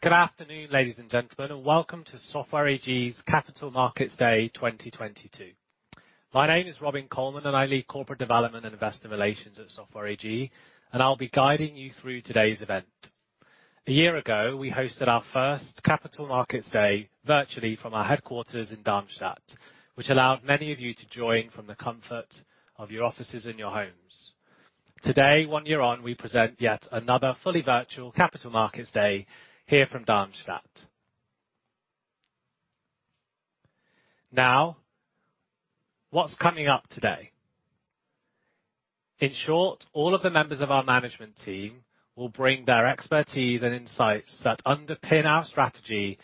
Good afternoon, ladies and gentlemen, and welcome to Software AG's Capital Markets Day 2022. My name is Robin Colman, and I lead corporate development and investor relations at Software AG, and I'll be guiding you through today's event. A year ago, we hosted our first Capital Markets Day virtually from our headquarters in Darmstadt, which allowed many of you to join from the comfort of your offices and your homes. Today, one year on, we present yet another fully virtual Capital Markets Day here from Darmstadt. Now, what's coming up today? In short, all of the members of our management team will bring their expertise and insights that underpin our strategy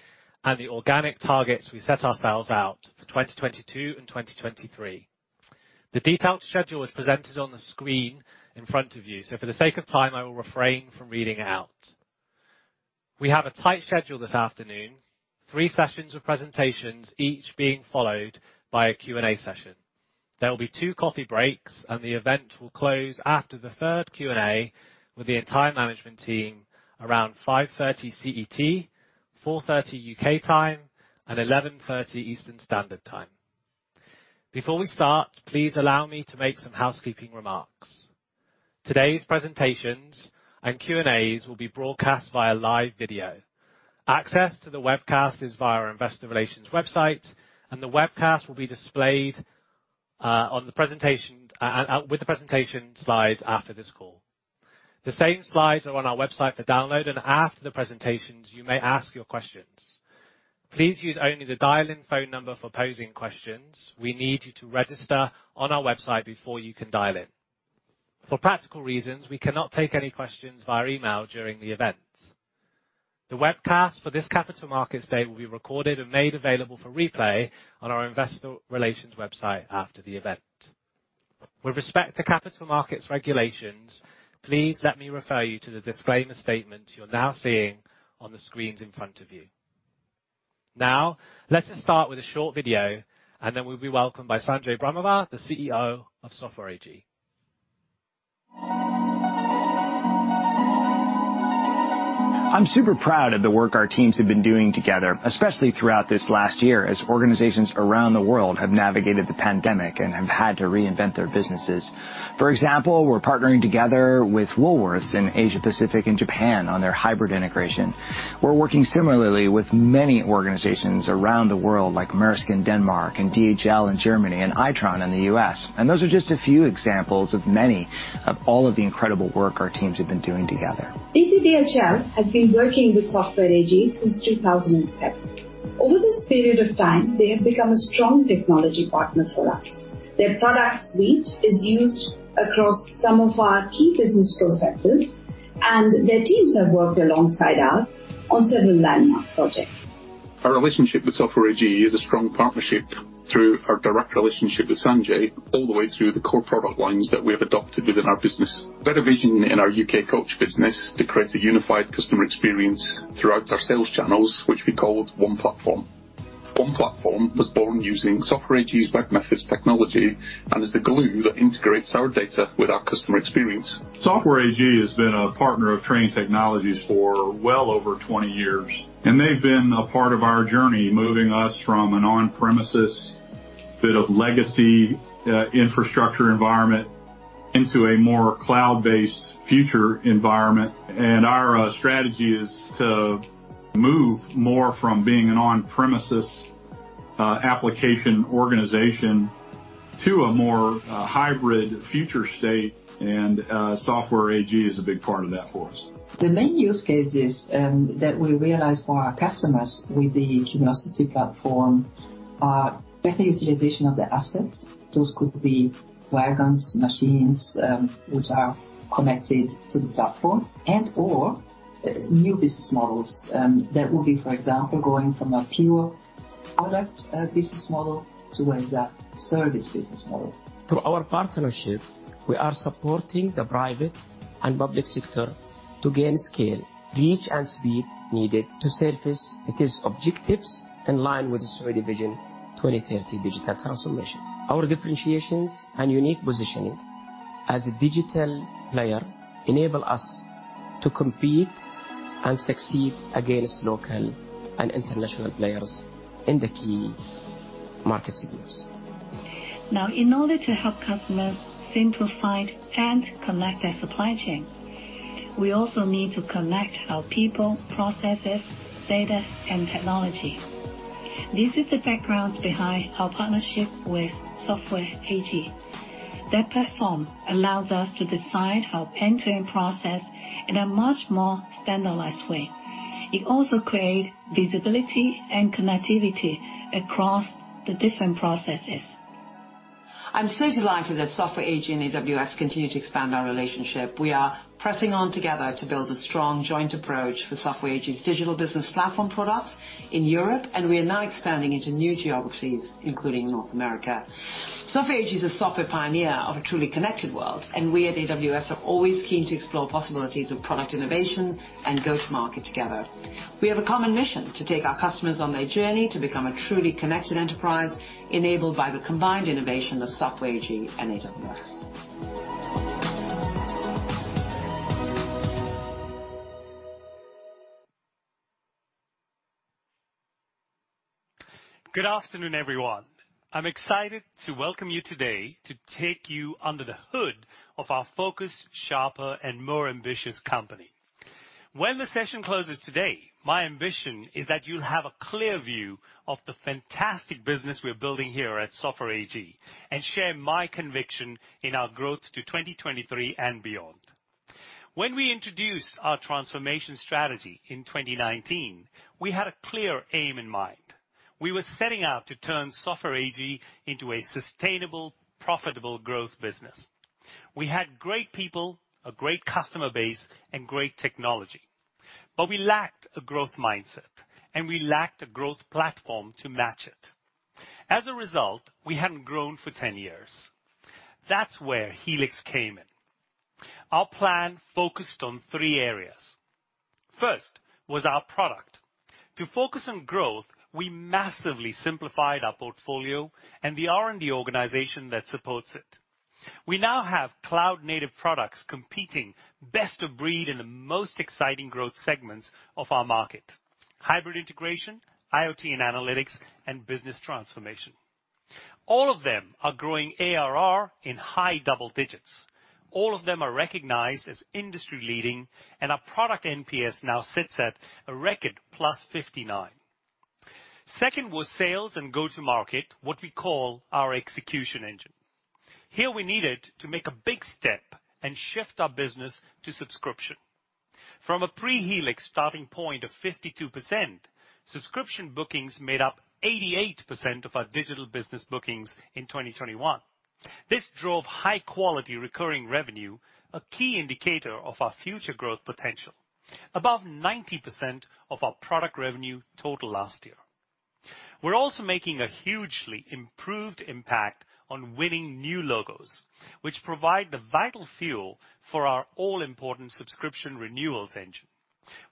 and the organic targets we set ourselves out for 2022 and 2023. The detailed schedule is presented on the screen in front of you, so for the sake of time, I will refrain from reading it out. We have a tight schedule this afternoon, three sessions of presentations, each being followd by a Q&A session. There will be two coffee breaks, and the event will close after the third Q&A with the entire management team around 5:30 P.M. CET, 4:30 P.M. U.K. time, and 11:30 A.M. Eastern Standard Time. Before we start, please allow me to make some housekeeping remarks. Today's presentations and Q&As will be broadcast via live video. Access to the webcast is via our investor relations website, and the webcast will be displayed with the presentation slides after this call. The same slides are on our website for download, and after the presentations, you may ask your questions. Please use only the dial-in phone number for posing questions. We need you to register on our website before you can dial in. For practical reasons, we cannot take any questions via email during the event. The webcast for this Capital Markets Day will be recorded and made available for replay on our investor relations website after the event. With respect to capital markets regulations, please let me refer you to the disclaimer statement you're now seeing on the screens in front of you. Now, let us start with a short video, and then we'll be welcomed by Sanjay Brahmawar, the CEO of Software AG. I'm super proud of the work our teams have been doing together, especially throughout this last year as organizations around the world have navigated the pandemic and have had to reinvent their businesses. For example, we're partnering together with Woolworths in Asia-Pacific and Japan on their hybrid integration. We're working similarly with many organizations around the world, like Maersk in Denmark and DHL in Germany and Itron in the U.S. Those are just a few examples of many of all of the incredible work our teams have been doing together. DPDHL has been working with Software AG since 2007. Over this period of time, they have become a strong technology partner for us. Their product suite is used across some of our key business processes, and their teams have worked alongside us on several landmark projects. Our relationship with Software AG is a strong partnership through our direct relationship with Sanjay all the way through the core product lines that we have adopted within our business. We had a vision in our U.K. coach business to create a unified customer experience throughout our sales channels, which we called One Platform. One Platform was born using Software AG's webMethods technology and is the glue that integrates our data with our customer experience. Software AG has been a partner of Trane Technologies for well over 20 years, and they've been a part of our journey, moving us from an on-premises bit of legacy, infrastructure environment into a more cloud-based future environment. Our strategy is to move more from being an on-premises, application organization to a more, hybrid future state, and, Software AG is a big part of that for us. The main use cases that we realize for our customers with the Cumulocity platform are better utilization of their assets. Those could be wagons, machines, which are connected to the platform and/or new business models. That would be, for example, going from a pure product business model towards a service business model. Through our partnership, we are supporting the private and public sector to gain scale, reach, and speed needed to service its objectives in line with the Saudi Vision 2030 digital transformation. Our differentiations and unique positioning as a digital player enable us to compete and succeed against local and international players in the key market segments. Now, in order to help customers simplify and connect their supply chain, we also need to connect our people, processes, data, and technology. This is the background behind our partnership with Software AG. Their platform allows us to decide our end-to-end process in a much more standardized way. It also create visibility and connectivity across the different processes. I'm so delighted that Software AG and AWS continue to expand our relationship. We are pressing on together to build a strong joint approach for Software AG's digital business platform products in Europe, and we are now expanding into new geographies, including North America. Software AG is a software pioneer of a truly connected world, and we at AWS are always keen to explore possibilities of product innovation and go to market together. We have a common mission to take our customers on their journey to become a truly connected enterprise enabled by the combined innovation of Software AG and AWS. Good afternoon, everyone. I'm excited to welcome you today to take you under the hood of our focused, sharper, and more ambitious company. When the session closes today, my ambition is that you'll have a clear view of the fantastic business we're building here at Software AG and share my conviction in our growth to 2023 and beyond. When we introduced our transformation strategy in 2019, we had a clear aim in mind. We were setting out to turn Software AG into a sustainable, profitable growth business. We had great people, a great customer base, and great technology, but we lacked a growth mindset, and we lacked a growth platform to match it. As a result, we hadn't grown for 10 years. That's where Helix came in. Our plan focused on three areas. First, was our product. To focus on growth, we massively simplified our portfolio and the R&D organization that supports it. We now have cloud-native products competing best of breed in the most exciting growth segments of our market, hybrid integration, IoT and analytics, and business transformation. All of them are growing ARR in high double digits. All of them are recognized as industry-leading, and our product NPS now sits at a record +59. Second was sales and go-to-market, what we call our execution engine. Here we needed to make a big step and shift our business to subscription. From a pre-Helix starting point of 52%, subscription bookings made up 88% of our digital business bookings in 2021. This drove high-quality recurring revenue, a key indicator of our future growth potential, above 90% of our product revenue total last year. We're also making a hugely improved impact on winning new logos, which provide the vital fuel for our all-important subscription renewals engine.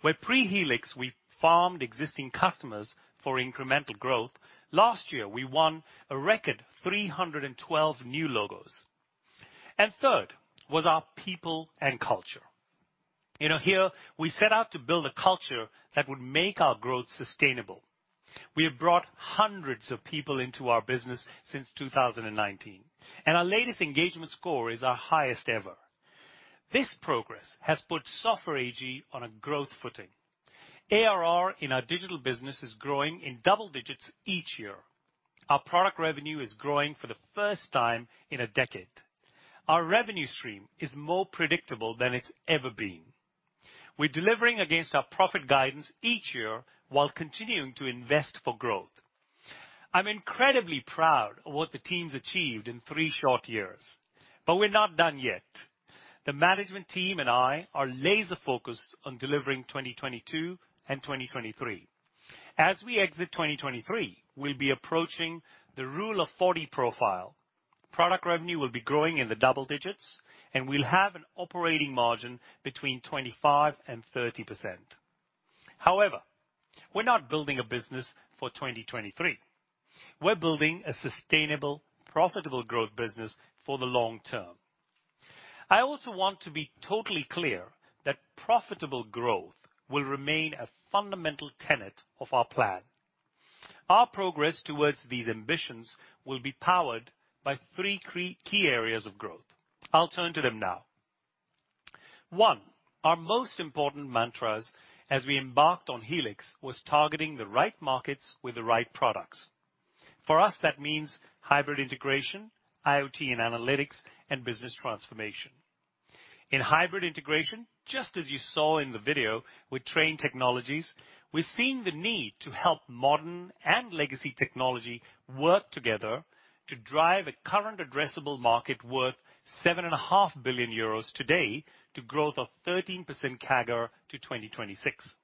Where pre-Helix we farmed existing customers for incremental growth, last year we won a record 312 new logos. Third was our people and culture. You know, here we set out to build a culture that would make our growth sustainable. We have brought hundreds of people into our business since 2019, and our latest engagement score is our highest ever. This progress has put Software AG on a growth footing. ARR in our digital business is growing in double digits each year. Our product revenue is growing for the first time in a decade. Our revenue stream is more predictable than it's ever been. We're delivering against our profit guidance each year while continuing to invest for growth. I'm incredibly proud of what the team's achieved in 3 short years, but we're not done yet. The management team and I are laser-focused on delivering 2022 and 2023. As we exit 2023, we'll be approaching the rule of 40 profile. Product revenue will be growing in the double digits, and we'll have an operating margin between 25%-30%. However, we're not building a business for 2023. We're building a sustainable, profitable growth business for the long term. I also want to be totally clear that profitable growth will remain a fundamental tenet of our plan. Our progress towards these ambitions will be powered by three key areas of growth. I'll turn to them now. One, our most important mantras as we embarked on Helix, was targeting the right markets with the right products. For us, that means hybrid integration, IoT and analytics, and business transformation. In hybrid integration, just as you saw in the video with Trane Technologies, we're seeing the need to help modern and legacy technology work together to drive a current addressable market worth 7.5 billion euros today to growth of 13% CAGR to 2026.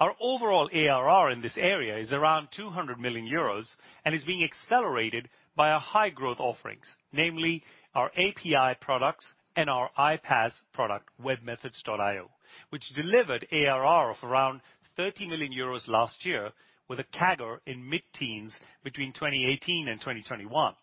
Our overall ARR in this area is around 200 million euros and is being accelerated by our high-growth offerings, namely our API products and our iPaaS product, webMethods.io, which delivered ARR of around 30 million euros last year with a CAGR in mid-teens between 2018 and 2021.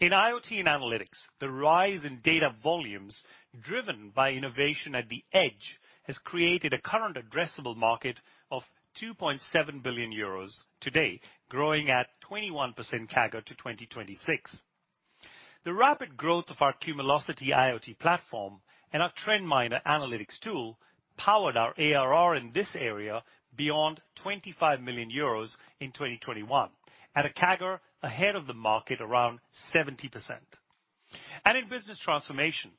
In IoT and analytics, the rise in data volumes driven by innovation at the edge has created a current addressable market of 2.7 billion euros today, growing at 21% CAGR to 2026. The rapid growth of our Cumulocity IoT platform and our TrendMiner analytics tool powered our ARR in this area beyond 25 million euros in 2021 at a CAGR ahead of the market around 70%. In business transformation,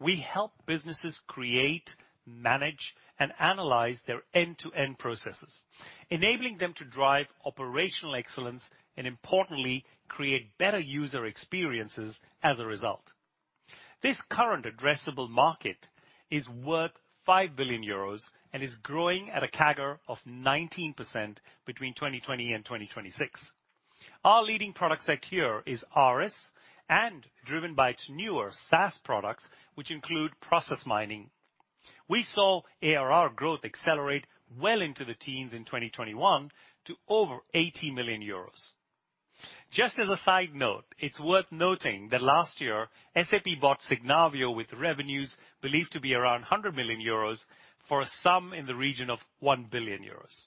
we help businesses create, manage, and analyze their end-to-end processes, enabling them to drive operational excellence and, importantly, create better user experiences as a result. This current addressable market is worth 5 billion euros and is growing at a CAGR of 19% between 2020 and 2026. Our leading product set here is ARIS and driven by its newer SaaS products, which include process mining. We saw ARR growth accelerate well into the teens in 2021 to over 80 million euros. Just as a side note, it's worth noting that last year SAP bought Signavio with revenues believed to be around 100 million euros for a sum in the region of 1 billion euros.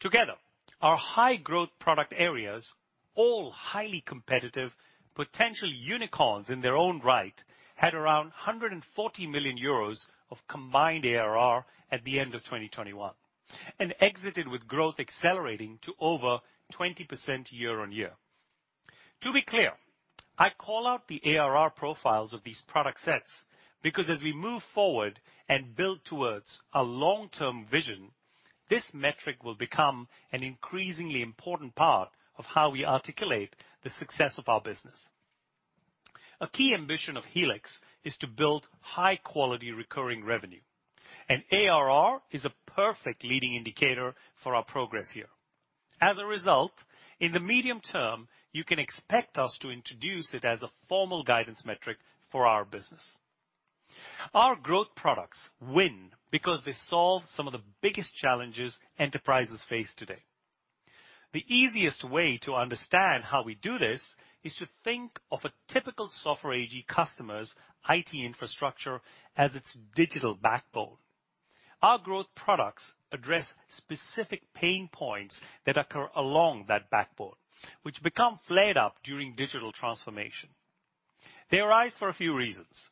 Together, our high growth product areas, all highly competitive potential unicorns in their own right, had around 140 million euros of combined ARR at the end of 2021, and exited with growth accelerating to over 20% year-on-year. To be clear, I call out the ARR profiles of these product sets, because as we move forward and build towards a long-term vision, this metric will become an increasingly important part of how we articulate the success of our business. A key ambition of Helix is to build high quality recurring revenue, and ARR is a perfect leading indicator for our progress here. As a result, in the medium term, you can expect us to introduce it as a formal guidance metric for our business. Our growth products win because they solve some of the biggest challenges enterprises face today. The easiest way to understand how we do this is to think of a typical Software AG customer's IT infrastructure as its digital backbone. Our growth products address specific pain points that occur along that backbone, which become flared up during digital transformation. They arise for a few reasons.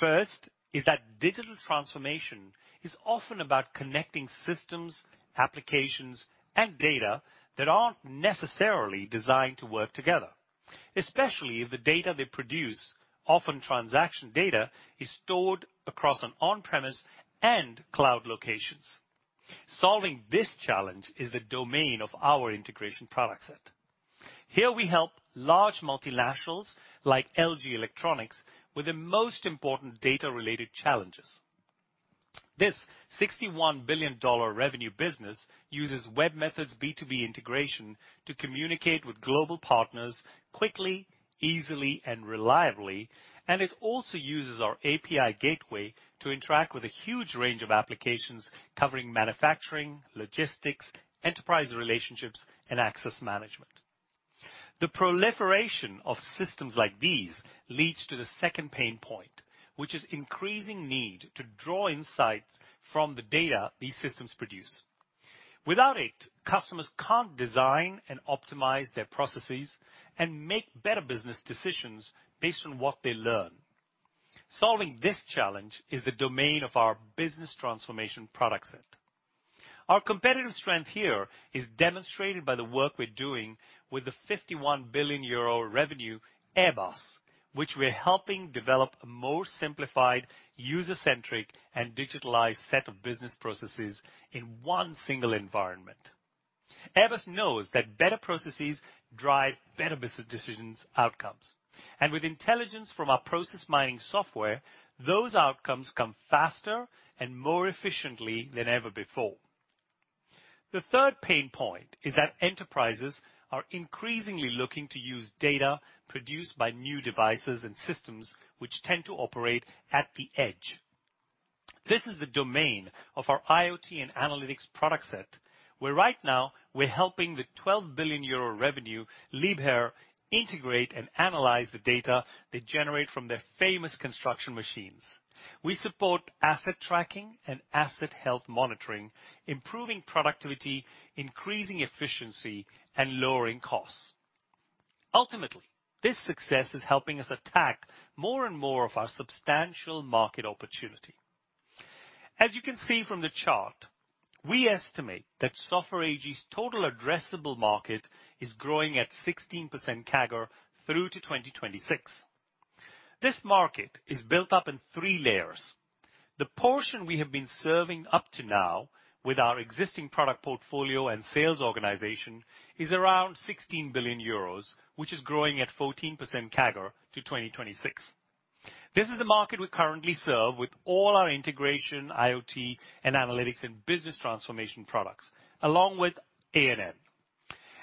First is that digital transformation is often about connecting systems, applications, and data that aren't necessarily designed to work together, especially if the data they produce, often transaction data, is stored across an on-premise and cloud locations. Solving this challenge is the domain of our integration product set. Here we help large multinationals like LG Electronics with the most important data-related challenges. This $61 billion revenue business uses webMethods B2B integration to communicate with global partners quickly, easily and reliably, and it also uses our API gateway to interact with a huge range of applications covering manufacturing, logistics, enterprise relationships, and access management. The proliferation of systems like these leads to the second pain point, which is increasing need to draw insights from the data these systems produce. Without it, customers can't design and optimize their processes and make better business decisions based on what they learn. Solving this challenge is the domain of our business transformation product set. Our competitive strength here is demonstrated by the work we're doing with the 51 billion euro revenue Airbus, which we're helping develop a more simplified user-centric and digitalized set of business processes in one single environment. Airbus knows that better processes drive better business decisions outcomes. With intelligence from our process mining software, those outcomes come faster and more efficiently than ever before. The third pain point is that enterprises are increasingly looking to use data produced by new devices and systems which tend to operate at the edge. This is the domain of our IoT and analytics product set, where right now we're helping the 12 billion euro revenue Liebherr integrate and analyze the data they generate from their famous construction machines. We support asset tracking and asset health monitoring, improving productivity, increasing efficiency, and lowering costs. Ultimately, this success is helping us attack more and more of our substantial market opportunity. As you can see from the chart, we estimate that Software AG's total addressable market is growing at 16% CAGR through to 2026. This market is built up in three layers. The portion we have been serving up to now with our existing product portfolio and sales organization is around 16 billion euros, which is growing at 14% CAGR to 2026. This is the market we currently serve with all our integration, IoT, and analytics and business transformation products, along with A&N.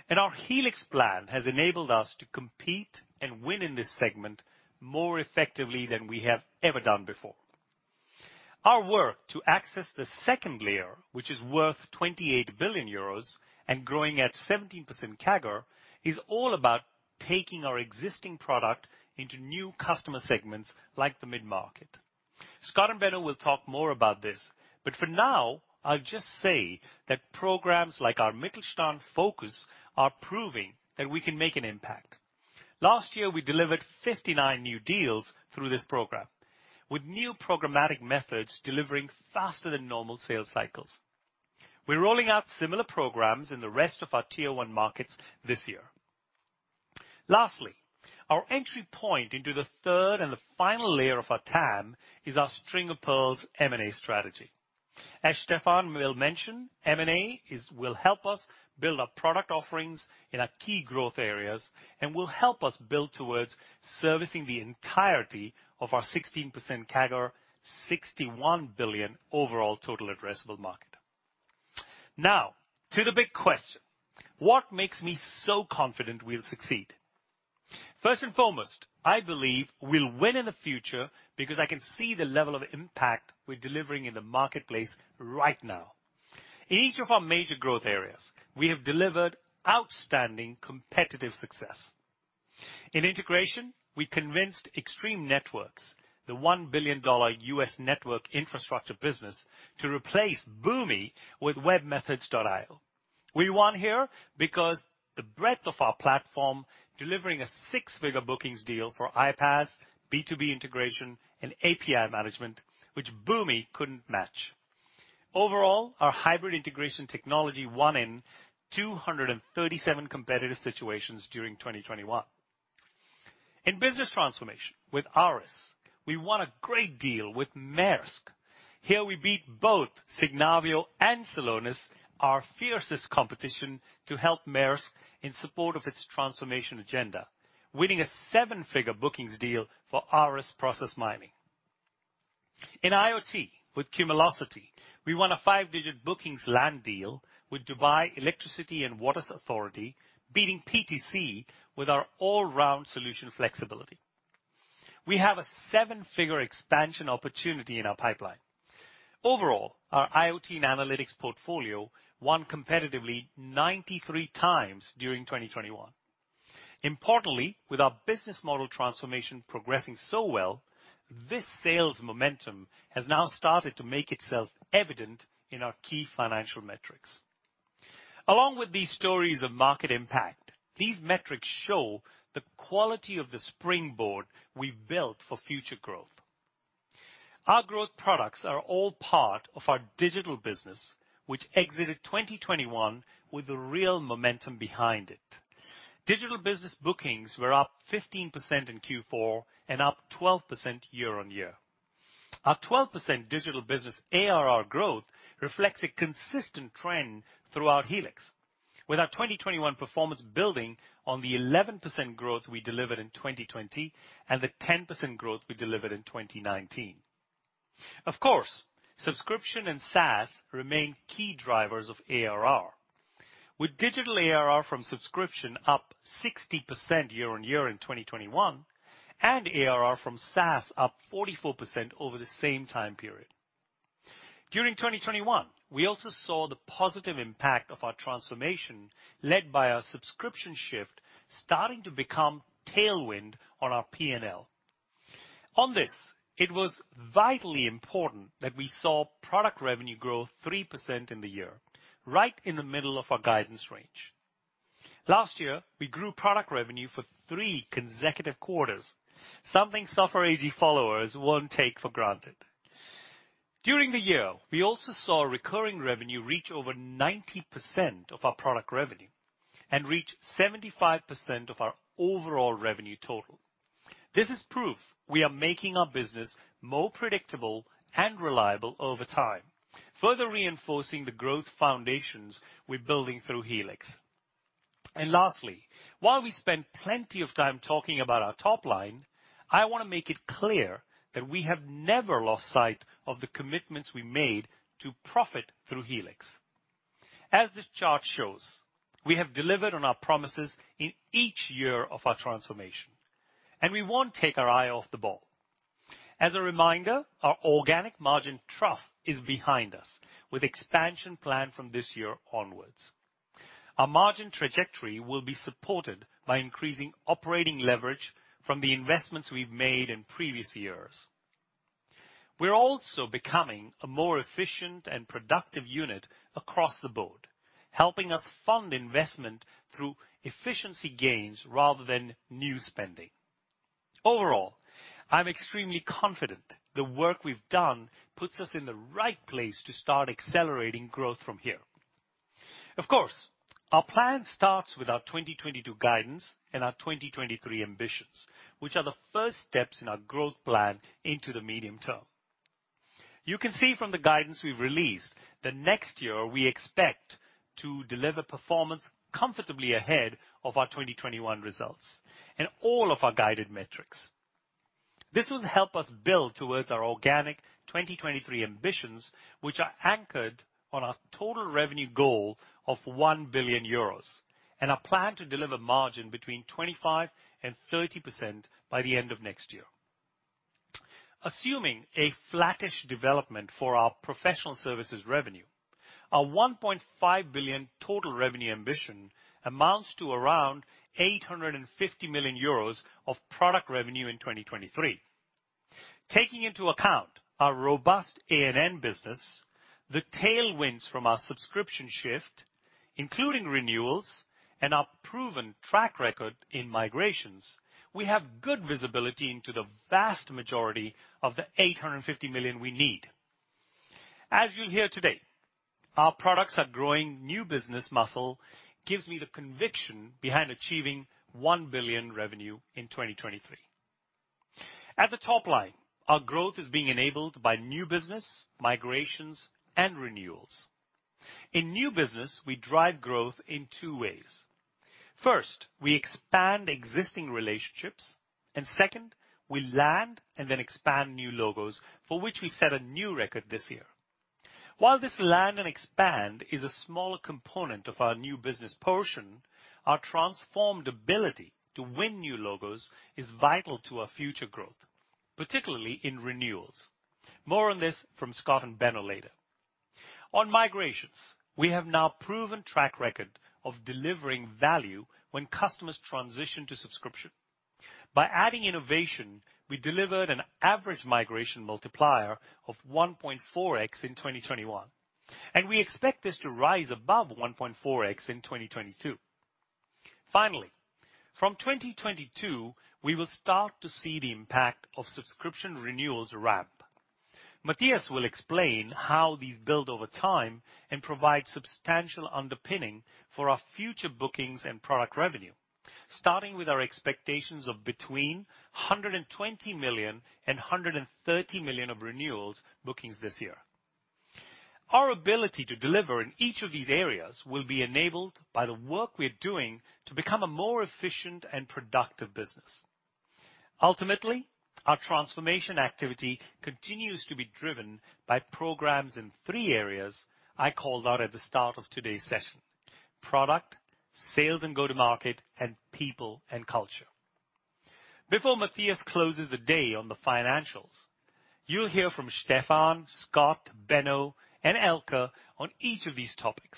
Our Helix plan has enabled us to compete and win in this segment more effectively than we have ever done before. Our work to access the second layer, which is worth 28 billion euros and growing at 17% CAGR, is all about taking our existing product into new customer segments like the mid-market. Scott and Benno will talk more about this, but for now, I'll just say that programs like our Mittelstand focus are proving that we can make an impact. Last year, we delivered 59 new deals through this program, with new programmatic methods delivering faster than normal sales cycles. We're rolling out similar programs in the rest of our tier one markets this year. Lastly, our entry point into the third and the final layer of our TAM is our String of Pearls M&A strategy. As Stefan will mention, M&A will help us build our product offerings in our key growth areas and will help us build towards servicing the entirety of our 16% CAGR $61 billion overall total addressable market. Now to the big question, what makes me so confident we'll succeed? First and foremost, I believe we'll win in the future because I can see the level of impact we're delivering in the marketplace right now. In each of our major growth areas, we have delivered outstanding competitive success. In integration, we convinced Extreme Networks, the $1 billion U.S. network infrastructure business, to replace Boomi with webMethods.io. We won here because the breadth of our platform, delivering a six-figure bookings deal for iPaaS, B2B integration, and API management, which Boomi couldn't match. Overall, our hybrid integration technology won in 237 competitive situations during 2021. In business transformation with ARIS, we won a great deal with Maersk. Here we beat both Signavio and Celonis, our fiercest competition, to help Maersk in support of its transformation agenda, winning a seven-figure bookings deal for ARIS Process Mining. In IoT with Cumulocity, we won a five-digit bookings land deal with Dubai Electricity and Water Authority, beating PTC with our all-round solution flexibility. We have a seven-figure expansion opportunity in our pipeline. Overall, our IoT and analytics portfolio won competitively 93 times during 2021. Importantly, with our business model transformation progressing so well, this sales momentum has now started to make itself evident in our key financial metrics. Along with these stories of market impact, these metrics show the quality of the springboard we've built for future growth. Our growth products are all part of our digital business, which exited 2021 with a real momentum behind it. Digital business bookings were up 15% in Q4 and up 12% year-on-year. Our 12% digital business ARR growth reflects a consistent trend throughout Helix, with our 2021 performance building on the 11% growth we delivered in 2020 and the 10% growth we delivered in 2019. Of course, subscription and SaaS remain key drivers of ARR, with digital ARR from subscription up 60% year-on-year in 2021 and ARR from SaaS up 44% over the same time period. During 2021, we also saw the positive impact of our transformation, led by our subscription shift starting to become tailwind on our P&L. On this, it was vitally important that we saw product revenue grow 3% in the year, right in the middle of our guidance range. Last year, we grew product revenue for three consecutive quarters, something Software AG followers won't take for granted. During the year, we also saw recurring revenue reach over 90% of our product revenue and reach 75% of our overall revenue total. This is proof we are making our business more predictable and reliable over time, further reinforcing the growth foundations we're building through Helix. Lastly, while we spend plenty of time talking about our top line, I want to make it clear that we have never lost sight of the commitments we made to profit through Helix. As this chart shows, we have delivered on our promises in each year of our transformation, and we won't take our eye off the ball. As a reminder, our organic margin trough is behind us, with expansion planned from this year onwards. Our margin trajectory will be supported by increasing operating leverage from the investments we've made in previous years. We're also becoming a more efficient and productive unit across the board, helping us fund investment through efficiency gains rather than new spending. Overall, I'm extremely confident the work we've done puts us in the right place to start accelerating growth from here. Of course, our plan starts with our 2022 guidance and our 2023 ambitions, which are the first steps in our growth plan into the medium term. You can see from the guidance we've released that next year we expect to deliver performance comfortably ahead of our 2021 results in all of our guided metrics. This will help us build towards our organic 2023 ambitions, which are anchored on our total revenue goal of 1 billion euros and our plan to deliver margin between 25%-30% by the end of next year. Assuming a flattish development for our professional services revenue, our 1.5 billion total revenue ambition amounts to around 850 million euros of product revenue in 2023. Taking into account our robust A&N business, the tailwinds from our subscription shift, including renewals and our proven track record in migrations, we have good visibility into the vast majority of the 850 million we need. As you'll hear today, our products are growing new business muscle gives me the conviction behind achieving 1 billion revenue in 2023. At the top line, our growth is being enabled by new business, migrations, and renewals. In new business, we drive growth in two ways. First, we expand existing relationships, and second, we land and then expand new logos for which we set a new record this year. While this land and expand is a smaller component of our new business portion, our transformed ability to win new logos is vital to our future growth, particularly in renewals. More on this from Scott and Benno later. On migrations, we have now proven track record of delivering value when customers transition to subscription. By adding innovation, we delivered an average migration multiplier of 1.4x in 2021, and we expect this to rise above 1.4x in 2022. Finally, from 2022, we will start to see the impact of subscription renewals ramp. Matthias will explain how these build over time and provide substantial underpinning for our future bookings and product revenue, starting with our expectations of between 120 million and 130 million of renewals bookings this year. Our ability to deliver in each of these areas will be enabled by the work we're doing to become a more efficient and productive business. Ultimately, our transformation activity continues to be driven by programs in three areas I called out at the start of today's session: product, sales and go to market, and people and culture. Before Matthias closes the day on the financials, you'll hear from Stefan, Scott, Benno, and Elke on each of these topics.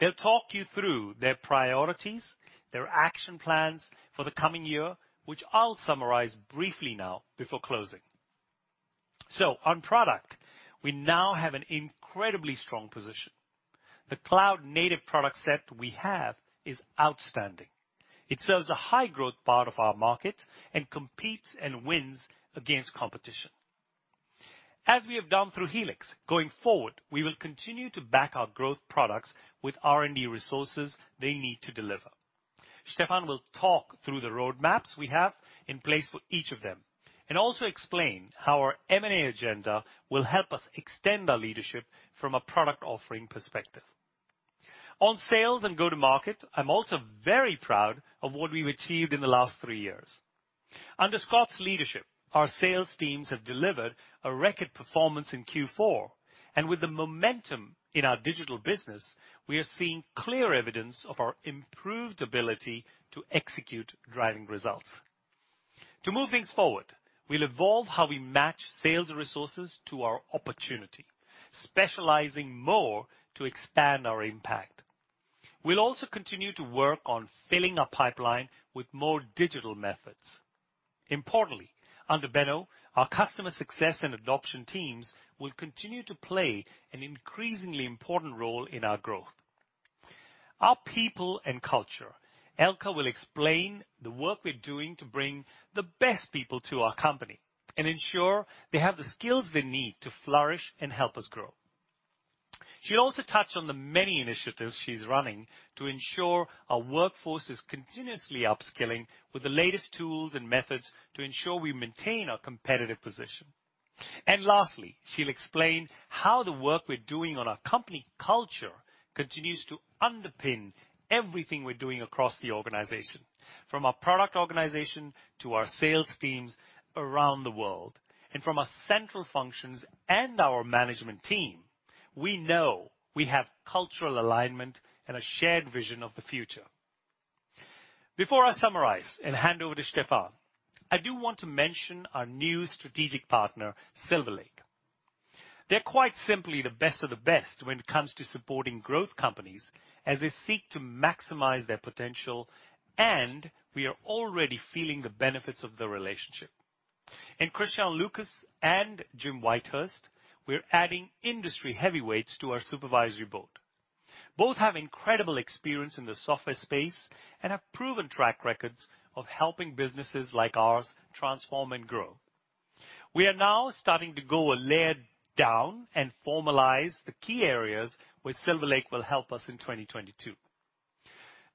They'll talk you through their priorities, their action plans for the coming year, which I'll summarize briefly now before closing. On product, we now have an incredibly strong position. The cloud native product set we have is outstanding. It serves a high-growth part of our market and competes and wins against competition. As we have done through Helix, going forward, we will continue to back our growth products with R&D resources they need to deliver. Stefan will talk through the roadmaps we have in place for each of them, and also explain how our M&A agenda will help us extend our leadership from a product offering perspective. On sales and go to market, I'm also very proud of what we've achieved in the last three years. Under Scott's leadership, our sales teams have delivered a record performance in Q4. With the momentum in our digital business, we are seeing clear evidence of our improved ability to execute driving results. To move things forward, we'll evolve how we match sales resources to our opportunity, specializing more to expand our impact. We'll also continue to work on filling our pipeline with more digital methods. Importantly, under Benno, our customer success and adoption teams will continue to play an increasingly important role in our growth. Our people and culture. Elke will explain the work we're doing to bring the best people to our company and ensure they have the skills they need to flourish and help us grow. She'll also touch on the many initiatives she's running to ensure our workforce is continuously upskilling with the latest tools and methods to ensure we maintain our competitive position. Lastly, she'll explain how the work we're doing on our company culture continues to underpin everything we're doing across the organization, from our product organization to our sales teams around the world. From our central functions and our management team, we know we have cultural alignment and a shared vision of the future. Before I summarize and hand over to Stefan, I do want to mention our new strategic partner, Silver Lake. They're quite simply the best of the best when it comes to supporting growth companies as they seek to maximize their potential, and we are already feeling the benefits of the relationship. In Christian Lucas and Jim Whitehurst, we're adding industry heavyweights to our supervisory board. Both have incredible experience in the software space and have proven track records of helping businesses like ours transform and grow. We are now starting to go a layer down and formalize the key areas where Silver Lake will help us in 2022.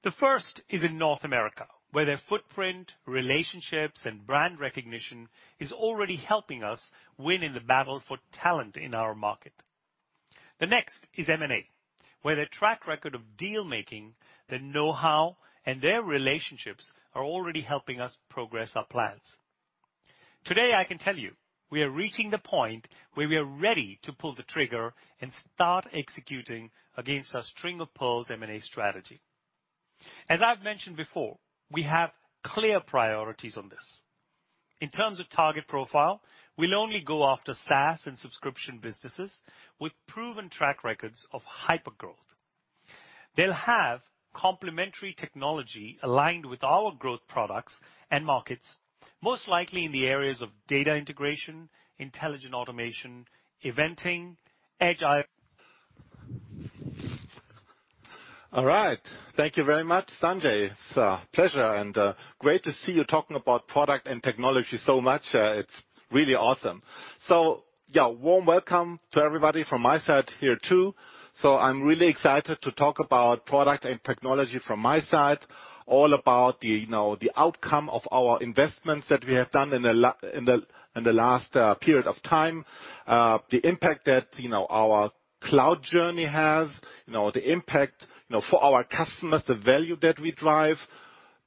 The first is in North America, where their footprint, relationships, and brand recognition is already helping us win in the battle for talent in our market. The next is M&A, where their track record of deal-making, their know-how, and their relationships are already helping us progress our plans. Today, I can tell you, we are reaching the point where we are ready to pull the trigger and start executing against our String of Pearls M&A strategy. As I've mentioned before, we have clear priorities on this. In terms of target profile, we'll only go after SaaS and subscription businesses with proven track records of hypergrowth. They'll have complementary technology aligned with our growth products and markets, most likely in the areas of data integration, intelligent automation, eventing, edge I- All right. Thank you very much, Sanjay. It's a pleasure and great to see you talking about product and technology so much. It's really awesome. Yeah, warm welcome to everybody from my side here too. I'm really excited to talk about product and technology from my side, all about the, you know, the outcome of our investments that we have done in the la... In the last period of time, the impact that you know our cloud journey has you know for our customers, the value that we drive.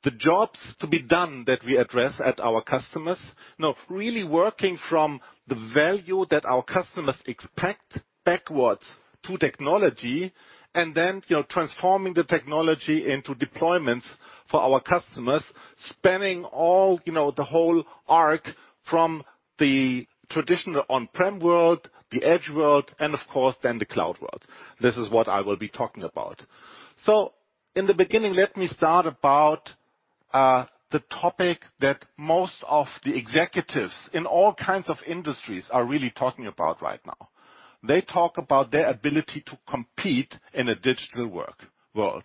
The jobs to be done that we address at our customers, now really working from the value that our customers expect backwards to technology and then you know transforming the technology into deployments for our customers, spanning all you know the whole arc from the traditional on-prem world, the edge world, and of course then the cloud world. This is what I will be talking about. In the beginning, let me start about the topic that most of the executives in all kinds of industries are really talking about right now. They talk about their ability to compete in a digital world.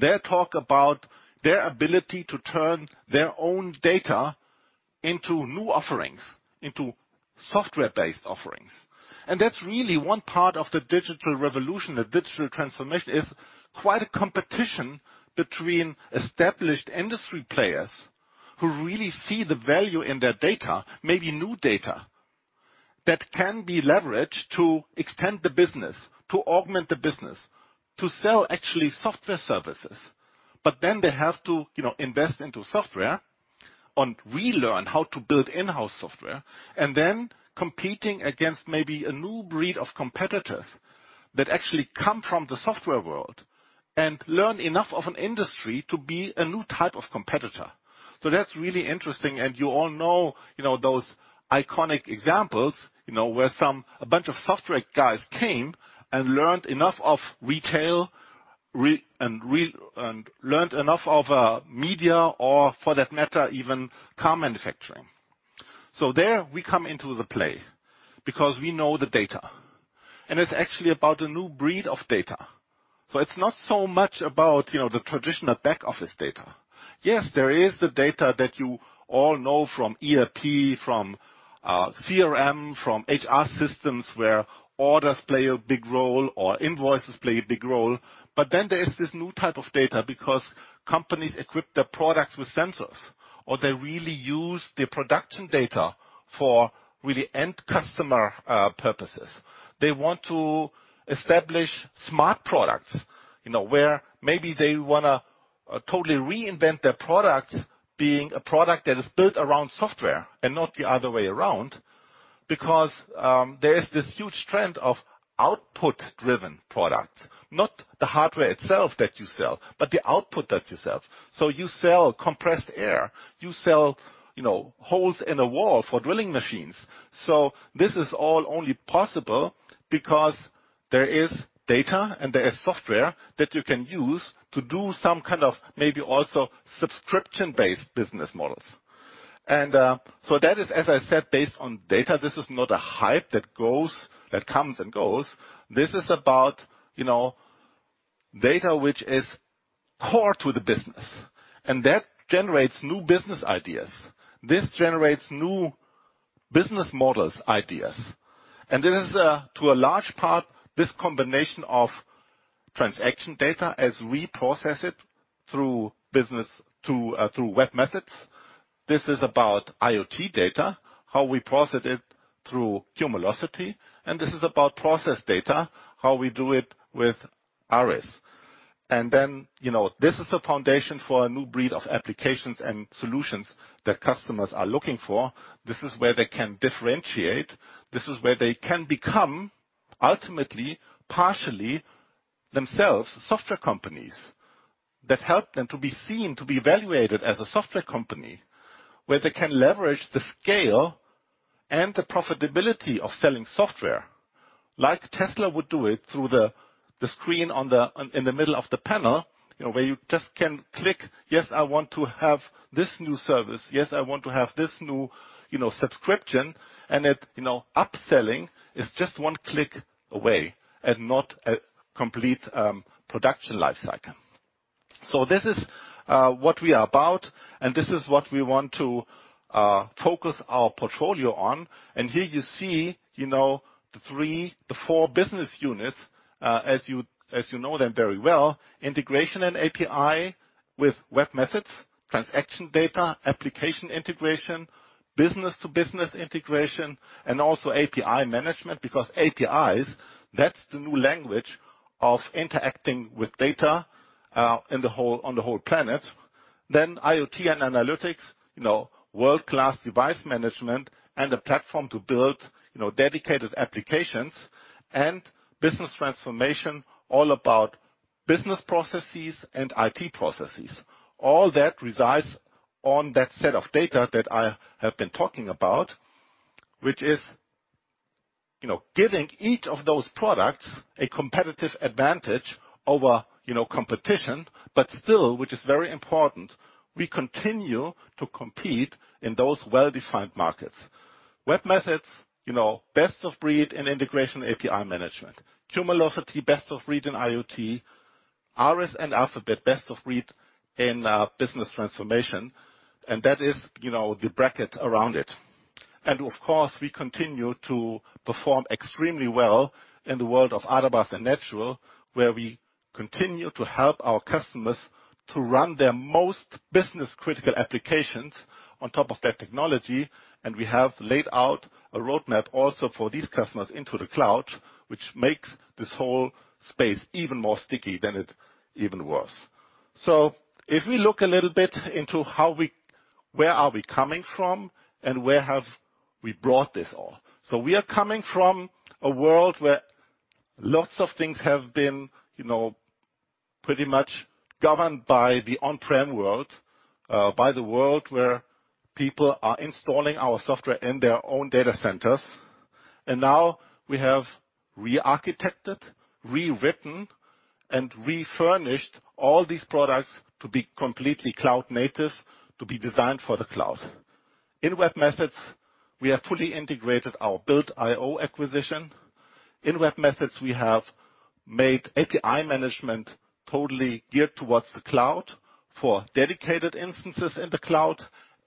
They talk about their ability to turn their own data into new offerings, into software-based offerings. That's really one part of the digital revolution. The digital transformation is quite a competition between established industry players who really see the value in their data, maybe new data that can be leveraged to extend the business, to augment the business, to sell actually software services. Then they have to, you know, invest into software and relearn how to build in-house software and then competing against maybe a new breed of competitors that actually come from the software world and learn enough of an industry to be a new type of competitor. That's really interesting. You all know, you know, those iconic examples, you know, where some. A bunch of software guys came and learned enough of retail, media or for that matter, even car manufacturing. There we come into the play because we know the data, and it's actually about a new breed of data. It's not so much about, you know, the traditional back-office data. Yes, there is the data that you all know from ERP, from CRM, from HR systems, where orders play a big role or invoices play a big role. But then there is this new type of data because companies equip their products with sensors, or they really use their production data for really end customer purposes. They want to establish smart products, you know, where maybe they wanna totally reinvent their product, being a product that is built around software and not the other way around. Because there is this huge trend of output-driven products, not the hardware itself that you sell, but the output that you sell. You sell compressed air, you sell, you know, holes in a wall for drilling machines. This is all only possible because there is data, and there is software that you can use to do some kind of maybe also subscription-based business models. That is, as I said, based on data. This is not a hype that comes and goes. This is about, you know, data which is core to the business and that generates new business ideas. This generates new business models ideas. This is, to a large part, this combination of transaction data as we process it through business, through webMethods. This is about IoT data, how we process it through Cumulocity, and this is about process data, how we do it with ARIS. Then, you know, this is a foundation for a new breed of applications and solutions that customers are looking for. This is where they can differentiate. This is where they can become ultimately, partially themselves, software companies that help them to be seen, to be evaluated as a software company where they can leverage the scale and the profitability of selling software, like Tesla would do it through the screen on the in the middle of the panel, you know, where you just can click, yes, I want to have this new service. Yes, I want to have this new, you know, subscription. It, you know, upselling is just one click away and not a complete production life cycle. This is what we are about, and this is what we want to focus our portfolio on. Here you see, you know, the four business units as you know them very well. Integration and API with webMethods, transaction data, application integration, business-to-business integration, and also API management, because APIs, that's the new language of interacting with data in the whole on the whole planet. IoT and analytics, you know, world-class device management and a platform to build, you know, dedicated applications. Business transformation all about business processes and IT processes. All that resides on that set of data that I have been talking about, which is, you know, giving each of those products a competitive advantage over, you know, competition. Still, which is very important, we continue to compete in those well-defined markets. webMethods, you know, best of breed in integration, API management. Cumulocity, best of breed in IoT. ARIS and Alfabet, best of breed in business transformation. That is, you know, the bracket around it. Of course, we continue to perform extremely well in the world of Adabas and Natural, where we continue to help our customers to run their most business-critical applications. On top of that technology, we have laid out a roadmap also for these customers into the cloud, which makes this whole space even more sticky than it even was. If we look a little bit into where we are coming from and where have we brought this all. We are coming from a world where lots of things have been, you know, pretty much governed by the on-prem world, by the world where people are installing our software in their own data centers. Now we have re-architected, rewritten, and refurnished all these products to be completely cloud-native, to be designed for the cloud. In webMethods, we have fully integrated our Built.io acquisition. In webMethods, we have made API management totally geared towards the cloud for dedicated instances in the cloud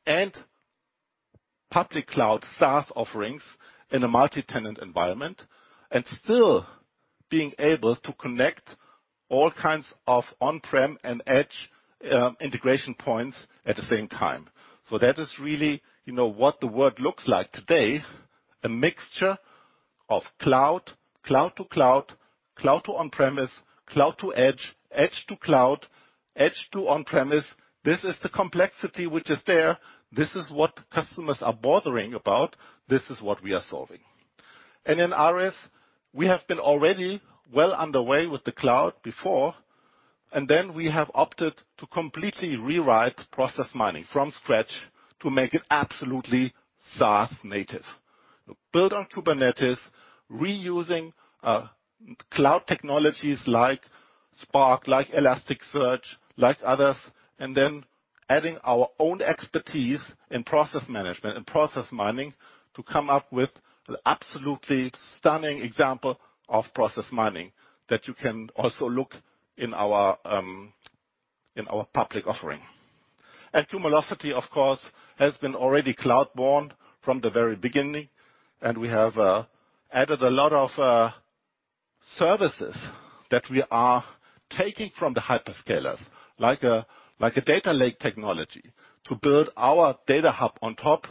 and public cloud SaaS offerings in a multi-tenant environment, and still being able to connect all kinds of on-prem and edge integration points at the same time. That is really, you know, what the world looks like today, a mixture of cloud to cloud to on-premise, cloud to edge to cloud, edge to on-premise. This is the complexity which is there. This is what customers are bothering about. This is what we are solving. In ARIS, we have been already well underway with the cloud before, and then we have opted to completely rewrite process mining from scratch to make it absolutely SaaS native. Built on Kubernetes, reusing cloud technologies like Spark, like Elasticsearch, like others, and then adding our own expertise in process management and process mining to come up with an absolutely stunning example of process mining that you can also look in our public offering. Cumulocity, of course, has been already cloud-born from the very beginning, and we have added a lot of services that we are taking from the hyperscalers, like a data lake technology to build our data hub on top.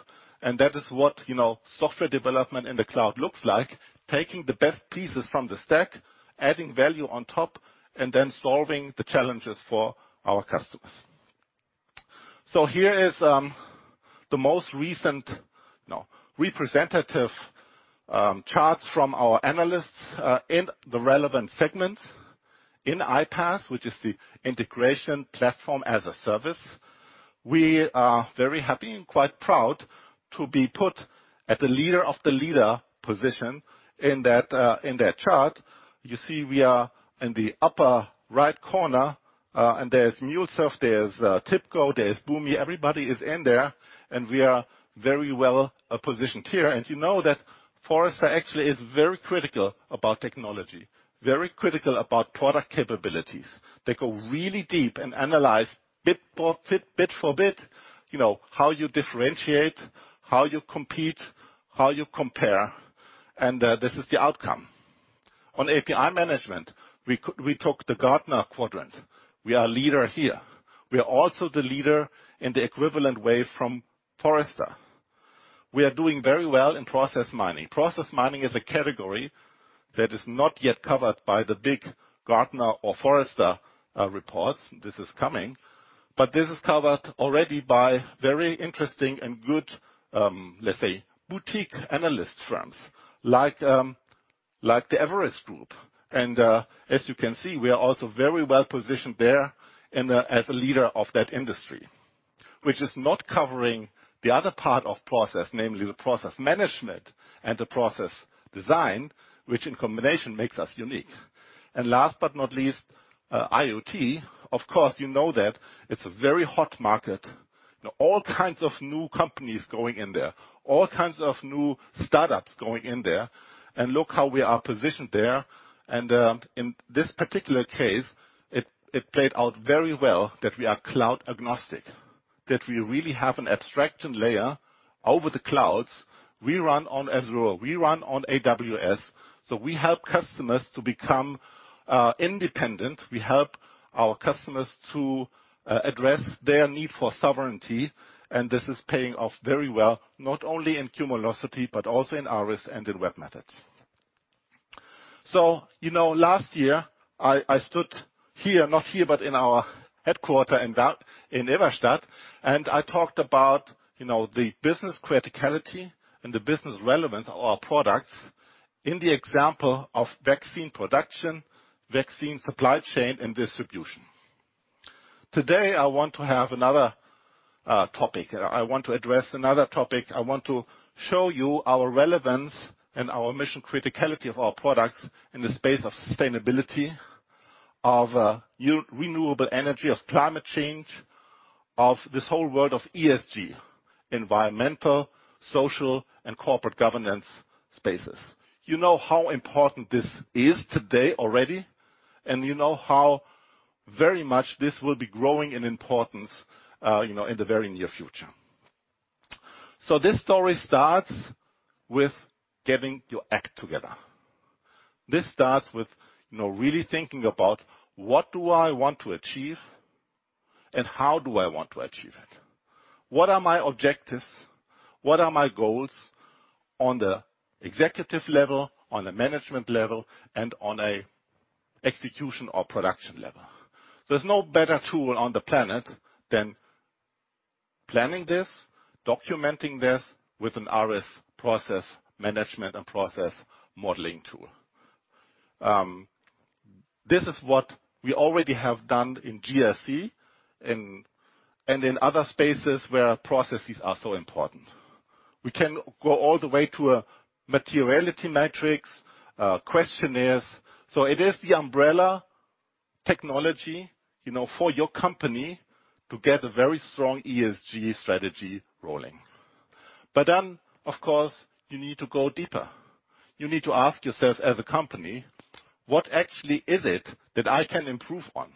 That is what, you know, software development in the cloud looks like, taking the best pieces from the stack, adding value on top, and then solving the challenges for our customers. Here is the representative charts from our analysts in the relevant segments. In iPaaS, which is the integration platform as a service, we are very happy and quite proud to be put at the leader of the leaders position in that chart. You see we are in the upper right corner, and there's MuleSoft, there's TIBCO, there's Boomi, everybody is in there, and we are very well positioned here. You know that Forrester actually is very critical about technology, very critical about product capabilities. They go really deep and analyze bit for bit, you know, how you differentiate, how you compete, how you compare, and this is the outcome. On API management, we took the Gartner quadrant. We are leader here. We are also the leader in the equivalent way from Forrester. We are doing very well in process mining. Process mining is a category that is not yet covered by the big Gartner or Forrester reports. This is coming, but this is covered already by very interesting and good, let's say, boutique analyst firms, like the Everest Group. As you can see, we are also very well positioned there as a leader of that industry, which is not covering the other part of process, namely the process management and the process design, which in combination makes us unique. Last but not least, IoT, of course, you know that it's a very hot market. All kinds of new companies going in there, all kinds of new startups going in there, and look how we are positioned there. In this particular case, it played out very well that we are cloud agnostic, that we really have an abstraction layer over the clouds. We run on Azure. We run on AWS. We help customers to become independent. We help our customers to address their need for sovereignty. This is paying off very well, not only in Cumulocity, but also in ARIS and in webMethods. Last year, I stood here, not here, but in our headquarters in Darmstadt, and I talked about, you know, the business criticality and the business relevance of our products in the example of vaccine production, vaccine supply chain and distribution. Today, I want to address another topic. I want to show you our relevance and our mission criticality of our products in the space of sustainability of renewable energy, of climate change, of this whole world of ESG, environmental, social, and governance spaces. You know how important this is today already, and you know how very much this will be growing in importance, you know, in the very near future. This story starts with getting your act together. This starts with, you know, really thinking about what do I want to achieve and how do I want to achieve it? What are my objectives? What are my goals on the executive level, on a management level, and on a execution or production level? There's no better tool on the planet than planning this, documenting this with an ARIS process management and process modeling tool. This is what we already have done in GRC and in other spaces where processes are so important. We can go all the way to a materiality metrics questionnaires. It is the umbrella technology, you know, for your company to get a very strong ESG strategy rolling. Of course, you need to go deeper. You need to ask yourselves as a company, what actually is it that I can improve on?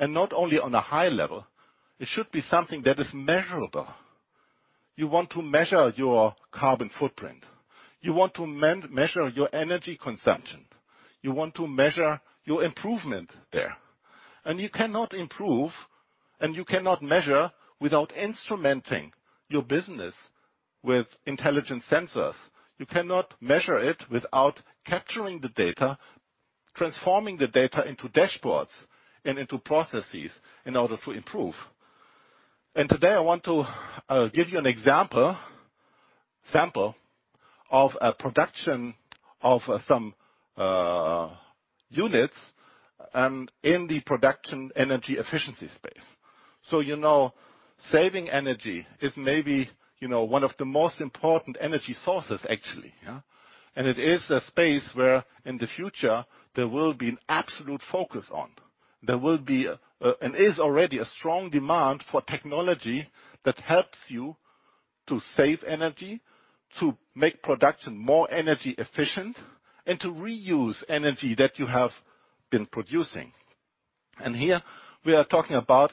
Not only on a high level, it should be something that is measurable. You want to measure your carbon footprint, you want to measure your energy consumption, you want to measure your improvement there. You cannot improve and you cannot measure without instrumenting your business with intelligent sensors. You cannot measure it without capturing the data, transforming the data into dashboards and into processes in order to improve. Today, I want to give you a sample of a production of some units and in the production energy efficiency space. You know, saving energy is maybe, you know, one of the most important energy sources actually, yeah? It is a space where in the future there will be an absolute focus on. There is already a strong demand for technology that helps you to save energy, to make production more energy efficient, and to reuse energy that you have been producing. Here we are talking about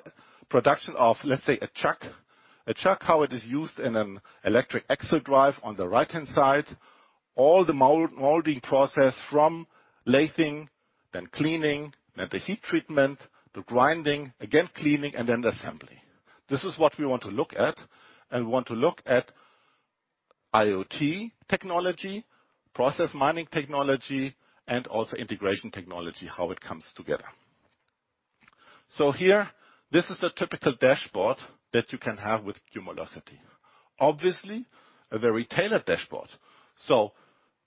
production of, let's say, a chuck. A chuck, how it is used in an electric axle drive on the right-hand side. All the molding process from lathing, then cleaning, then the heat treatment, the grinding, again cleaning, and then the assembly. This is what we want to look at, and we want to look at IoT technology, process mining technology, and also integration technology, how it comes together. Here, this is a typical dashboard that you can have with Cumulocity. Obviously, a very tailored dashboard.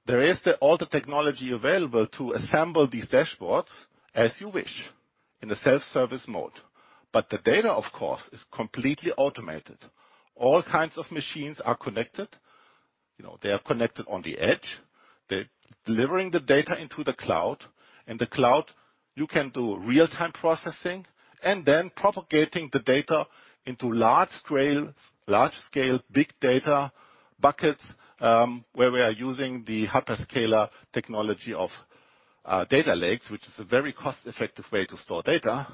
There is all the technology available to assemble these dashboards as you wish in a self-service mode. The data, of course, is completely automated. All kinds of machines are connected. You know, they are connected on the edge. They're delivering the data into the cloud. In the cloud, you can do real-time processing and then propagating the data into large scale, big data buckets, where we are using the hyperscaler technology of data lakes, which is a very cost-effective way to store data.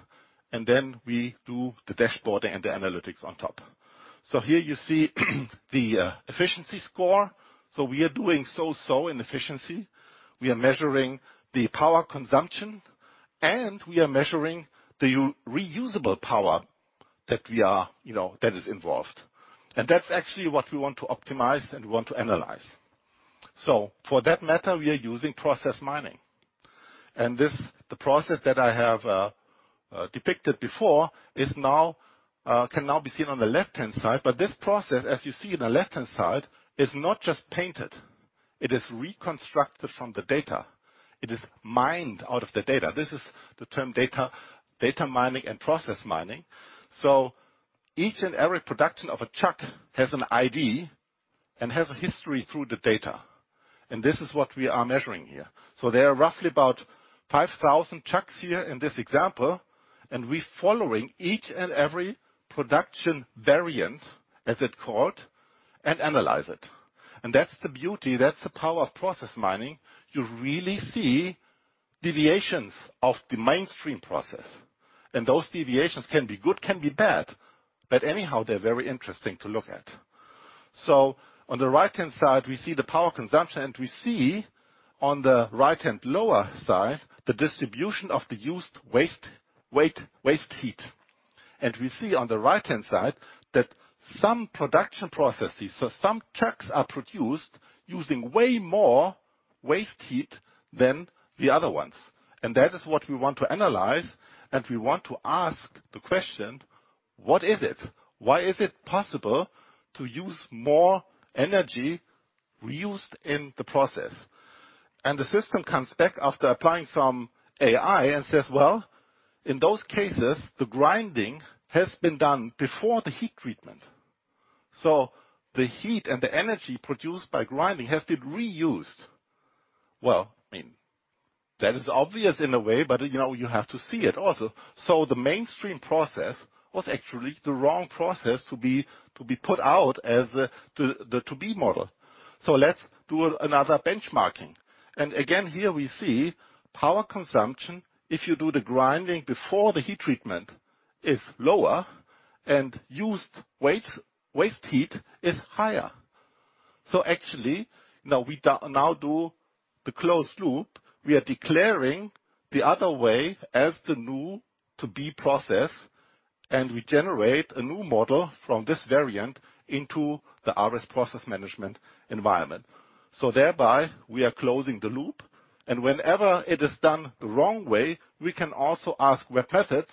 Then we do the dashboard and the analytics on top. Here you see the efficiency score. We are doing so-so in efficiency. We are measuring the power consumption, and we are measuring the reusable power that we are, you know, that is involved. That's actually what we want to optimize and we want to analyze. For that matter, we are using process mining. This, the process that I have depicted before is now can now be seen on the left-hand side. This process, as you see on the left-hand side, is not just painted, it is reconstructed from the data. It is mined out of the data. This is the term data mining and process mining. Each and every production of a truck has an ID and has a history through the data, and this is what we are measuring here. There are roughly about 5,000 trucks here in this example, and we following each and every production variant, as it's called, and analyze it. That's the beauty, that's the power of process mining. You really see deviations of the mainstream process, and those deviations can be good, can be bad, but anyhow, they're very interesting to look at. On the right-hand side, we see the power consumption, and we see on the right-hand lower side, the distribution of the used waste weight, waste heat. We see on the right-hand side that some production processes, so some chucks are produced using way more waste heat than the other ones. That is what we want to analyze, and we want to ask the question, what is it? Why is it possible to use more energy reused in the process? The system comes back after applying some AI and says, "Well, in those cases, the grinding has been done before the heat treatment. So the heat and the energy produced by grinding has been reused." Well, I mean, that is obvious in a way, but you know, you have to see it also. The mainstream process was actually the wrong process to be put out as the to-be model. Let's do another benchmarking. Again, here we see power consumption, if you do the grinding before the heat treatment, is lower. Used waste heat is higher. Actually, now we do the closed loop. We are declaring the other way as the new to-be process, and we generate a new model from this variant into the ARIS process management environment. Thereby, we are closing the loop, and whenever it is done the wrong way, we can also ask webMethods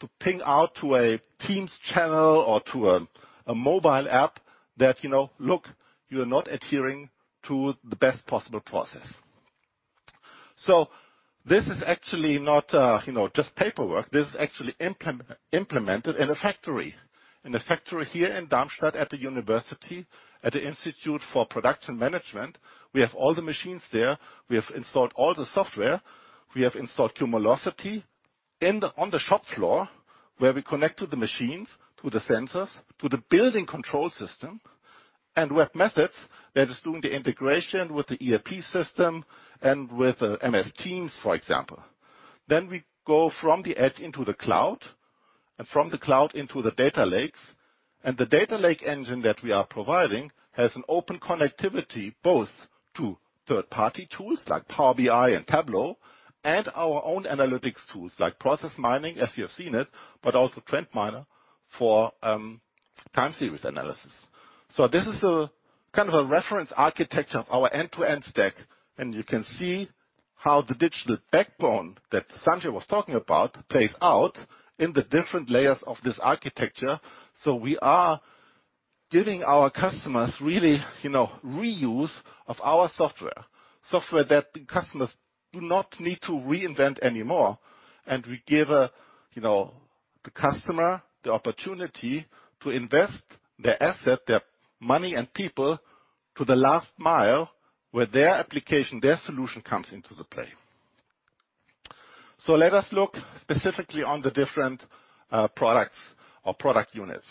to ping out to a Teams channel or to a mobile app that, you know, "Look, you're not adhering to the best possible process." This is actually not, you know, just paperwork. This is actually implemented in a factory. In a factory here in Darmstadt at the university, at the Institute for Production Management. We have all the machines there. We have installed all the software. We have installed Cumulocity on the shop floor, where we connect to the machines, to the sensors, to the building control system, and webMethods that is doing the integration with the ERP system and with MS Teams, for example. Then we go from the edge into the cloud, and from the cloud into the data lakes. The data lake engine that we are providing has an open connectivity both to third-party tools like Power BI and Tableau, and our own analytics tools like Process Mining, as you have seen it, but also TrendMiner for time series analysis. This is a kind of a reference architecture of our end-to-end stack, and you can see how the digital backbone that Sanjay was talking about plays out in the different layers of this architecture. We are giving our customers really, you know, reuse of our software. Software that the customers do not need to reinvent anymore. We give, you know, the customer the opportunity to invest their asset, their money and people to the last mile where their application, their solution comes into the play. Let us look specifically on the different products or product units.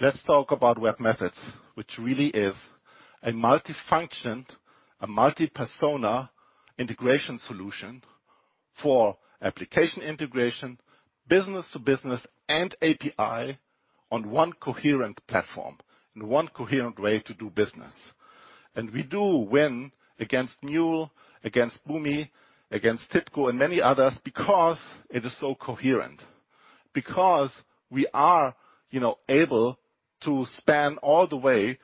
Let's talk about webMethods, which really is a multifunction, a multi-persona integration solution for application integration, business to business, and API on one coherent platform, in one coherent way to do business. We do win against Mule, against Boomi, against TIBCO and many others because it is so coherent. Because we are, you know, able to span all the way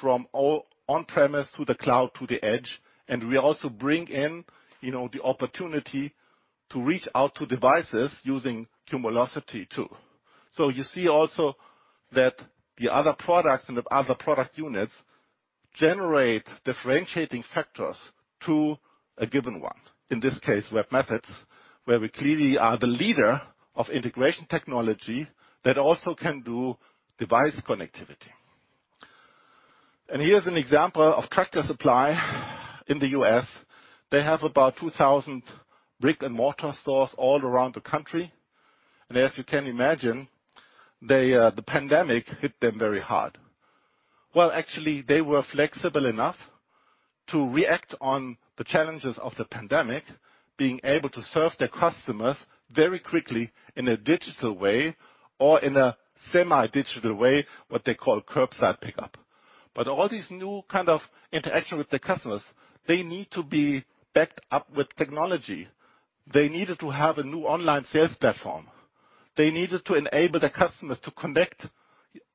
from on premise to the cloud to the edge, and we also bring in, you know, the opportunity to reach out to devices using Cumulocity too. So you see also that the other products and the other product units generate differentiating factors to a given one. In this case, webMethods, where we clearly are the leader of integration technology that also can do device connectivity. Here's an example of Tractor Supply in the U.S. They have about 2,000 brick-and-mortar stores all around the country. As you can imagine, the pandemic hit them very hard. Well, actually, they were flexible enough to react to the challenges of the pandemic, being able to serve their customers very quickly in a digital way or in a semi-digital way, what they call curbside pickup. All these new kind of interaction with the customers, they need to be backed up with technology. They needed to have a new online sales platform. They needed to enable the customers to connect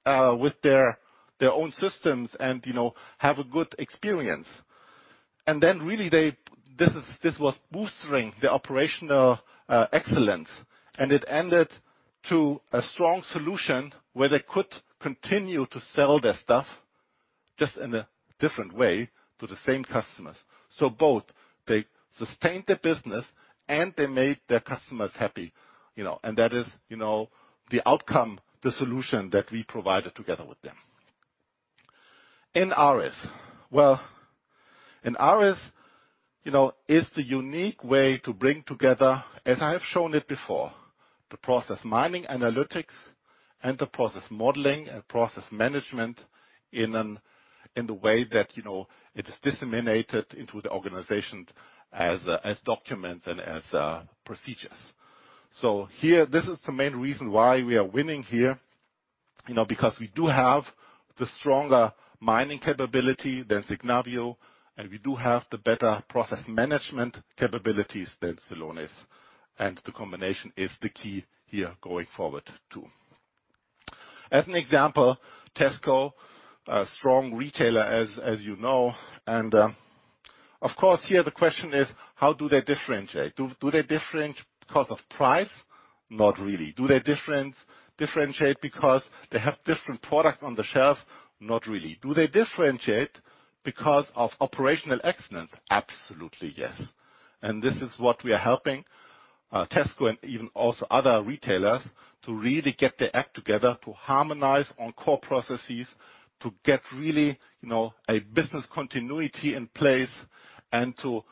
with their own systems and, you know, have a good experience. Then really this was bolstering the operational excellence, and it led to a strong solution where they could continue to sell their stuff, just in a different way to the same customers. Both. They sustained their business, and they made their customers happy, you know. That is, you know, the outcome, the solution that we provided together with them. Well, in ARIS, you know, is the unique way to bring together, as I have shown it before, the process mining analytics and the process modeling and process management in an, in the way that, you know, it is disseminated into the organization as documents and as procedures. Here, this is the main reason why we are winning here, you know, because we do have the stronger mining capability than Signavio, and we do have the better process management capabilities than Celonis. The combination is the key here going forward too. As an example, Tesco, a strong retailer, as you know. Of course, here the question is: How do they differentiate? Do they differentiate because of price? Not really. Do they differentiate because they have different products on the shelf? Not really. Do they differentiate because of operational excellence? Absolutely, yes. This is what we are helping, uh, Tesco and even also other retailers to really get their act together, to harmonize on core processes, to get really, you know, a business continuity in place and to,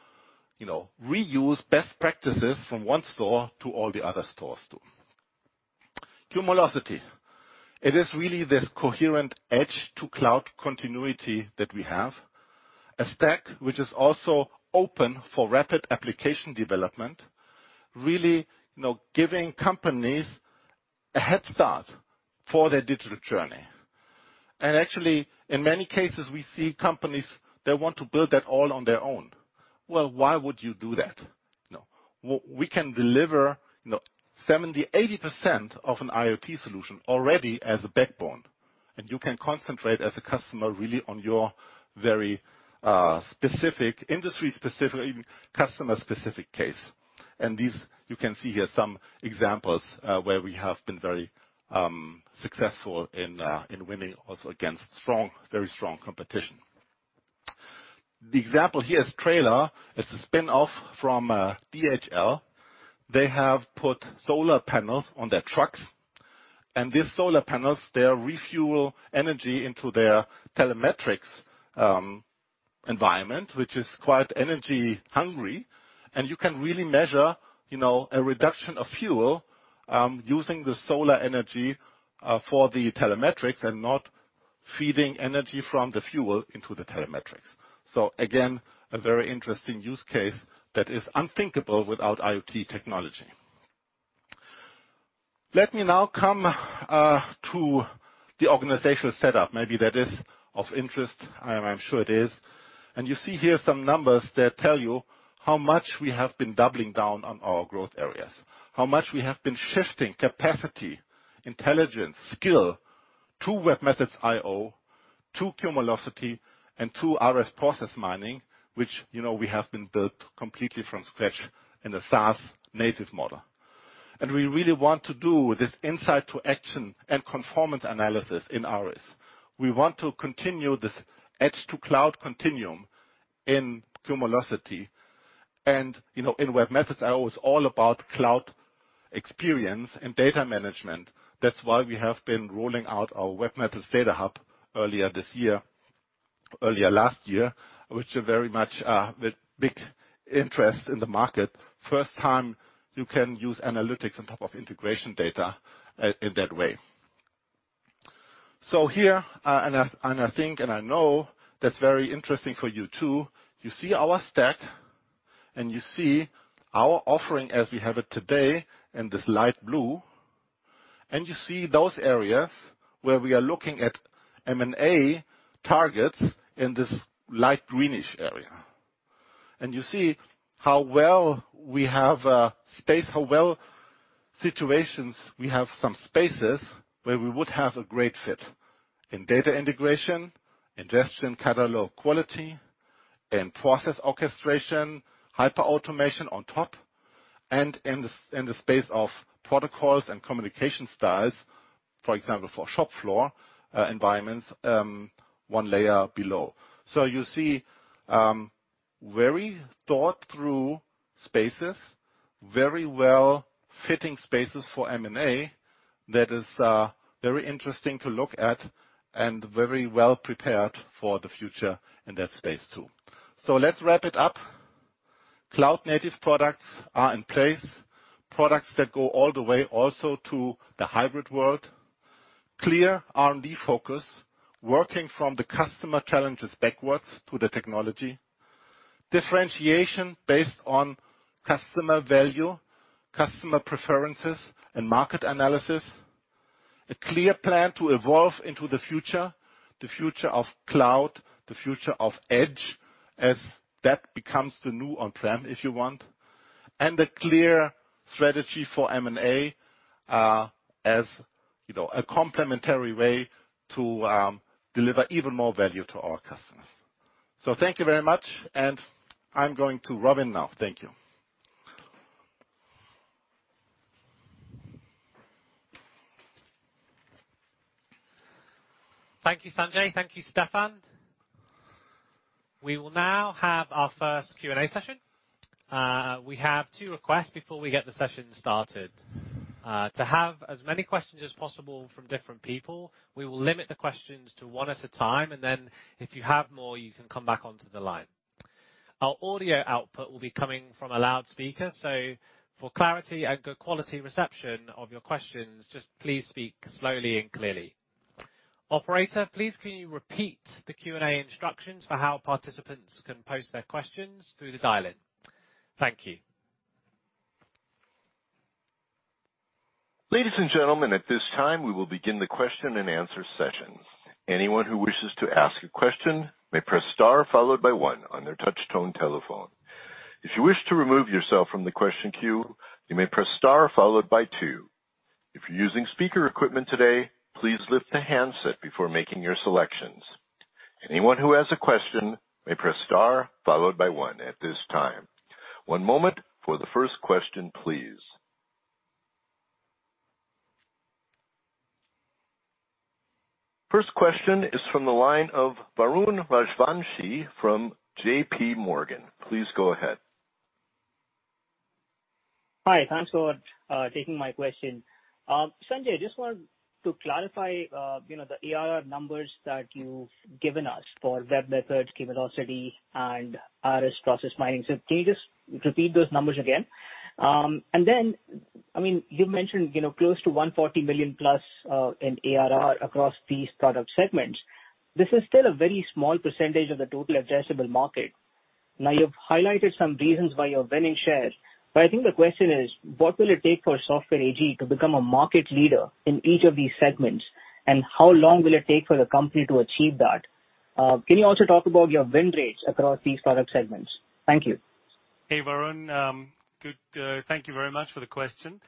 you know, reuse best practices from one store to all the other stores too. Cumulocity. It is really this coherent edge to cloud continuity that we have. A stack which is also open for rapid application development, really, you know, giving companies a head start for their digital journey. Actually, in many cases, we see companies that want to build that all on their own. Well, why would you do that? You know, we can deliver, you know, 70%-80% of an IoT solution already as a backbone, and you can concentrate as a customer really on your very, uh, specific industry, specific customer, specific case. These you can see here some examples, where we have been very successful in winning also against strong, very strong competition. The example here is Trailar. It's a spin-off from DHL. They have put solar panels on their trucks, and these solar panels, they refuel energy into their telematics environment, which is quite energy hungry. You can really measure a reduction of fuel using the solar energy for the telematics and not feeding energy from the fuel into the telematics. Again, a very interesting use case that is unthinkable without IoT technology. Let me now come to the organizational setup. Maybe that is of interest. I'm sure it is. You see here some numbers that tell you how much we have been doubling down on our growth areas, how much we have been shifting capacity, intelligence, skill to webMethods.io, to Cumulocity and to ARIS Process Mining, which, you know, we have been built completely from scratch in a SaaS native model. We really want to do this insight to action and conformance analysis in ARIS. We want to continue this edge to cloud continuum in Cumulocity. You know, in webMethods.io is all about cloud experience and data management. That's why we have been rolling out our webMethods DataHub earlier last year, which is very much a big interest in the market. First time you can use analytics on top of integration data in that way. Here, I think I know that's very interesting for you too. You see our stack and you see our offering as we have it today in this light blue. You see those areas where we are looking at M&A targets in this light greenish area. You see how well we have space, how well situated we have some spaces where we would have a great fit in data integration, ingestion, catalog quality and process orchestration, hyper-automation on top and in the space of protocols and communication styles, for example, for shop floor environments, one layer below. You see very thought-through spaces, very well-fitting spaces for M&A that is very interesting to look at and very well prepared for the future in that space too. Let's wrap it up. Cloud native products are in place. Products that go all the way also to the hybrid world. Clear R&D focus, working from the customer challenges backwards to the technology. Differentiation based on customer value, customer preferences and market analysis. A clear plan to evolve into the future, the future of cloud, the future of edge as that becomes the new on-prem, if you want. A clear strategy for M&A, as you know, a complementary way to deliver even more value to our customers. Thank you very much. I'm going to Robin now. Thank you. Thank you, Sanjay. Thank you, Stefan. We will now have our first Q&A session. We have two requests before we get the session started. To have as many questions as possible from different people, we will limit the questions to one at a time, and then if you have more, you can come back onto the line. Our audio output will be coming from a loudspeaker, so for clarity and good quality reception of your questions, just please speak slowly and clearly. Operator, please can you repeat the Q&A instructions for how participants can pose their questions through the dial-in? Thank you. Ladies and gentlemen, at this time we will begin the question and answer session. Anyone who wishes to ask a question may press star followed by one on their touch tone telephone. If you wish to remove yourself from the question queue, you may press star followed by two. If you're using speaker equipment today, please lift the handset before making your selections. Anyone who has a question may press star followed by one at this time. One moment for the first question, please. First question is from the line of Varun Rajwanshi from JP Morgan. Please go ahead. Hi. Thanks for taking my question. Sanjay, I just want to clarify, you know, the ARR numbers that you've given us for webMethods, Cumulocity and ARIS Process Mining. Can you just repeat those numbers again? I mean, you've mentioned, you know, close to 140 million plus in ARR across these product segments. This is still a very small percentage of the total addressable market. Now, you've highlighted some reasons why you're winning shares, but I think the question is: what will it take for Software AG to become a market leader in each of these segments, and how long will it take for the company to achieve that? Can you also talk about your win rates across these product segments? Thank you. Hey, Varun. Good, thank you very much for the question.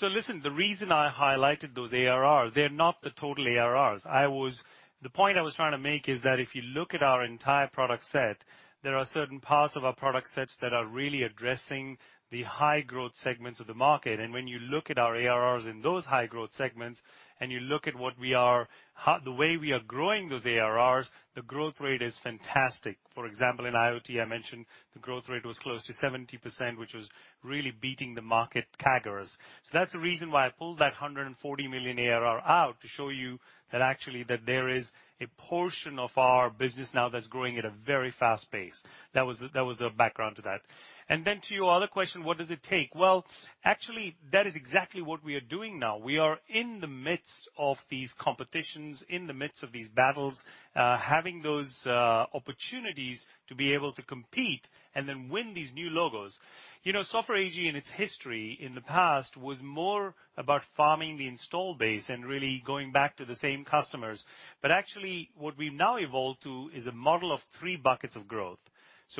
Listen, the reason I highlighted those ARRs, they're not the total ARRs. The point I was trying to make is that if you look at our entire product set, there are certain parts of our product sets that are really addressing the high growth segments of the market. When you look at our ARRs in those high growth segments, and you look at the way we are growing those ARRs, the growth rate is fantastic. For example, in IoT, I mentioned the growth rate was close to 70%, which was really beating the market CAGRs. That's the reason why I pulled that 140 million ARR out to show you that actually that there is a portion of our business now that's growing at a very fast pace. That was the background to that. Then to your other question, what does it take? Well, actually, that is exactly what we are doing now. We are in the midst of these competitions, in the midst of these battles, having those opportunities to be able to compete and then win these new logos. You know, Software AG in its history in the past was more about farming the install base and really going back to the same customers. But actually, what we've now evolved to is a model of three buckets of growth.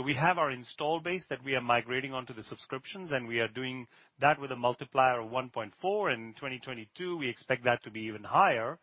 We have our install base that we are migrating onto the subscriptions, and we are doing that with a multiplier of 1.4. In 2022, we expect that to be even higher.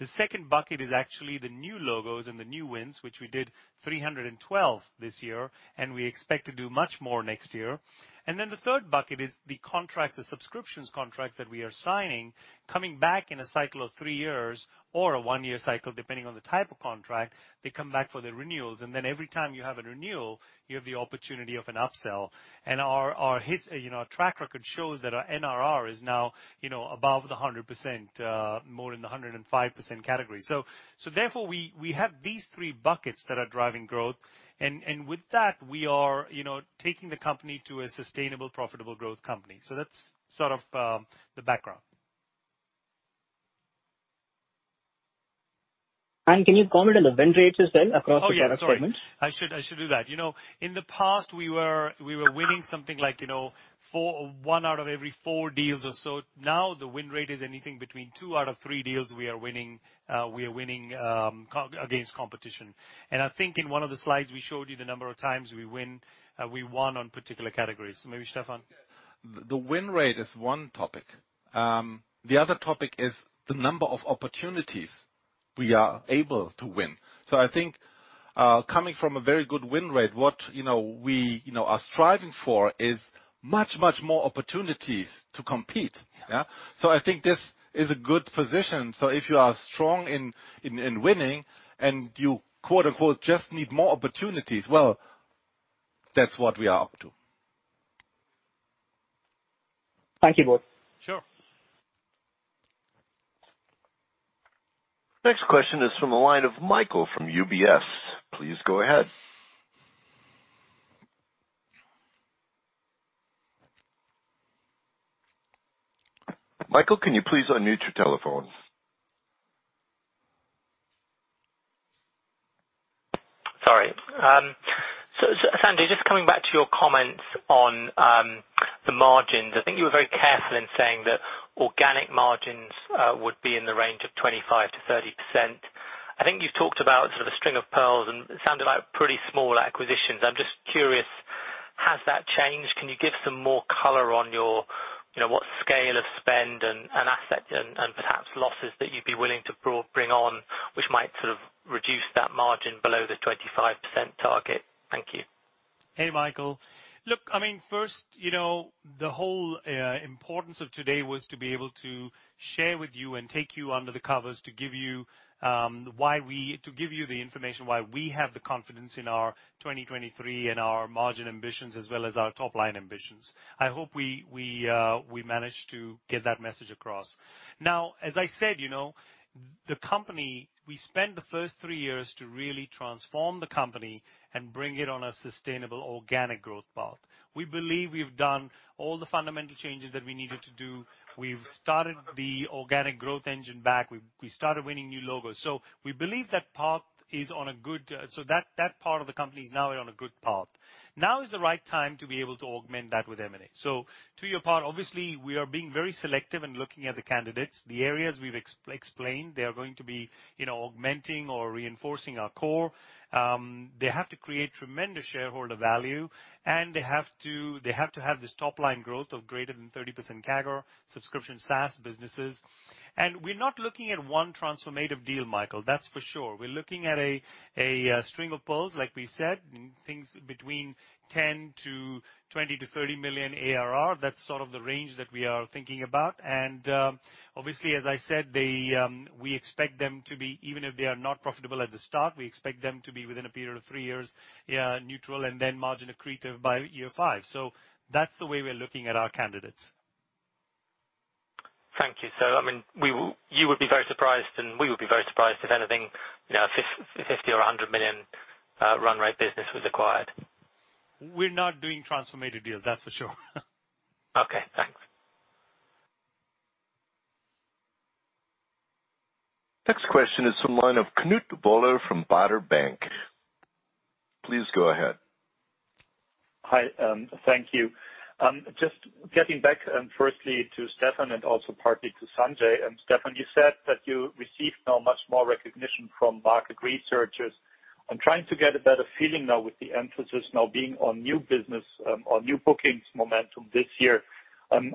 The second bucket is actually the new logos and the new wins, which we did 312 this year, and we expect to do much more next year. The third bucket is the contracts, the subscriptions contracts that we are signing, coming back in a cycle of three years or a one year cycle, depending on the type of contract. They come back for the renewals, and then every time you have a renewal, you have the opportunity of an upsell. Our track record shows that our NRR is now, you know, above 100%, more in the 105% category. Therefore, we have these three buckets that are driving growth. With that, we are, you know, taking the company to a sustainable, profitable growth company. That's sort of the background. Can you comment on the win rates as well across the product segments? Oh, yeah. Sorry. I should do that. You know, in the past, we were winning something like one out of every four deals or so. Now the win rate is anything between two out of three deals we are winning against competition. I think in one of the slides we showed you the number of times we won on particular categories. Maybe Stefan? The win rate is one topic. The other topic is the number of opportunities we are able to win. I think, coming from a very good win rate, what, you know, we, you know, are striving for is much, much more opportunities to compete. Yeah. Yeah? I think this is a good position. If you are strong in winning and you, quote-unquote, "just need more opportunities," well, that's what we are up to. Thank you both. Sure. Next question is from the line of Michael from UBS. Please go ahead. Michael, can you please unmute your telephone? Sorry. Sanjay, just coming back to your comments on the margins. I think you were very careful in saying that organic margins would be in the range of 25%-30%. I think you've talked about sort of a String of Pearls and it sounded like pretty small acquisitions. I'm just curious, has that changed? Can you give some more color on your, you know, what scale of spend and asset and perhaps losses that you'd be willing to bring on which might sort of reduce that margin below the 25% target? Thank you. Hey, Michael. Look, I mean, first, you know, the whole importance of today was to be able to share with you and take you under the covers to give you the information why we have the confidence in our 2023 and our margin ambitions as well as our top line ambitions. I hope we managed to get that message across. Now, as I said, you know, the company, we spent the first three years to really transform the company and bring it on a sustainable organic growth path. We believe we've done all the fundamental changes that we needed to do. We've started the organic growth engine back. We've started winning new logos. We believe that path is on a good path, so that part of the company is now on a good path. Now is the right time to be able to augment that with M&A. To your point, obviously, we are being very selective in looking at the candidates. The areas we've explained, they are going to be, you know, augmenting or reinforcing our core. They have to create tremendous shareholder value, and they have to have this top-line growth of greater than 30% CAGR, subscription SaaS businesses. We're not looking at one transformative deal, Michael, that's for sure. We're looking at a String of Pearls, like we said, things between 10 million-20 million-EUR 30 million ARR. That's sort of the range that we are thinking about. Obviously, as I said, we expect them to be, even if they are not profitable at the start, within a period of 3 years neutral and then margin accretive by year five. That's the way we're looking at our candidates. I mean, you would be very surprised if anything, you know, 50 million or 100 million run rate business was acquired. We're not doing transformative deals, that's for sure. Okay, thanks. Next question is from the line of Knut Woller from Baader Bank. Please go ahead. Hi, thank you. Just getting back, firstly to Stefan and also partly to Sanjay. Stefan, you said that you received now much more recognition from market researchers. I'm trying to get a better feeling now with the emphasis now being on new business, on new bookings momentum this year,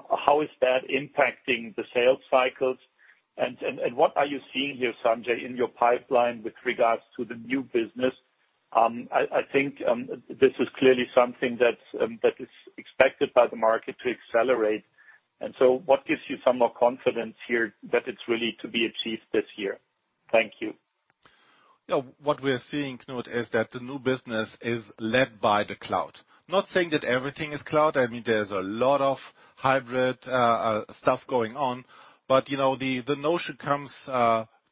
how is that impacting the sales cycles? And what are you seeing here, Sanjay, in your pipeline with regards to the new business? I think this is clearly something that's that is expected by the market to accelerate, and so what gives you some more confidence here that it's really to be achieved this year? Thank you. Yeah. What we're seeing, Knut, is that the new business is led by the cloud. Not saying that everything is cloud. I mean, there's a lot of hybrid stuff going on. You know, the notion comes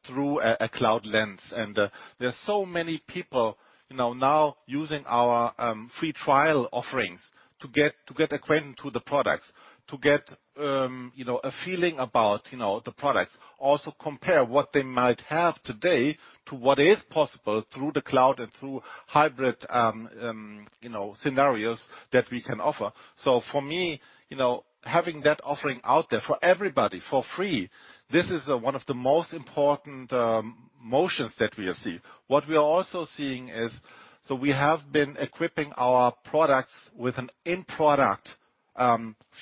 through a cloud lens. There are so many people, you know, now using our free trial offerings to get acquainted to the products, to get a feeling about, you know, the products. Also compare what they might have today to what is possible through the cloud and through hybrid, you know, scenarios that we can offer. For me, you know, having that offering out there for everybody for free, this is one of the most important motions that we are seeing. What we are also seeing is... We have been equipping our products with an in-product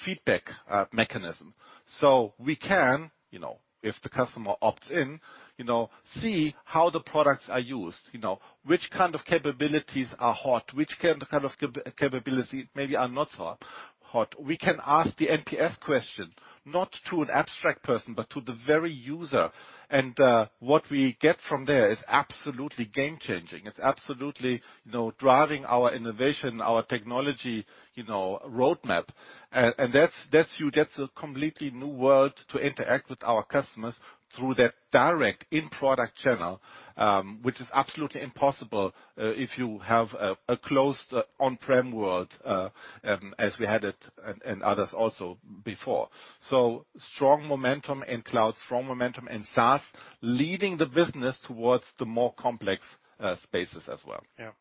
feedback mechanism. We can, you know, if the customer opts in, you know, see how the products are used. You know, which kind of capabilities are hot, which kind of capability maybe are not so hot. We can ask the NPS question, not to an abstract person, but to the very user. What we get from there is absolutely game changing. It's absolutely, you know, driving our innovation, our technology, you know, roadmap. That's a completely new world to interact with our customers through that direct in-product channel, which is absolutely impossible, if you have a closed on-prem world, as we had it and others also before. Strong momentum in cloud, strong momentum in SaaS, leading the business towards the more complex spaces as well. Yeah.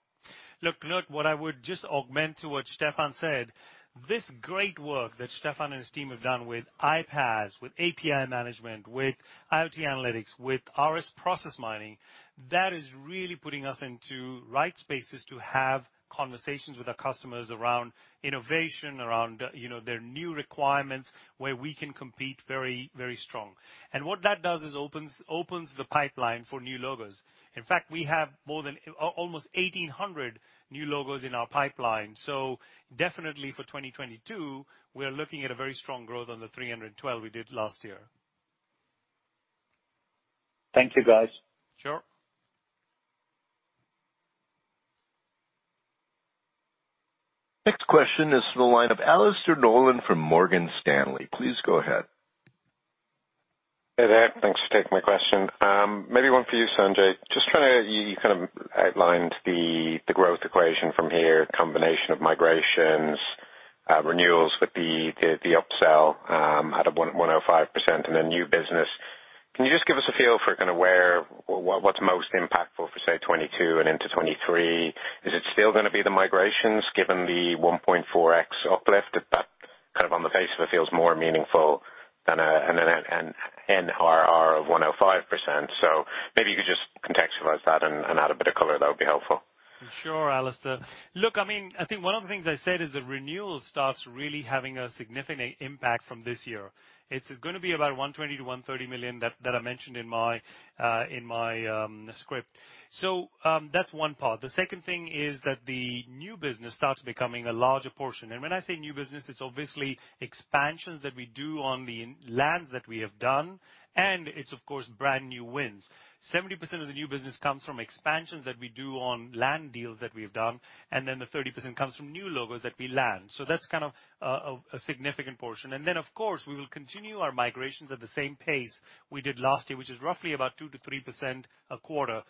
Look, what I would just augment to what Stefan said, this great work that Stefan and his team have done with iPaaS, with API management, with IoT analytics, with ARIS Process Mining, that is really putting us into right spaces to have conversations with our customers around innovation, around, you know, their new requirements, where we can compete very strong. What that does is opens the pipeline for new logos. In fact, we have more than almost 1,800 new logos in our pipeline. Definitely for 2022, we are looking at a very strong growth on the 312 we did last year. Thank you, guys. Sure. Next question is from the line of Alastair Nolan from Morgan Stanley. Please go ahead. Hey there. Thanks for taking my question. Maybe one for you, Sanjay. Just trying to you kind of outlined the growth equation from here, combination of migrations, renewals with the upsell at a 105% and then new business. Can you just give us a feel for kinda where or what's most impactful for, say, 2022 and into 2023? Is it still gonna be the migrations given the 1.4x uplift? That kind of on the face of it feels more meaningful than an NRR of 105%. Maybe you could just contextualize that and add a bit of color. That would be helpful. Sure, Alastair. Look, I mean, I think one of the things I said is that renewal starts really having a significant impact from this year. It's gonna be about 120-130 million that I mentioned in my script. That's one part. The second thing is that the new business starts becoming a larger portion. When I say new business, it's obviously expansions that we do on the land that we have done, and it's of course brand new wins. 70% of the new business comes from expansions that we do on land deals that we've done, and then the 30% comes from new logos that we land. That's kind of a significant portion. Of course, we will continue our migrations at the same pace we did last year, which is roughly about 2%-3% a quarter.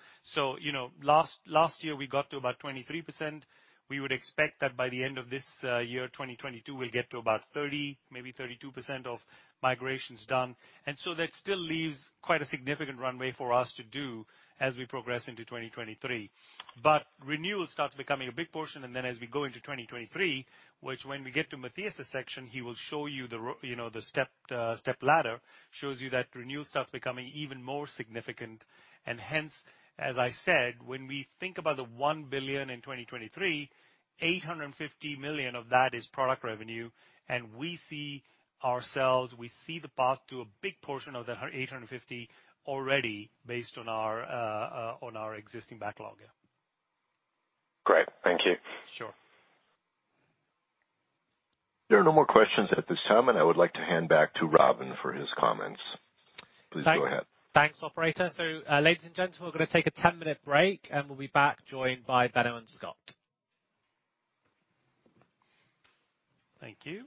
You know, last year we got to about 23%. We would expect that by the end of this year, 2022, we'll get to about 30, maybe 32% of migrations done. That still leaves quite a significant runway for us to do as we progress into 2023. Renewals start becoming a big portion, and then as we go into 2023, which when we get to Matthias' section, he will show you the you know, the step ladder, shows you that renewal starts becoming even more significant. Hence, as I said, when we think about the 1 billion in 2023, 850 million of that is product revenue. We see the path to a big portion of the 850 million already based on our existing backlog. Great. Thank you. Sure. There are no more questions at this time, and I would like to hand back to Robin for his comments. Please go ahead. Thanks, operator. Ladies and gentlemen, we're gonna take a 10-minute break, and we'll be back joined by Benno and Scott. Thank you.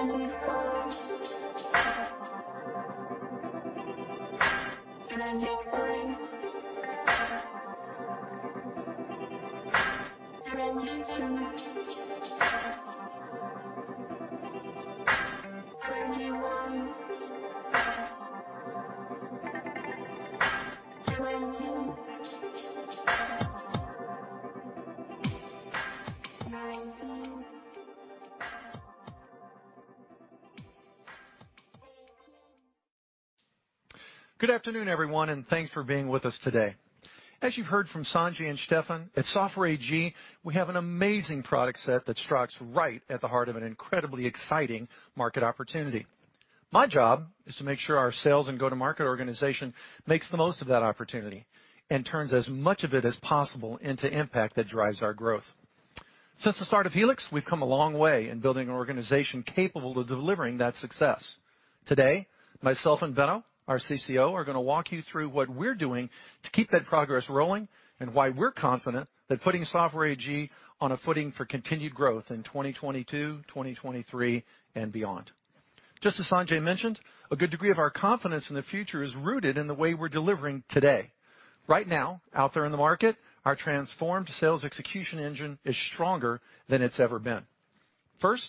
Thank you. Good afternoon, everyone, and thanks for being with us today. As you've heard from Sanjay and Stefan, at Software AG, we have an amazing product set that strikes right at the heart of an incredibly exciting market opportunity. My job is to make sure our sales and go-to-market organization makes the most of that opportunity and turns as much of it as possible into impact that drives our growth. Since the start of Helix, we've come a long way in building an organization capable of delivering that success. Today, myself and Benno, our CCO, are gonna walk you through what we're doing to keep that progress rolling and why we're confident that putting Software AG on a footing for continued growth in 2022, 2023, and beyond. Just as Sanjay mentioned, a good degree of our confidence in the future is rooted in the way we're delivering today. Right now, out there in the market, our transformed sales execution engine is stronger than it's ever been. First,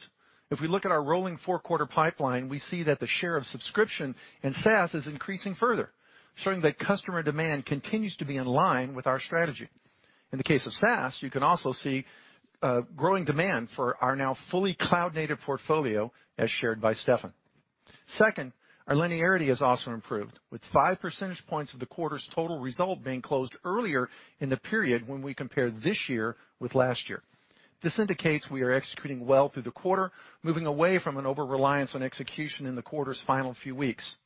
if we look at our rolling four quarter pipeline, we see that the share of subscription and SaaS is increasing further, showing that customer demand continues to be in line with our strategy. In the case of SaaS, you can also see growing demand for our now fully cloud-native portfolio, as shared by Stefan. Second, our linearity has also improved, with five percentage points of the quarter's total result being closed earlier in the period when we compare this year with last year. This indicates we are executing well through the quarter, moving away from an over-reliance on execution in the quarter's final few weeks.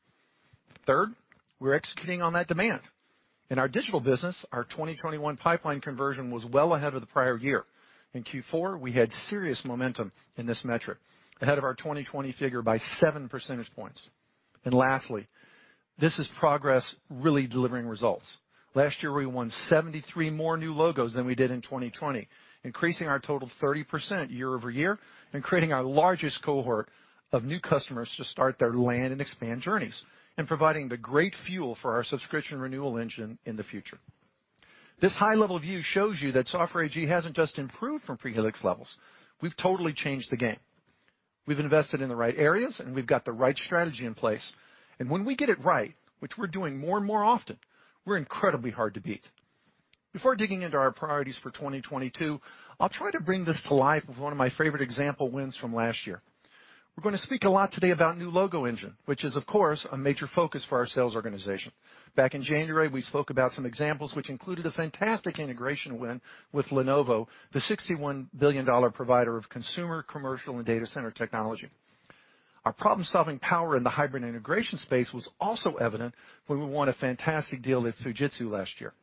Third, we're executing on that demand. In our digital business, our 2021 pipeline conversion was well ahead of the prior year. In Q4, we had serious momentum in this metric, ahead of our 2020 figure by seven percentage points. Lastly, this is progress really delivering results. Last year, we won 73 more new logos than we did in 2020, increasing our total 30% year-over-year and creating our largest cohort of new customers to start their land and expand journeys and providing the great fuel for our subscription renewal engine in the future. This high-level view shows you that Software AG hasn't just improved from pre-Helix levels. We've totally changed the game. We've invested in the right areas, and we've got the right strategy in place. When we get it right, which we're doing more and more often, we're incredibly hard to beat. Before digging into our priorities for 2022, I'll try to bring this to life with one of my favorite example wins from last year. We're gonna speak a lot today about new logo engine, which is, of course, a major focus for our sales organization. Back in January, we spoke about some examples which included a fantastic integration win with Lenovo, the $61 billion provider of consumer, commercial, and data center technology. Our problem-solving power in the hybrid integration space was also evident when we won a fantastic deal with Fujitsu last year.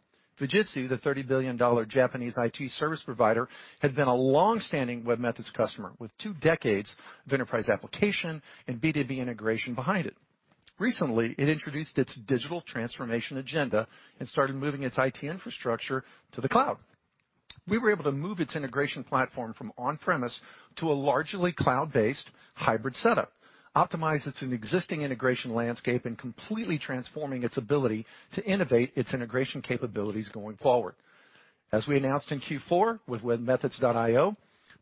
Fujitsu, the $30 billion Japanese IT service provider, had been a long-standing webMethods customer with two decades of enterprise application and B2B integration behind it. Recently, it introduced its digital transformation agenda and started moving its IT infrastructure to the cloud. We were able to move its integration platform from on-premise to a largely cloud-based hybrid setup, optimize its existing integration landscape, and completely transforming its ability to innovate its integration capabilities going forward. As we announced in Q4 with webMethods.io,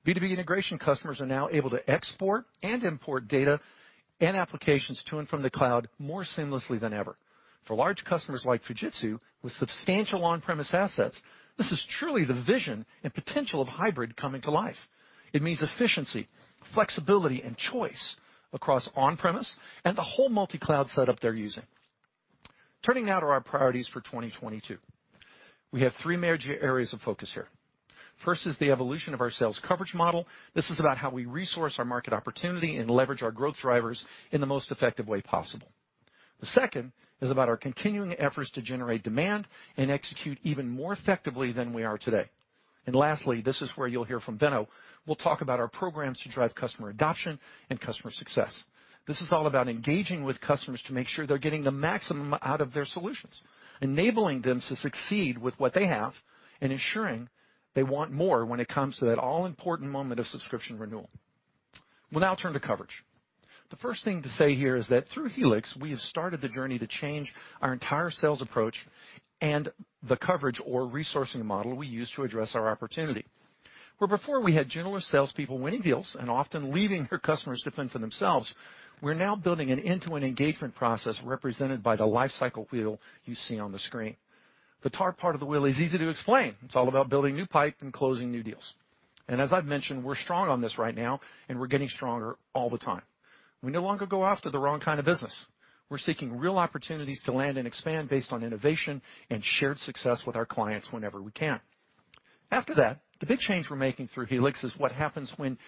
B2B integration customers are now able to export and import data and applications to and from the cloud more seamlessly than ever. For large customers like Fujitsu with substantial on-premise assets, this is truly the vision and potential of hybrid coming to life. It means efficiency, flexibility, and choice across on-premise and the whole multi-cloud setup they're using. Turning now to our priorities for 2022. We have three major areas of focus here. First is the evolution of our sales coverage model. This is about how we resource our market opportunity and leverage our growth drivers in the most effective way possible. The second is about our continuing efforts to generate demand and execute even more effectively than we are today. Lastly, this is where you'll hear from Benno, we'll talk about our programs to drive customer adoption and customer success. This is all about engaging with customers to make sure they're getting the maximum out of their solutions, enabling them to succeed with what they have and ensuring they want more when it comes to that all-important moment of subscription renewal. We'll now turn to coverage. The first thing to say here is that through Helix, we have started the journey to change our entire sales approach and the coverage or resourcing model we use to address our opportunity. Where before we had generalist salespeople winning deals and often leaving their customers to fend for themselves, we're now building an end-to-end engagement process represented by the lifecycle wheel you see on the screen. The top part of the wheel is easy to explain. It's all about building new pipe and closing new deals. As I've mentioned, we're strong on this right now, and we're getting stronger all the time. We no longer go after the wrong kind of business. We're seeking real opportunities to land and expand based on innovation and shared success with our clients whenever we can. After that, the big change we're making through Helix is what happens when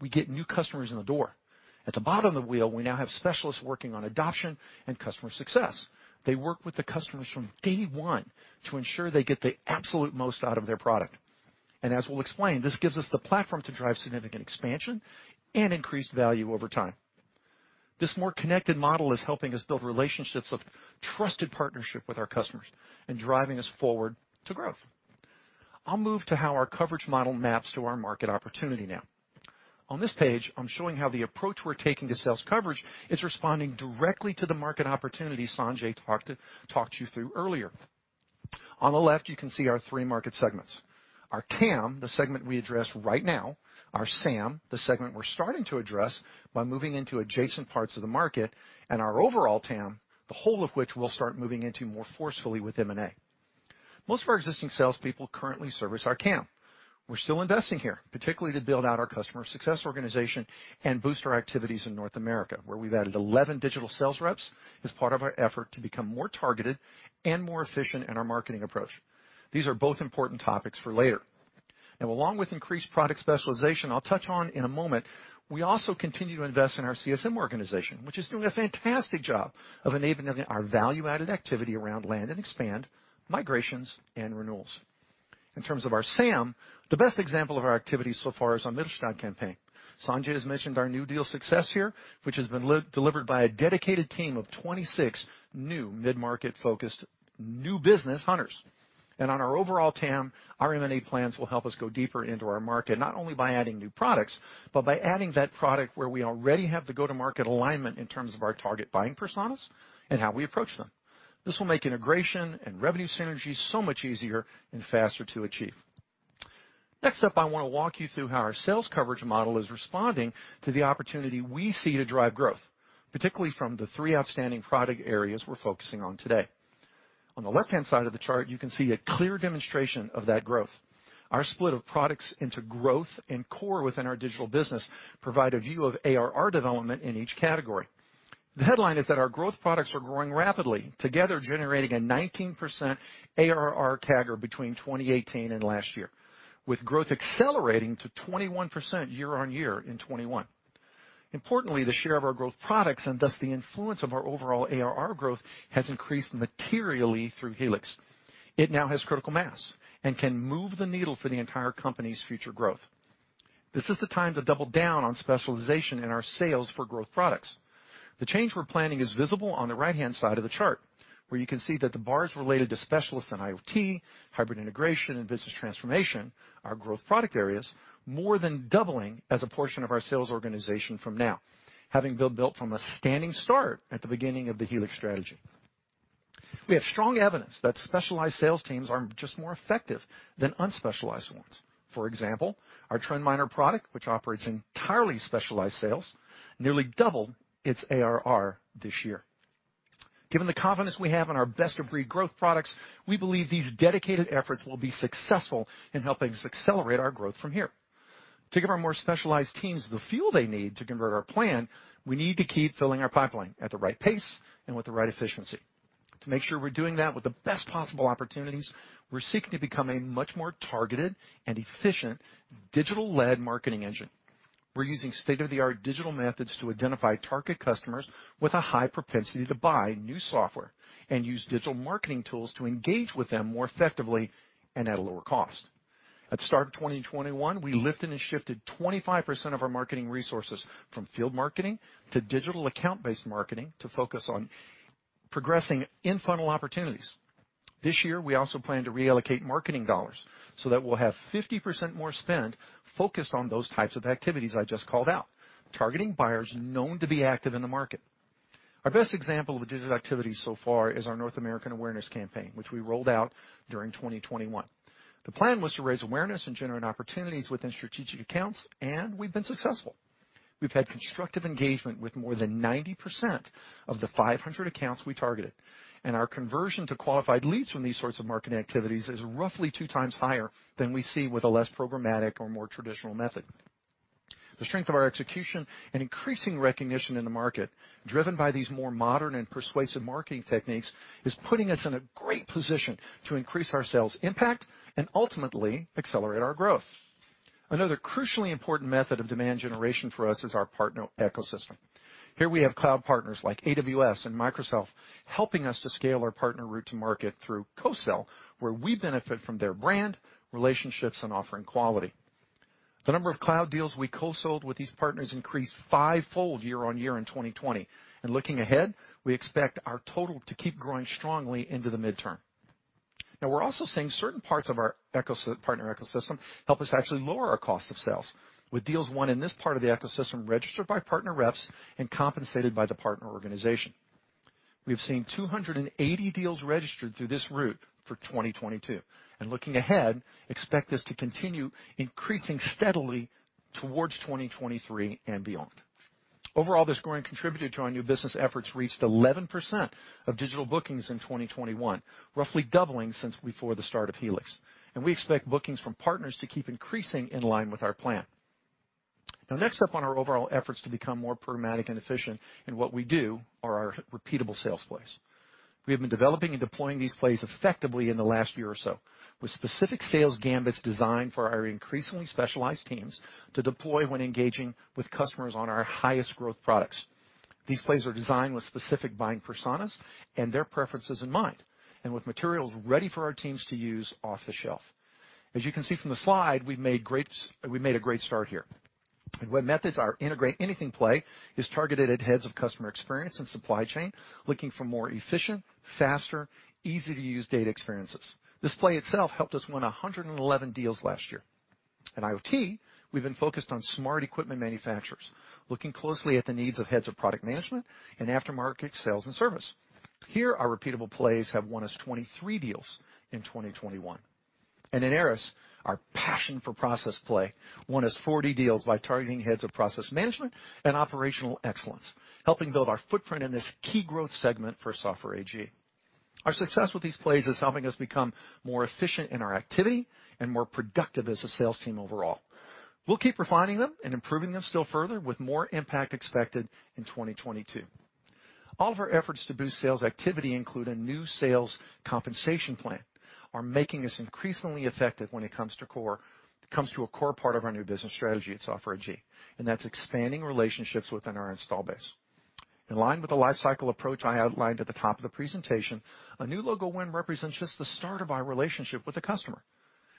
we get new customers in the door. At the bottom of the wheel, we now have specialists working on adoption and customer success. They work with the customers from day one to ensure they get the absolute most out of their product. As we'll explain, this gives us the platform to drive significant expansion and increased value over time. This more connected model is helping us build relationships of trusted partnership with our customers and driving us forward to growth. I'll move to how our coverage model maps to our market opportunity now. On this page, I'm showing how the approach we're taking to sales coverage is responding directly to the market opportunity Sanjay talked you through earlier. On the left, you can see our three market segments. Our TAM, the segment we address right now, our SAM, the segment we're starting to address by moving into adjacent parts of the market, and our overall TAM, the whole of which we'll start moving into more forcefully with M&A. Most of our existing salespeople currently service our TAM. We're still investing here, particularly to build out our customer success organization and boost our activities in North America, where we've added 11 digital sales reps as part of our effort to become more targeted and more efficient in our marketing approach. These are both important topics for later. Along with increased product specialization I'll touch on in a moment, we also continue to invest in our CSM organization, which is doing a fantastic job of enabling our value-added activity around land and expand, migrations, and renewals. In terms of our SAM, the best example of our activities so far is our Mittelstand campaign. Sanjay has mentioned our new deal success here, which has been delivered by a dedicated team of 26 new mid-market focused new business hunters. On our overall TAM, our M&A plans will help us go deeper into our market, not only by adding new products, but by adding that product where we already have the go-to-market alignment in terms of our target buying personas and how we approach them. This will make integration and revenue synergy so much easier and faster to achieve. Next up, I wanna walk you through how our sales coverage model is responding to the opportunity we see to drive growth, particularly from the three outstanding product areas we're focusing on today. On the left-hand side of the chart, you can see a clear demonstration of that growth. Our split of products into growth and core within our digital business provide a view of ARR development in each category. The headline is that our growth products are growing rapidly, together generating a 19% ARR CAGR between 2018 and last year, with growth accelerating to 21% year on year in 2021. Importantly, the share of our growth products, and thus the influence of our overall ARR growth, has increased materially through Helix. It now has critical mass and can move the needle for the entire company's future growth. This is the time to double down on specialization in our sales for growth products. The change we're planning is visible on the right-hand side of the chart, where you can see that the bars related to specialists in IoT, hybrid integration, and business transformation, our growth product areas, more than doubling as a portion of our sales organization from now, having built from a standing start at the beginning of the Helix strategy. We have strong evidence that specialized sales teams are just more effective than unspecialized ones. For example, our TrendMiner product, which operates entirely specialized sales, nearly doubled its ARR this year. Given the confidence we have in our best-of-breed growth products, we believe these dedicated efforts will be successful in helping us accelerate our growth from here. To give our more specialized teams the fuel they need to convert our plan, we need to keep filling our pipeline at the right pace and with the right efficiency. To make sure we're doing that with the best possible opportunities, we're seeking to become a much more targeted and efficient digital-led marketing engine. We're using state-of-the-art digital methods to identify target customers with a high propensity to buy new software and use digital marketing tools to engage with them more effectively and at a lower cost. At the start of 2021, we lifted and shifted 25% of our marketing resources from field marketing to digital account-based marketing to focus on progressing in-funnel opportunities. This year, we also plan to reallocate marketing dollars so that we'll have 50% more spend focused on those types of activities I just called out, targeting buyers known to be active in the market. Our best example of a digital activity so far is our North American awareness campaign, which we rolled out during 2021. The plan was to raise awareness and generate opportunities within strategic accounts, and we've been successful. We've had constructive engagement with more than 90% of the 500 accounts we targeted, and our conversion to qualified leads from these sorts of marketing activities is roughly 2x higher than we see with a less programmatic or more traditional method. The strength of our execution and increasing recognition in the market, driven by these more modern and persuasive marketing techniques, is putting us in a great position to increase our sales impact and ultimately accelerate our growth. Another crucially important method of demand generation for us is our partner ecosystem. Here we have cloud partners like AWS and Microsoft helping us to scale our partner route to market through co-sell, where we benefit from their brand, relationships, and offering quality. The number of cloud deals we co-sold with these partners increased five-fold year-on-year in 2020. Looking ahead, we expect our total to keep growing strongly into the midterm. Now, we're also seeing certain parts of our partner ecosystem help us actually lower our cost of sales with deals won in this part of the ecosystem registered by partner reps and compensated by the partner organization. We've seen 280 deals registered through this route for 2022, and looking ahead, expect this to continue increasing steadily towards 2023 and beyond. Overall, this growing contributor to our new business efforts reached 11% of digital bookings in 2021, roughly doubling since before the start of Helix. We expect bookings from partners to keep increasing in line with our plan. Now, next up on our overall efforts to become more programmatic and efficient in what we do are our repeatable sales plays. We have been developing and deploying these plays effectively in the last year or so with specific sales gambits designed for our increasingly specialized teams to deploy when engaging with customers on our highest growth products. These plays are designed with specific buying personas and their preferences in mind, and with materials ready for our teams to use off the shelf. As you can see from the slide, we've made a great start here. webMethods' integrate-anything play is targeted at heads of customer experience and supply chain, looking for more efficient, faster, easy-to-use data experiences. This play itself helped us win 111 deals last year. In IoT, we've been focused on smart equipment manufacturers, looking closely at the needs of heads of product management and aftermarket sales and service. Here, our repeatable plays have won us 23 deals in 2021. In ARIS, our passion for process play won us 40 deals by targeting heads of process management and operational excellence, helping build our footprint in this key growth segment for Software AG. Our success with these plays is helping us become more efficient in our activity and more productive as a sales team overall. We'll keep refining them and improving them still further, with more impact expected in 2022. All of our efforts to boost sales activity include a new sales compensation plan are making us increasingly effective when it comes to a core part of our new business strategy at Software AG, and that's expanding relationships within our install base. In line with the lifecycle approach I outlined at the top of the presentation, a new logo win represents just the start of our relationship with the customer.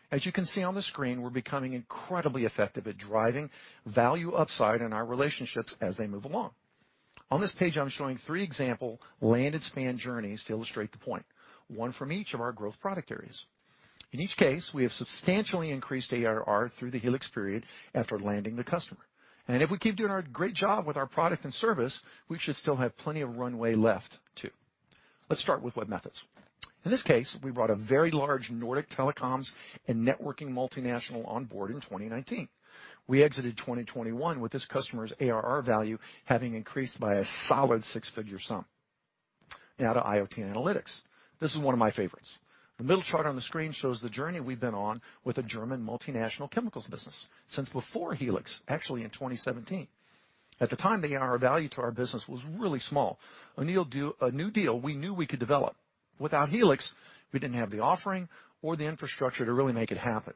As you can see on the screen, we're becoming incredibly effective at driving value upside in our relationships as they move along. On this page, I'm showing three example land and expand journeys to illustrate the point, one from each of our growth product areas. In each case, we have substantially increased ARR through the Helix period after landing the customer. If we keep doing a great job with our product and service, we should still have plenty of runway left too. Let's start with webMethods. In this case, we brought a very large Nordic telecoms and networking multinational on board in 2019. We exited 2021 with this customer's ARR value having increased by a solid six-figure sum. Now to IoT analytics. This is one of my favorites. The middle chart on the screen shows the journey we've been on with a German multinational chemicals business since before Helix, actually in 2017. At the time, the ARR value to our business was really small, a new deal we knew we could develop. Without Helix, we didn't have the offering or the infrastructure to really make it happen.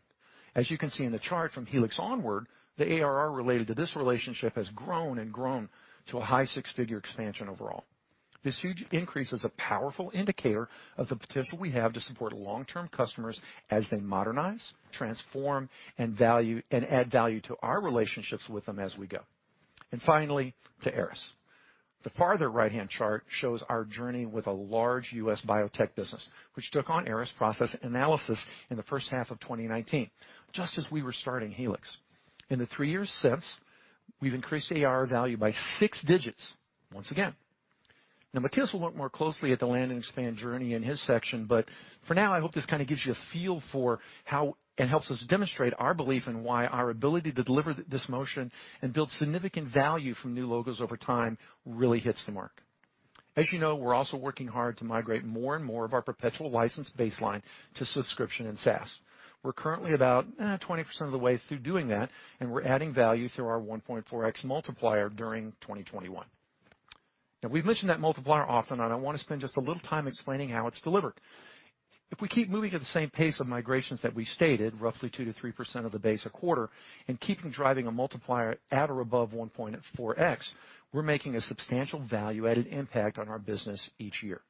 As you can see in the chart from Helix onward, the ARR related to this relationship has grown and grown to a high six-figure expansion overall. This huge increase is a powerful indicator of the potential we have to support long-term customers as they modernize, transform, and value, and add value to our relationships with them as we go. Finally, to ARIS. The farther right-hand chart shows our journey with a large U.S. biotech business, which took on ARIS process analysis in the first half of 2019, just as we were starting Helix. In the three years since, we've increased ARR value by six digits once again. Now, Matthias will look more closely at the land and expand journey in his section, but for now, I hope this kinda gives you a feel for how it helps us demonstrate our belief in why our ability to deliver this motion and build significant value from new logos over time really hits the mark. As you know, we're also working hard to migrate more and more of our perpetual license baseline to subscription and SaaS. We're currently about 20% of the way through doing that, and we're adding value through our 1.4x multiplier during 2021. Now, we've mentioned that multiplier often, and I wanna spend just a little time explaining how it's delivered. If we keep moving at the same pace of migrations that we stated, roughly 2%-3% of the base a quarter, and keeping driving a multiplier at or above 1.4x, we're making a substantial value-added impact on our business each year.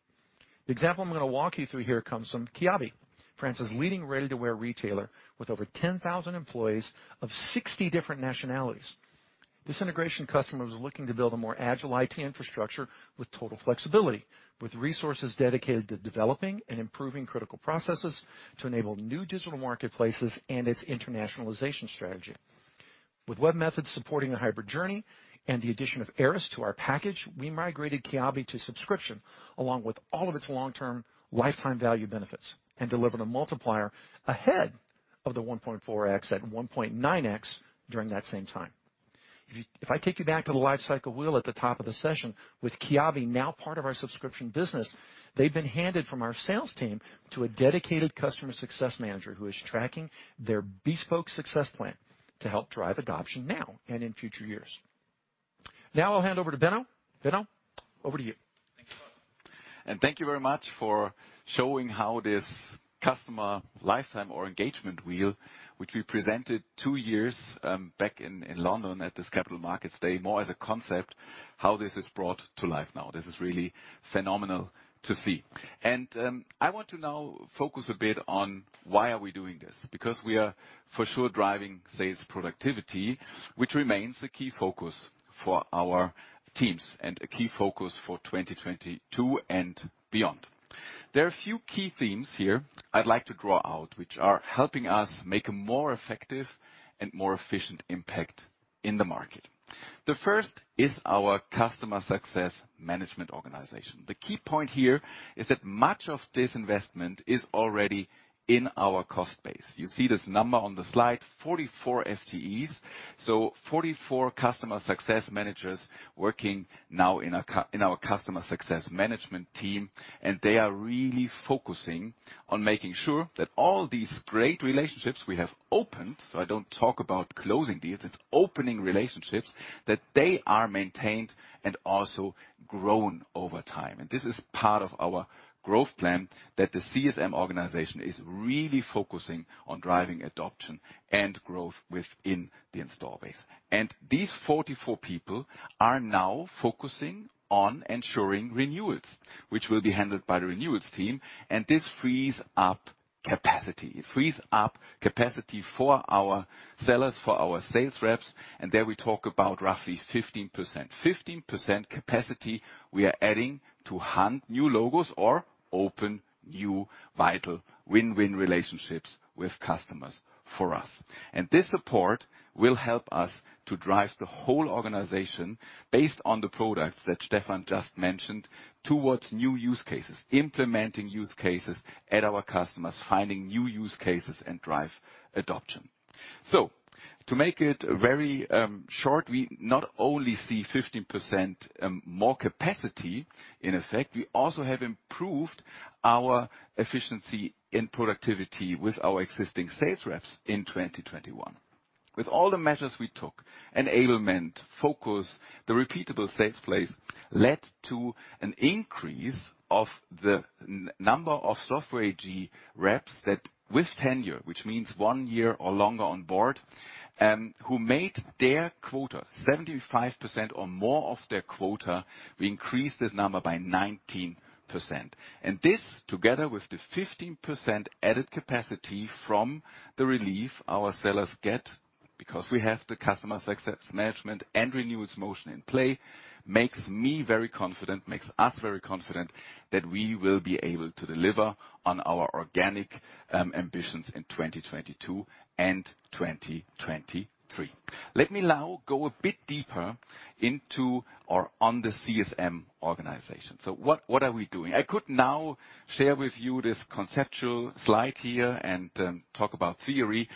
The example I'm gonna walk you through here comes from Kiabi, France's leading ready-to-wear retailer with over 10,000 employees of 60 different nationalities. This integration customer was looking to build a more agile IT infrastructure with total flexibility, with resources dedicated to developing and improving critical processes to enable new digital marketplaces and its internationalization strategy. With webMethods supporting a hybrid journey and the addition of ARIS to our package, we migrated Kiabi to subscription, along with all of its long-term lifetime value benefits, and delivered a multiplier ahead of the 1.4x at 1.9x during that same time. If I take you back to the life cycle wheel at the top of the session, with Kiabi now part of our subscription business, they've been handed from our sales team to a dedicated customer success manager who is tracking their bespoke success plan to help drive adoption now and in future years. Now I'll hand over to Benno. Benno, over to you. Thanks, Scott. Thank you very much for showing how this customer lifetime or engagement wheel, which we presented two years back in London at this Capital Markets Day, more as a concept, how this is brought to life now. This is really phenomenal to see. I want to now focus a bit on why we are doing this? Because we are, for sure, driving sales productivity, which remains a key focus for our teams and a key focus for 2022 and beyond. There are a few key themes here I'd like to draw out, which are helping us make a more effective and more efficient impact in the market. The first is our Customer Success Management organization. The key point here is that much of this investment is already in our cost base. You see this number on the slide, 44 FTEs, so 44 customer success managers working now in our customer success management team, and they are really focusing on making sure that all these great relationships we have opened, so I don't talk about closing deals, it's opening relationships, that they are maintained and also grown over time. This is part of our growth plan that the CSM organization is really focusing on driving adoption and growth within the installed base. These 44 people are now focusing on ensuring renewals, which will be handled by the renewals team, and this frees up capacity. It frees up capacity for our sellers, for our sales reps, and there we talk about roughly 15%. 15% capacity we are adding to hunt new logos or open new vital win-win relationships with customers for us. This support will help us to drive the whole organization based on the products that Stefan just mentioned, towards new use cases, implementing use cases at our customers, finding new use cases, and drive adoption. To make it very short, we not only see 15% more capacity in effect, we also have improved our efficiency and productivity with our existing sales reps in 2021. With all the measures we took, enablement, focus, the repeatable sales plays led to an increase of the number of Software AG reps that with tenure, which means one year or longer on board, who made their quota 75% or more of their quota, we increased this number by 19%. This, together with the 15% added capacity from the relief our sellers get because we have the customer success management and renewals motion in play, makes me very confident, makes us very confident that we will be able to deliver on our organic ambitions in 2022 and 2023. Let me now go a bit deeper into or on the CSM organization. What are we doing? I could now share with you this conceptual slide here and talk about theory,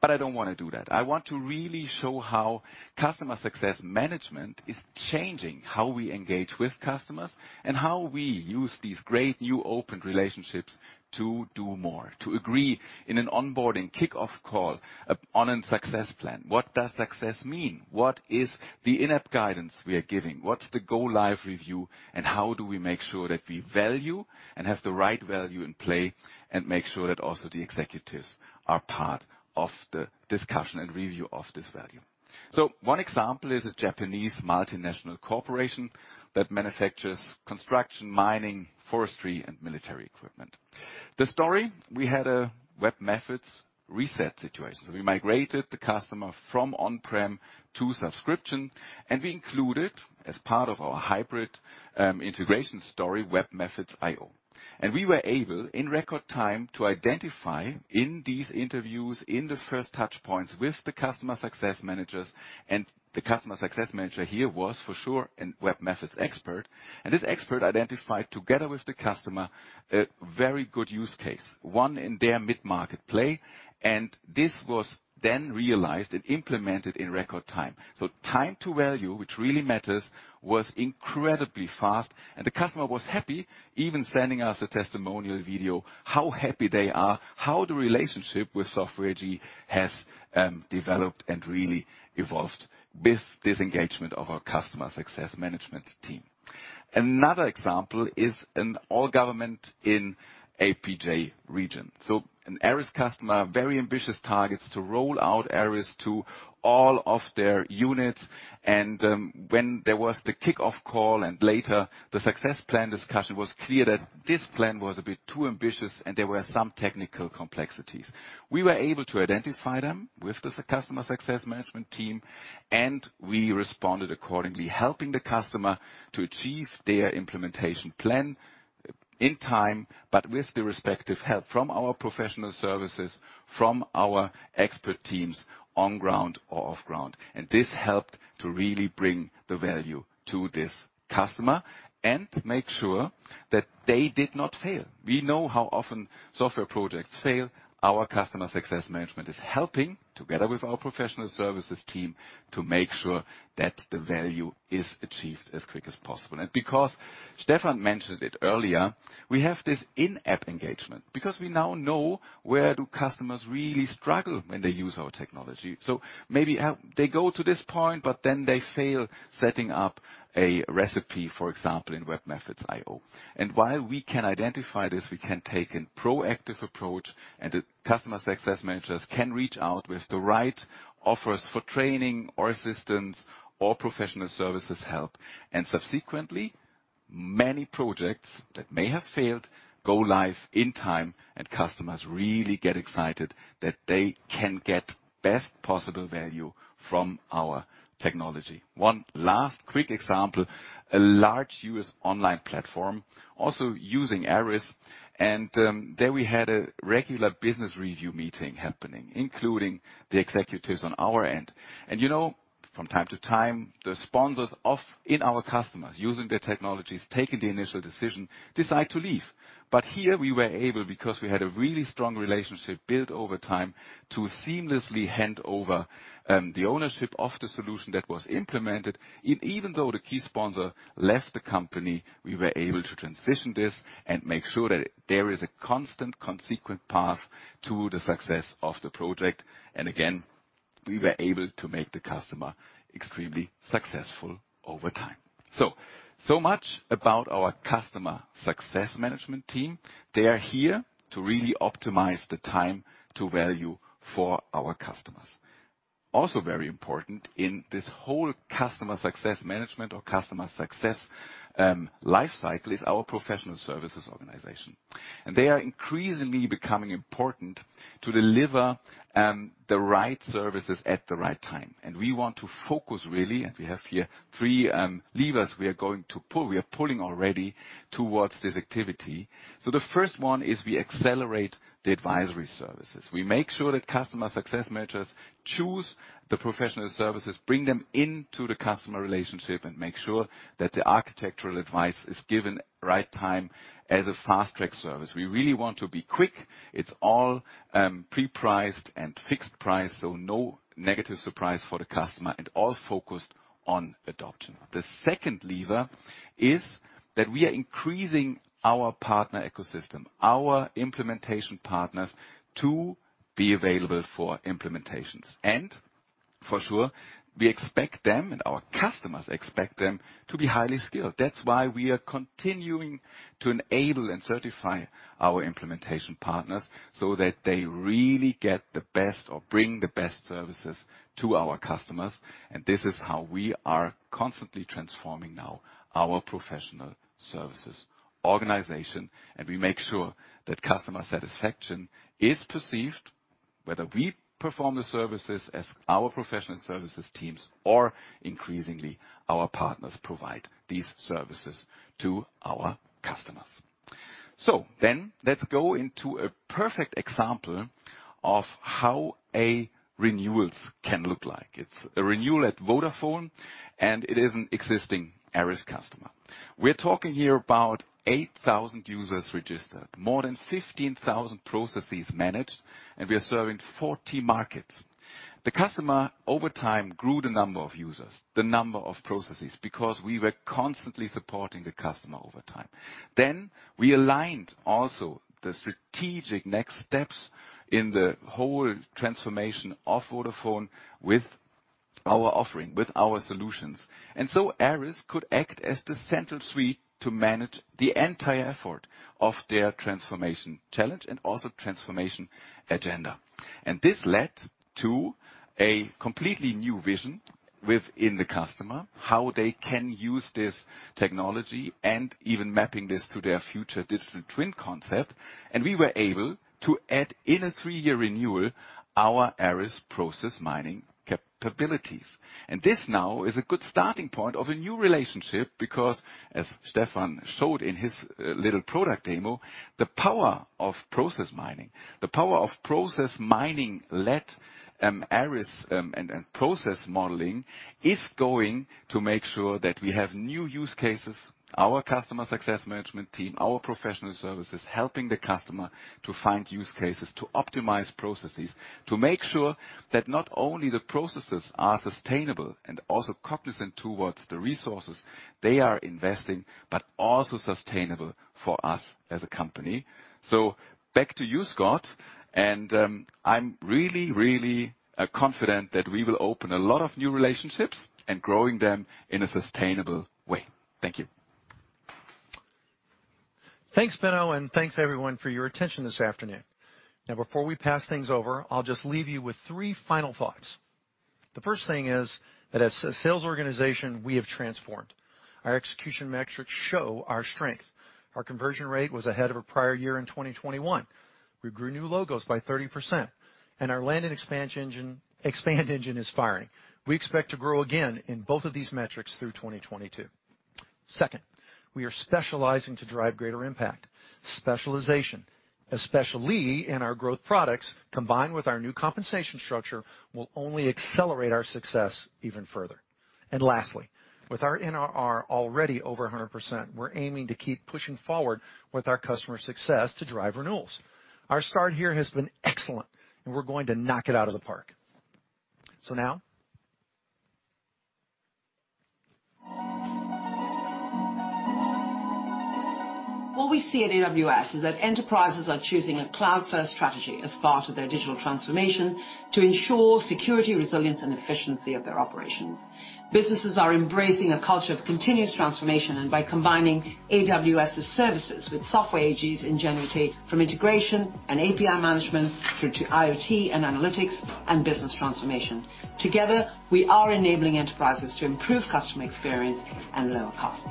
but I don't wanna do that. I want to really show how customer success management is changing how we engage with customers and how we use these great new opened relationships to do more, to agree. In an onboarding kickoff call, on a success plan, what does success mean? What is the in-app guidance we are giving? What's the go live review? How do we make sure that we value and have the right value in play, and make sure that also the executives are part of the discussion and review of this value? One example is a Japanese multinational corporation that manufactures construction, mining, forestry, and military equipment. The story, we had a webMethods reset situation. We migrated the customer from on-prem to subscription, and we included, as part of our hybrid, integration story, webMethods.io. We were able, in record time, to identify in these interviews, in the first touch points with the customer success managers, and the customer success manager here was for sure a webMethods expert. This expert identified, together with the customer, a very good use case, one in their mid-market play. This was then realized and implemented in record time. Time to value, which really matters, was incredibly fast, and the customer was happy, even sending us a testimonial video, how happy they are, how the relationship with Software AG has developed and really evolved with this engagement of our customer success management team. Another example is a local government in APJ region. An ARIS customer, very ambitious targets to roll out ARIS to all of their units. When there was the kickoff call and later the success plan discussion, it was clear that this plan was a bit too ambitious, and there were some technical complexities. We were able to identify them with the customer success management team, and we responded accordingly, helping the customer to achieve their implementation plan in time, but with the respective help from our professional services, from our expert teams on ground or off ground. This helped to really bring the value to this customer and make sure that they did not fail. We know how often software projects fail. Our customer success management is helping, together with our professional services team, to make sure that the value is achieved as quick as possible. Because Stefan mentioned it earlier, we have this in-app engagement because we now know where do customers really struggle when they use our technology. Maybe, they go to this point, but then they fail setting up a recipe, for example, in webMethods.io. While we can identify this, we can take a proactive approach and the customer success managers can reach out with the right offers for training or assistance or professional services help. Subsequently, many projects that may have failed go live in time and customers really get excited that they can get best possible value from our technology. One last quick example, a large U.S. online platform also using ARIS. There we had a regular business review meeting happening, including the executives on our end. You know, from time to time, the sponsors in our customers using their technologies, taking the initial decision, decide to leave. Here we were able, because we had a really strong relationship built over time, to seamlessly hand over the ownership of the solution that was implemented. Even though the key sponsor left the company, we were able to transition this and make sure that there is a constant consequent path to the success of the project. Again, we were able to make the customer extremely successful over time. So much about our customer success management team. They are here to really optimize the time to value for our customers. Also very important in this whole customer success management or customer success life cycle is our professional services organization. They are increasingly becoming important to deliver the right services at the right time. We want to focus really, and we have here three levers we are going to pull. We are pulling already towards this activity. The first one is we accelerate the advisory services. We make sure that customer success managers choose the professional services, bring them into the customer relationship, and make sure that the architectural advice is given right time as a fast-track service. We really want to be quick. It's all pre-priced and fixed price, so no negative surprise for the customer and all focused on adoption. The second lever is that we are increasing our partner ecosystem, our implementation partners to be available for implementations. For sure, we expect them, and our customers expect them to be highly skilled. That's why we are continuing to enable and certify our implementation partners, so that they really get the best or bring the best services to our customers. This is how we are constantly transforming now our professional services organization. We make sure that customer satisfaction is perceived, whether we perform the services as our professional services teams or increasingly our partners provide these services to our customers. Let's go into a perfect example of how a renewals can look like. It's a renewal at Vodafone, and it is an existing ARIS customer. We're talking here about 8,000 users registered, more than 15,000 processes managed, and we are serving 40 markets. The customer over time grew the number of users, the number of processes, because we were constantly supporting the customer over time. We aligned also the strategic next steps in the whole transformation of Vodafone with our offering with our solutions. ARIS could act as the central suite to manage the entire effort of their transformation challenge and also transformation agenda. This led to a completely new vision within the customer, how they can use this technology and even mapping this to their future digital twin concept. We were able to add, in a three-year renewal, our ARIS Process Mining capabilities. This now is a good starting point of a new relationship because as Stefan showed in his little product demo, the power of process mining, ARIS, and process modeling is going to make sure that we have new use cases, our customer success management team, our professional services, helping the customer to find use cases, to optimize processes, to make sure that not only the processes are sustainable and also cognizant towards the resources they are investing, but also sustainable for us as a company. Back to you, Scott, and I'm really confident that we will open a lot of new relationships and growing them in a sustainable way. Thank you. Thanks, Benno, and thanks, everyone, for your attention this afternoon. Now before we pass things over, I'll just leave you with three final thoughts. The first thing is that as a sales organization, we have transformed. Our execution metrics show our strength. Our conversion rate was ahead of a prior year in 2021. We grew new logos by 30%, and our landing expansion engine is firing. We expect to grow again in both of these metrics through 2022. Second, we are specializing to drive greater impact. Specialization, especially in our growth products, combined with our new compensation structure, will only accelerate our success even further. Lastly, with our NRR already over 100%, we're aiming to keep pushing forward with our customer success to drive renewals. Our start here has been excellent, and we're going to knock it out of the park. Now. What we see at AWS is that enterprises are choosing a cloud-first strategy as part of their digital transformation to ensure security, resilience, and efficiency of their operations. Businesses are embracing a culture of continuous transformation, by combining AWS's services with Software AG's ingenuity from integration and API management through to IoT and analytics and business transformation. Together, we are enabling enterprises to improve customer experience and lower costs.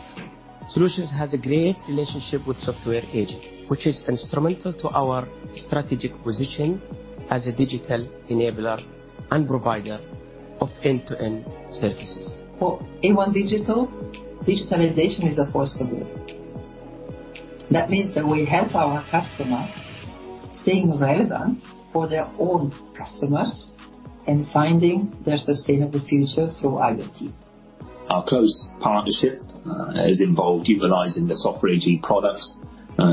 Solutions by stc has a great relationship with Software AG, which is instrumental to our strategic position as a digital enabler and provider of end-to-end services. For A1 Digital, digitalization is a possibility. That means that we help our customer staying relevant for their own customers and finding their sustainable future through IoT. Our close partnership has involved utilizing the Software AG products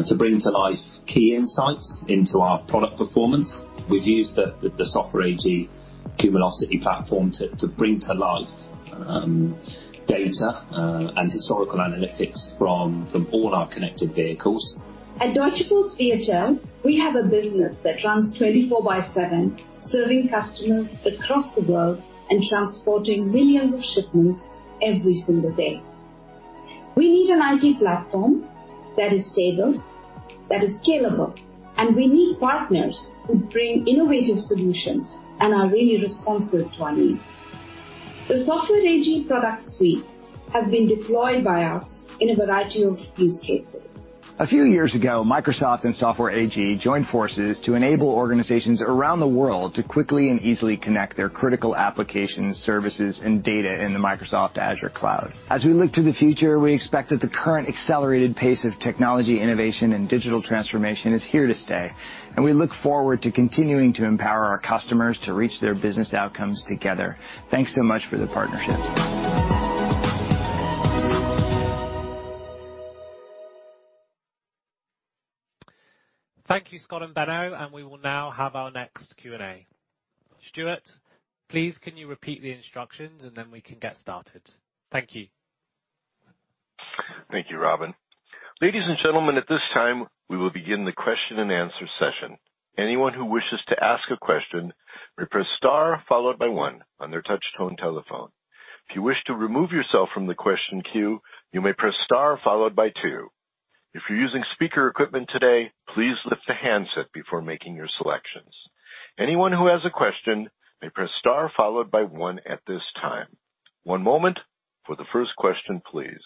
to bring to life key insights into our product performance. We've used the Software AG Cumulocity platform to bring to life data and historical analytics from all our connected vehicles. At Deutsche Post DHL, we have a business that runs 24x7, serving customers across the world and transporting millions of shipments every single day. We need an IT platform that is stable, that is scalable, and we need partners who bring innovative solutions and are really responsive to our needs. The Software AG product suite has been deployed by us in a variety of use cases. A few years ago, Microsoft and Software AG joined forces to enable organizations around the world to quickly and easily connect their critical applications, services, and data in the Microsoft Azure cloud. As we look to the future, we expect that the current accelerated pace of technology innovation and digital transformation is here to stay, and we look forward to continuing to empower our customers to reach their business outcomes together. Thanks so much for the partnership. Thank you, Scott and Benno, and we will now have our next Q&A. Stuart, please can you repeat the instructions and then we can get started? Thank you. Thank you, Robin. Ladies and gentlemen, at this time we will begin the question-and-answer session. Anyone who wishes to ask a question may press star followed by one on their touchtone telephone. If you wish to remove yourself from the question queue, you may press star followed by two. If you're using speaker equipment today, please lift the handset before making your selections. Anyone who has a question may press star followed by one at this time. One moment for the first question, please.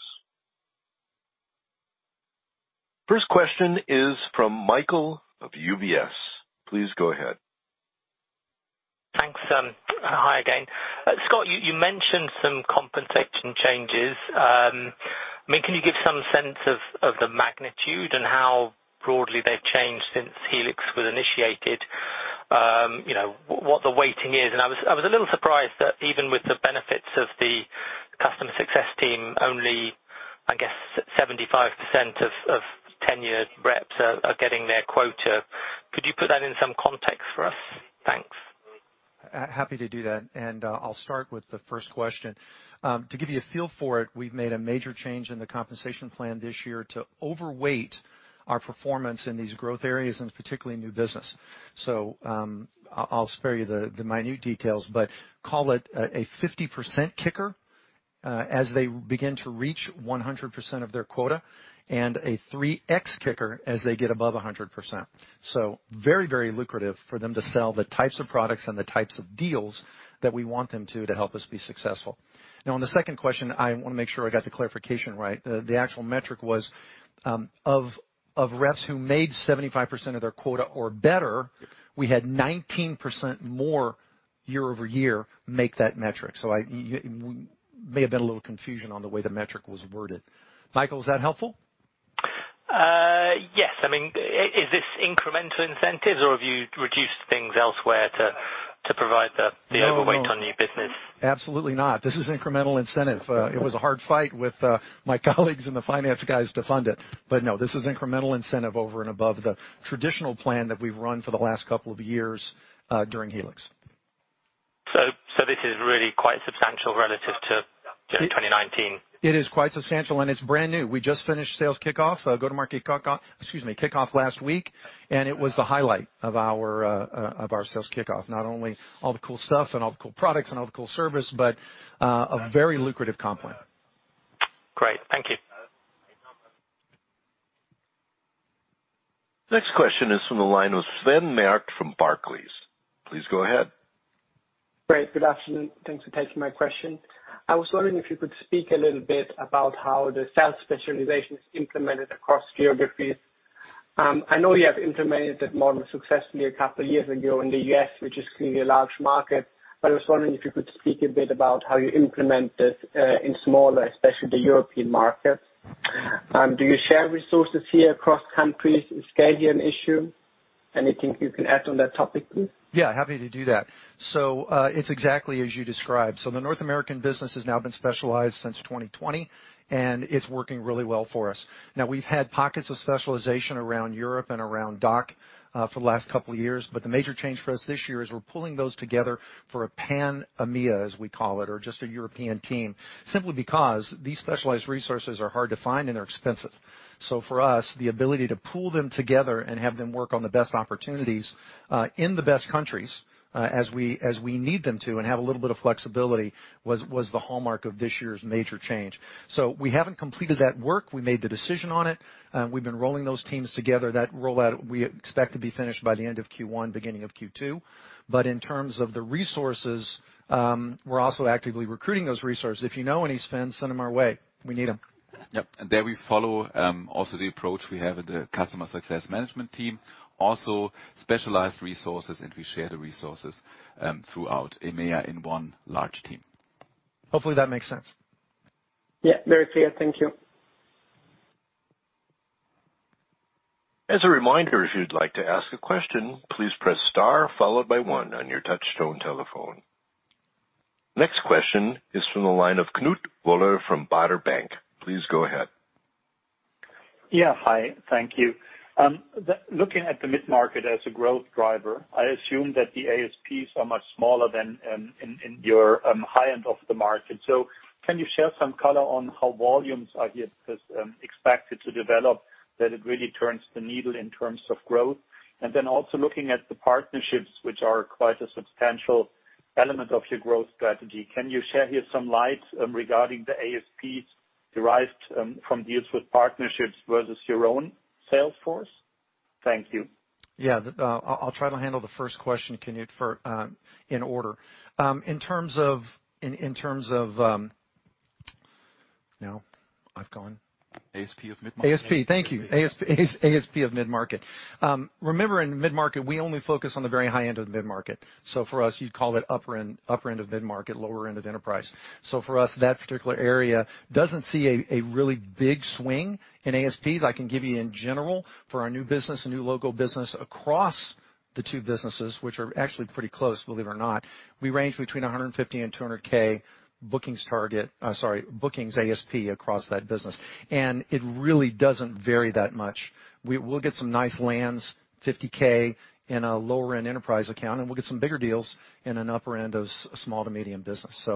First question is from Michael of UBS. Please go ahead. Thanks. Hi again. Scott, you mentioned some compensation changes. I mean, can you give some sense of the magnitude and how broadly they've changed since Helix was initiated? You know, what the weighting is? I was a little surprised that even with the benefits of the customer success team, only, I guess 75% of tenured reps are getting their quota. Could you put that in some context for us? Thanks. Happy to do that. I'll start with the first question. To give you a feel for it, we've made a major change in the compensation plan this year to overweight our performance in these growth areas and particularly new business. I'll spare you the minute details, but call it a 50% kicker as they begin to reach 100% of their quota and a 3x kicker as they get above 100%. Very, very lucrative for them to sell the types of products and the types of deals that we want them to help us be successful. Now, on the second question, I wanna make sure I got the clarification right. The actual metric was of reps who made 75% of their quota or better. We had 19% more year-over-year make that metric. There may have been a little confusion on the way the metric was worded. Michael, is that helpful? Yes. I mean, is this incremental incentives or have you reduced things elsewhere to provide the No. Overweight on new business? Absolutely not. This is incremental incentive. It was a hard fight with my colleagues and the finance guys to fund it. No, this is incremental incentive over and above the traditional plan that we've run for the last couple of years, during Helix. This is really quite substantial relative to just 2019. It is quite substantial and it's brand new. We just finished sales kickoff. Our kickoff last week, and it was the highlight of our sales kickoff. Not only all the cool stuff and all the cool products and all the cool service, but a very lucrative comp plan. Great. Thank you. Next question is from the line of Sven Merkt from Barclays. Please go ahead. Great. Good afternoon. Thanks for taking my question. I was wondering if you could speak a little bit about how the sales specialization is implemented across geographies. I know you have implemented that model successfully a couple of years ago in the U.S., which is clearly a large market, but I was wondering if you could speak a bit about how you implement this, in smaller, especially the European markets. Do you share resources here across countries? Is scale here an issue? Anything you can add on that topic, please? Yeah, happy to do that. It's exactly as you described. The North American business has now been specialized since 2020, and it's working really well for us. Now, we've had pockets of specialization around Europe and around DACH for the last couple of years, but the major change for us this year is we're pulling those together for a Pan EMEA, as we call it, or just a European team. Simply because these specialized resources are hard to find and they're expensive. For us, the ability to pool them together and have them work on the best opportunities in the best countries as we need them to and have a little bit of flexibility was the hallmark of this year's major change. We haven't completed that work. We made the decision on it. We've been rolling those teams together. That rollout, we expect to be finished by the end of Q1, beginning of Q2. In terms of the resources, we're also actively recruiting those resources. If you know any, Sven, send them our way, we need them. Yep. There we follow also the approach we have in the customer success management team. Also, specialized resources, and we share the resources throughout EMEA in one large team. Hopefully that makes sense. Yeah, very clear. Thank you. As a reminder, if you'd like to ask a question, please press star followed by one on your touchtone telephone. Next question is from the line of Knut Woller from Baader Bank. Please go ahead. Yeah. Hi, thank you. Looking at the mid-market as a growth driver, I assume that the ASPs are much smaller than in your high end of the market. Can you share some color on how volumes are here expected to develop that it really turns the needle in terms of growth? Looking at the partnerships, which are quite a substantial element of your growth strategy, can you shed some light regarding the ASPs derived from deals with partnerships versus your own sales force? Thank you. Yeah. I'll try to handle the first question, Knut, for in order. In terms of Now I've gone. ASP of mid-market. Thank you. ASP of mid-market. Remember, in mid-market, we only focus on the very high end of the mid-market. For us, you'd call it upper end, upper end of mid-market, lower end of enterprise. For us, that particular area doesn't see a really big swing in ASPs. I can give you in general, for our new business and new local business across the two businesses, which are actually pretty close, believe it or not, we range between 150,000 and 200,000 bookings target. Sorry, bookings ASP across that business. It really doesn't vary that much. We'll get some nice lands, 50,000 in a lower-end enterprise account, and we'll get some bigger deals in an upper end of small to medium business.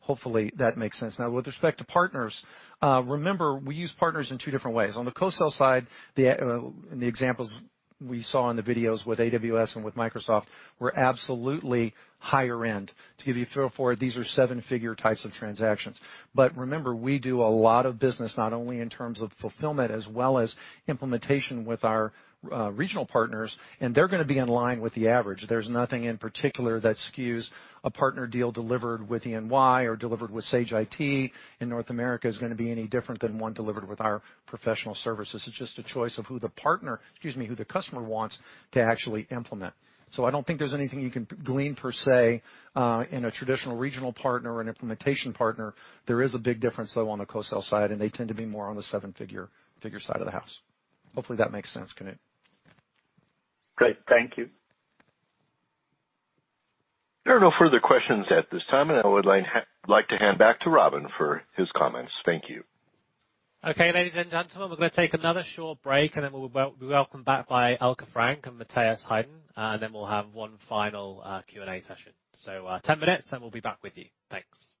Hopefully that makes sense. Now with respect to partners, remember, we use partners in two different ways. On the co-sell side, the examples we saw in the videos with AWS and with Microsoft were absolutely higher end. To give you a feel for it, these are seven-figure types of transactions. Remember, we do a lot of business not only in terms of fulfillment as well as implementation with our regional partners, and they're gonna be in line with the average. There's nothing in particular that skews a partner deal delivered with NTT or delivered with Sage IT in North America is gonna be any different than one delivered with our professional services. It's just a choice of who the partner, excuse me, who the customer wants to actually implement. I don't think there's anything you can glean per se in a traditional regional partner or an implementation partner. There is a big difference, though, on the co-sell side, and they tend to be more on the seven-figure side of the house. Hopefully that makes sense, Knut. Great. Thank you. There are no further questions at this time, and I would like to hand back to Robin Colman for his comments. Thank you. Okay, ladies and gentlemen, we're gonna take another short break and then we'll be welcomed back by Elke Frank and Matthias Heiden, then we'll have one final Q&A session. 10 minutes, and we'll be back with you. Thanks.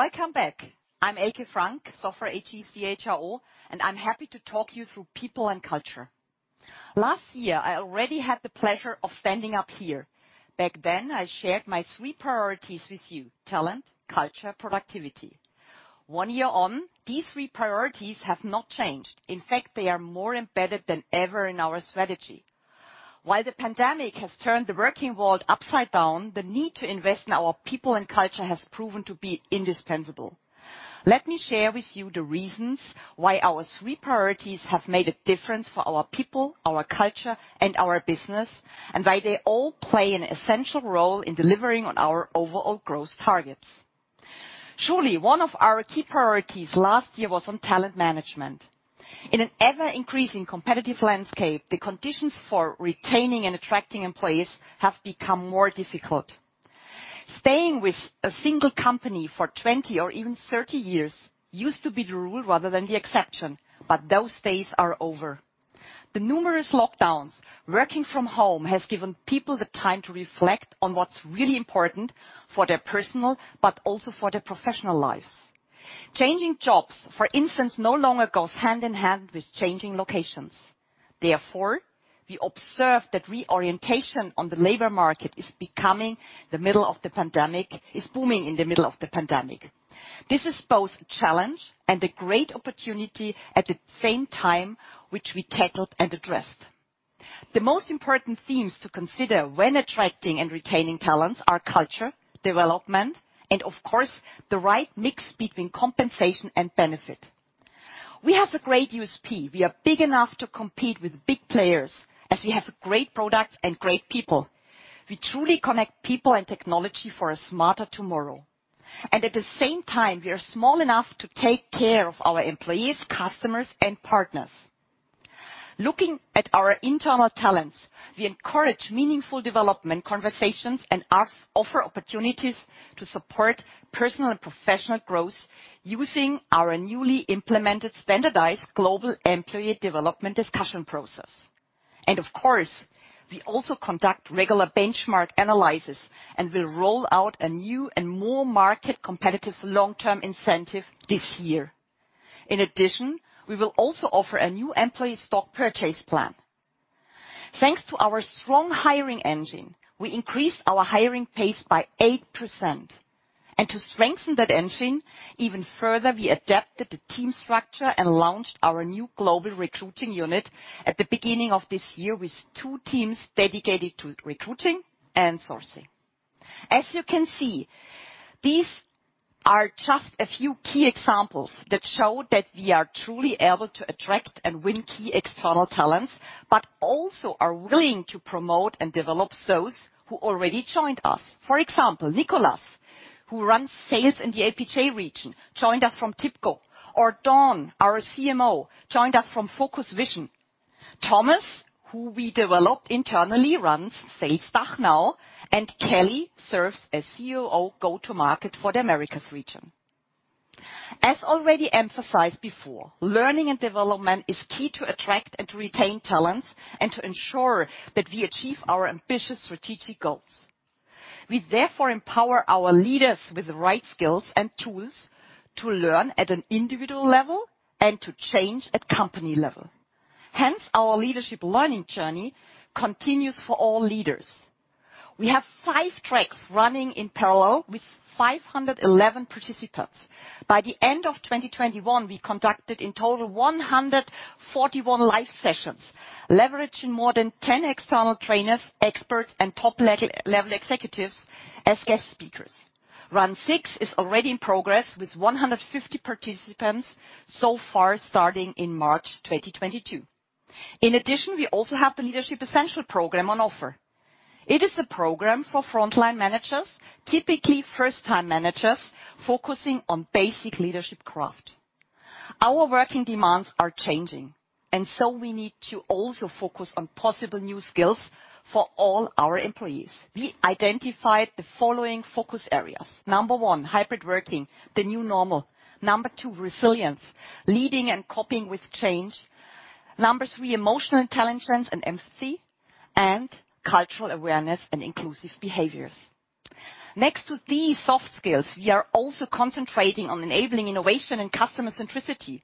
Welcome back. I'm Elke Frank, Software AG CHRO, and I'm happy to talk you through people and culture. Last year, I already had the pleasure of standing up here. Back then, I shared my three priorities with you: talent, culture, productivity. One year on, these three priorities have not changed. In fact, they are more embedded than ever in our strategy. While the pandemic has turned the working world upside down, the need to invest in our people and culture has proven to be indispensable. Let me share with you the reasons why our three priorities have made a difference for our people, our culture, and our business, and why they all play an essential role in delivering on our overall growth targets. Surely, one of our key priorities last year was on talent management. In an ever-increasing competitive landscape, the conditions for retaining and attracting employees have become more difficult. Staying with a single company for 20 or even 30 years used to be the rule rather than the exception, but those days are over. The numerous lockdowns, working from home has given people the time to reflect on what's really important for their personal, but also for their professional lives. Changing jobs, for instance, no longer goes hand in hand with changing locations. Therefore, we observe that reorientation on the labor market is booming in the middle of the pandemic. This is both a challenge and a great opportunity at the same time, which we tackled and addressed. The most important themes to consider when attracting and retaining talents are culture, development, and of course, the right mix between compensation and benefit. We have a great USP. We are big enough to compete with big players as we have great products and great people. We truly connect people and technology for a smarter tomorrow. At the same time, we are small enough to take care of our employees, customers, and partners. Looking at our internal talents, we encourage meaningful development conversations and offer opportunities to support personal and professional growth using our newly implemented standardized global employee development discussion process. Of course, we also conduct regular benchmark analysis, and we roll out a new and more market competitive long-term incentive this year. In addition, we will also offer a new employee stock purchase plan. Thanks to our strong hiring engine, we increased our hiring pace by 8%. To strengthen that engine even further, we adapted the team structure and launched our new global recruiting unit at the beginning of this year with two teams dedicated to recruiting and sourcing. As you can see, these are just a few key examples that show that we are truly able to attract and win key external talents, but also are willing to promote and develop those who already joined us. For example, Nicholas, who runs sales in the APJ region, joined us from TIBCO, or Dawn, our CMO, joined us from FocusVision. Thomas, who we developed internally, runs Sales DACH now, and Kelly serves as COO Go-To-Market for the Americas region. As already emphasized before, learning and development is key to attract and to retain talents and to ensure that we achieve our ambitious strategic goals. We therefore empower our leaders with the right skills and tools to learn at an individual level and to change at company level. Hence, our leadership learning journey continues for all leaders. We have five tracks running in parallel with 511 participants. By the end of 2021, we conducted in total 141 live sessions, leveraging more than 10 external trainers, experts, and top-level executives as guest speakers. Run six is already in progress with 150 participants so far starting in March 2022. In addition, we also have the Leadership Essential program on offer. It is a program for frontline managers, typically first-time managers, focusing on basic leadership craft. Our working demands are changing, and so we need to also focus on possible new skills for all our employees. We identified the following focus areas. Number one, hybrid working, the new normal. Number two, resilience, leading and coping with change. Number three, emotional intelligence and empathy, and cultural awareness and inclusive behaviors. Next to these soft skills, we are also concentrating on enabling innovation and customer centricity.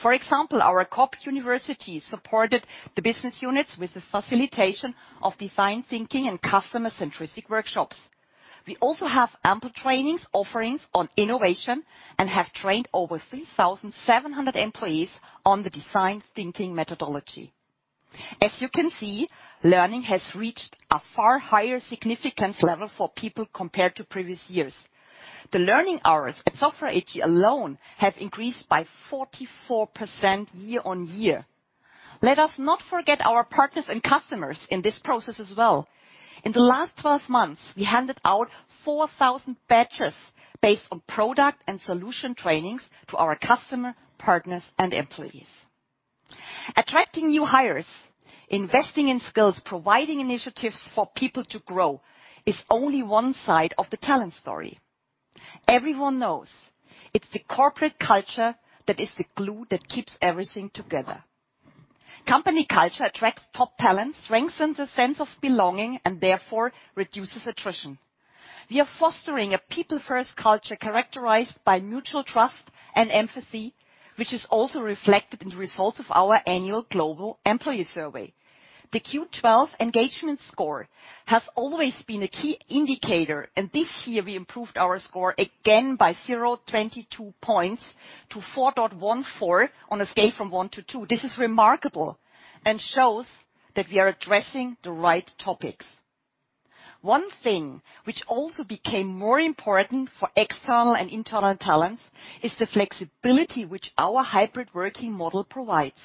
For example, our Corporate University supported the business units with the facilitation of design thinking and customer centricity workshops. We also have ample trainings offerings on innovation and have trained over 3,700 employees on the design thinking methodology. As you can see, learning has reached a far higher significance level for people compared to previous years. The learning hours at Software AG alone have increased by 44% year-on-year. Let us not forget our partners and customers in this process as well. In the last 12 months, we handed out 4,000 batches based on product and solution trainings to our customer, partners, and employees. Attracting new hires, investing in skills, providing initiatives for people to grow is only one side of the talent story. Everyone knows it's the corporate culture that is the glue that keeps everything together. Company culture attracts top talent, strengthens the sense of belonging, and therefore reduces attrition. We are fostering a people-first culture characterized by mutual trust and empathy, which is also reflected in the results of our annual global employee survey. The Q12 engagement score has always been a key indicator, and this year we improved our score again by 0.22 points to 4.14 on a scale from one to five. This is remarkable and shows that we are addressing the right topics. One thing which also became more important for external and internal talents is the flexibility which our hybrid working model provides.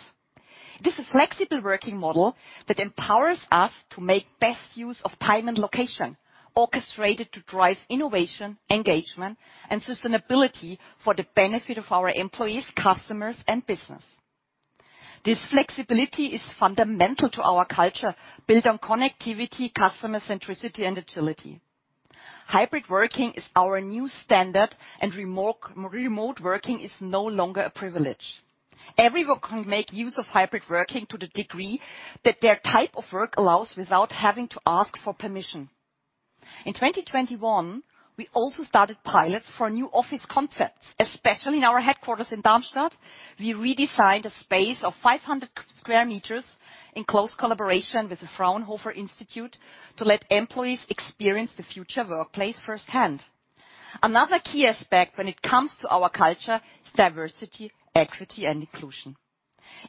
This is flexible working model that empowers us to make best use of time and location, orchestrated to drive innovation, engagement, and sustainability for the benefit of our employees, customers, and business. This flexibility is fundamental to our culture, built on connectivity, customer centricity, and agility. Hybrid working is our new standard and remote working is no longer a privilege. Everyone can make use of hybrid working to the degree that their type of work allows without having to ask for permission. In 2021, we also started pilots for new office concepts, especially in our headquarters in Darmstadt. We redesigned a space of 500 sq m in close collaboration with the Fraunhofer Institute to let employees experience the future workplace firsthand. Another key aspect when it comes to our culture is Diversity, Equity, and Inclusion.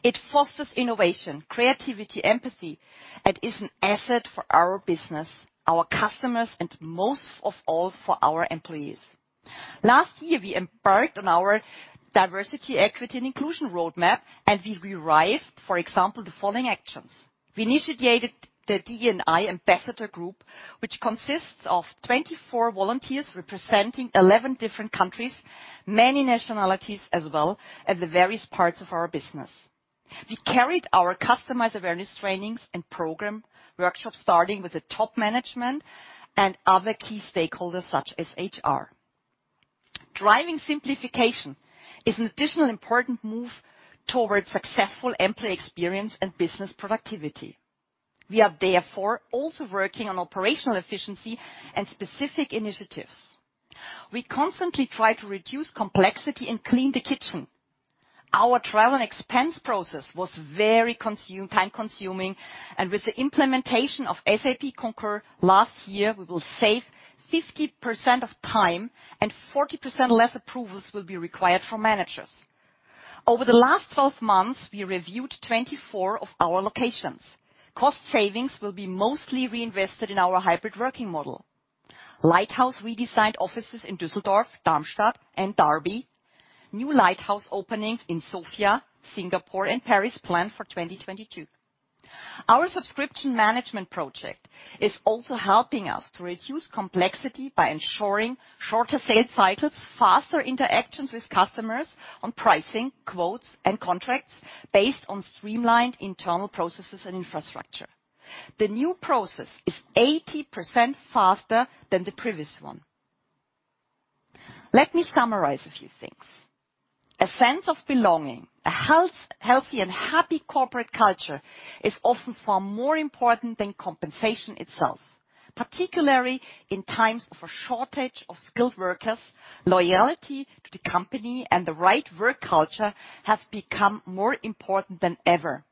It fosters innovation, creativity, empathy, and is an asset for our business, our customers, and most of all, for our employees. Last year, we embarked on our Diversity, Equity, and Inclusion roadmap, and we revised, for example, the following actions. We initiated the D&I ambassador group, which consists of 24 volunteers representing 11 different countries, many nationalities as well, and the various parts of our business. We carried out customized awareness trainings and program workshops, starting with the top management and other key stakeholders such as HR. Driving simplification is an additional important move towards successful employee experience and business productivity. We are therefore also working on operational efficiency and specific initiatives. We constantly try to reduce complexity and clean the kitchen. Our travel and expense process was very time-consuming, and with the implementation of SAP Concur last year, we will save 50% of time and 40% less approvals will be required from managers. Over the last 12 months, we reviewed 24 of our locations. Cost savings will be mostly reinvested in our hybrid working model. Lighthouse redesigned offices in Düsseldorf, Darmstadt, and Derby. New lighthouse openings in Sofia, Singapore, and Paris planned for 2022. Our subscription management project is also helping us to reduce complexity by ensuring shorter sales cycles, faster interactions with customers on pricing, quotes, and contracts based on streamlined internal processes and infrastructure. The new process is 80% faster than the previous one. Let me summarize a few things. A sense of belonging, a healthy and happy corporate culture is often far more important than compensation itself, particularly in times of a shortage of skilled workers. Loyalty to the company and the right work culture have become more important than ever.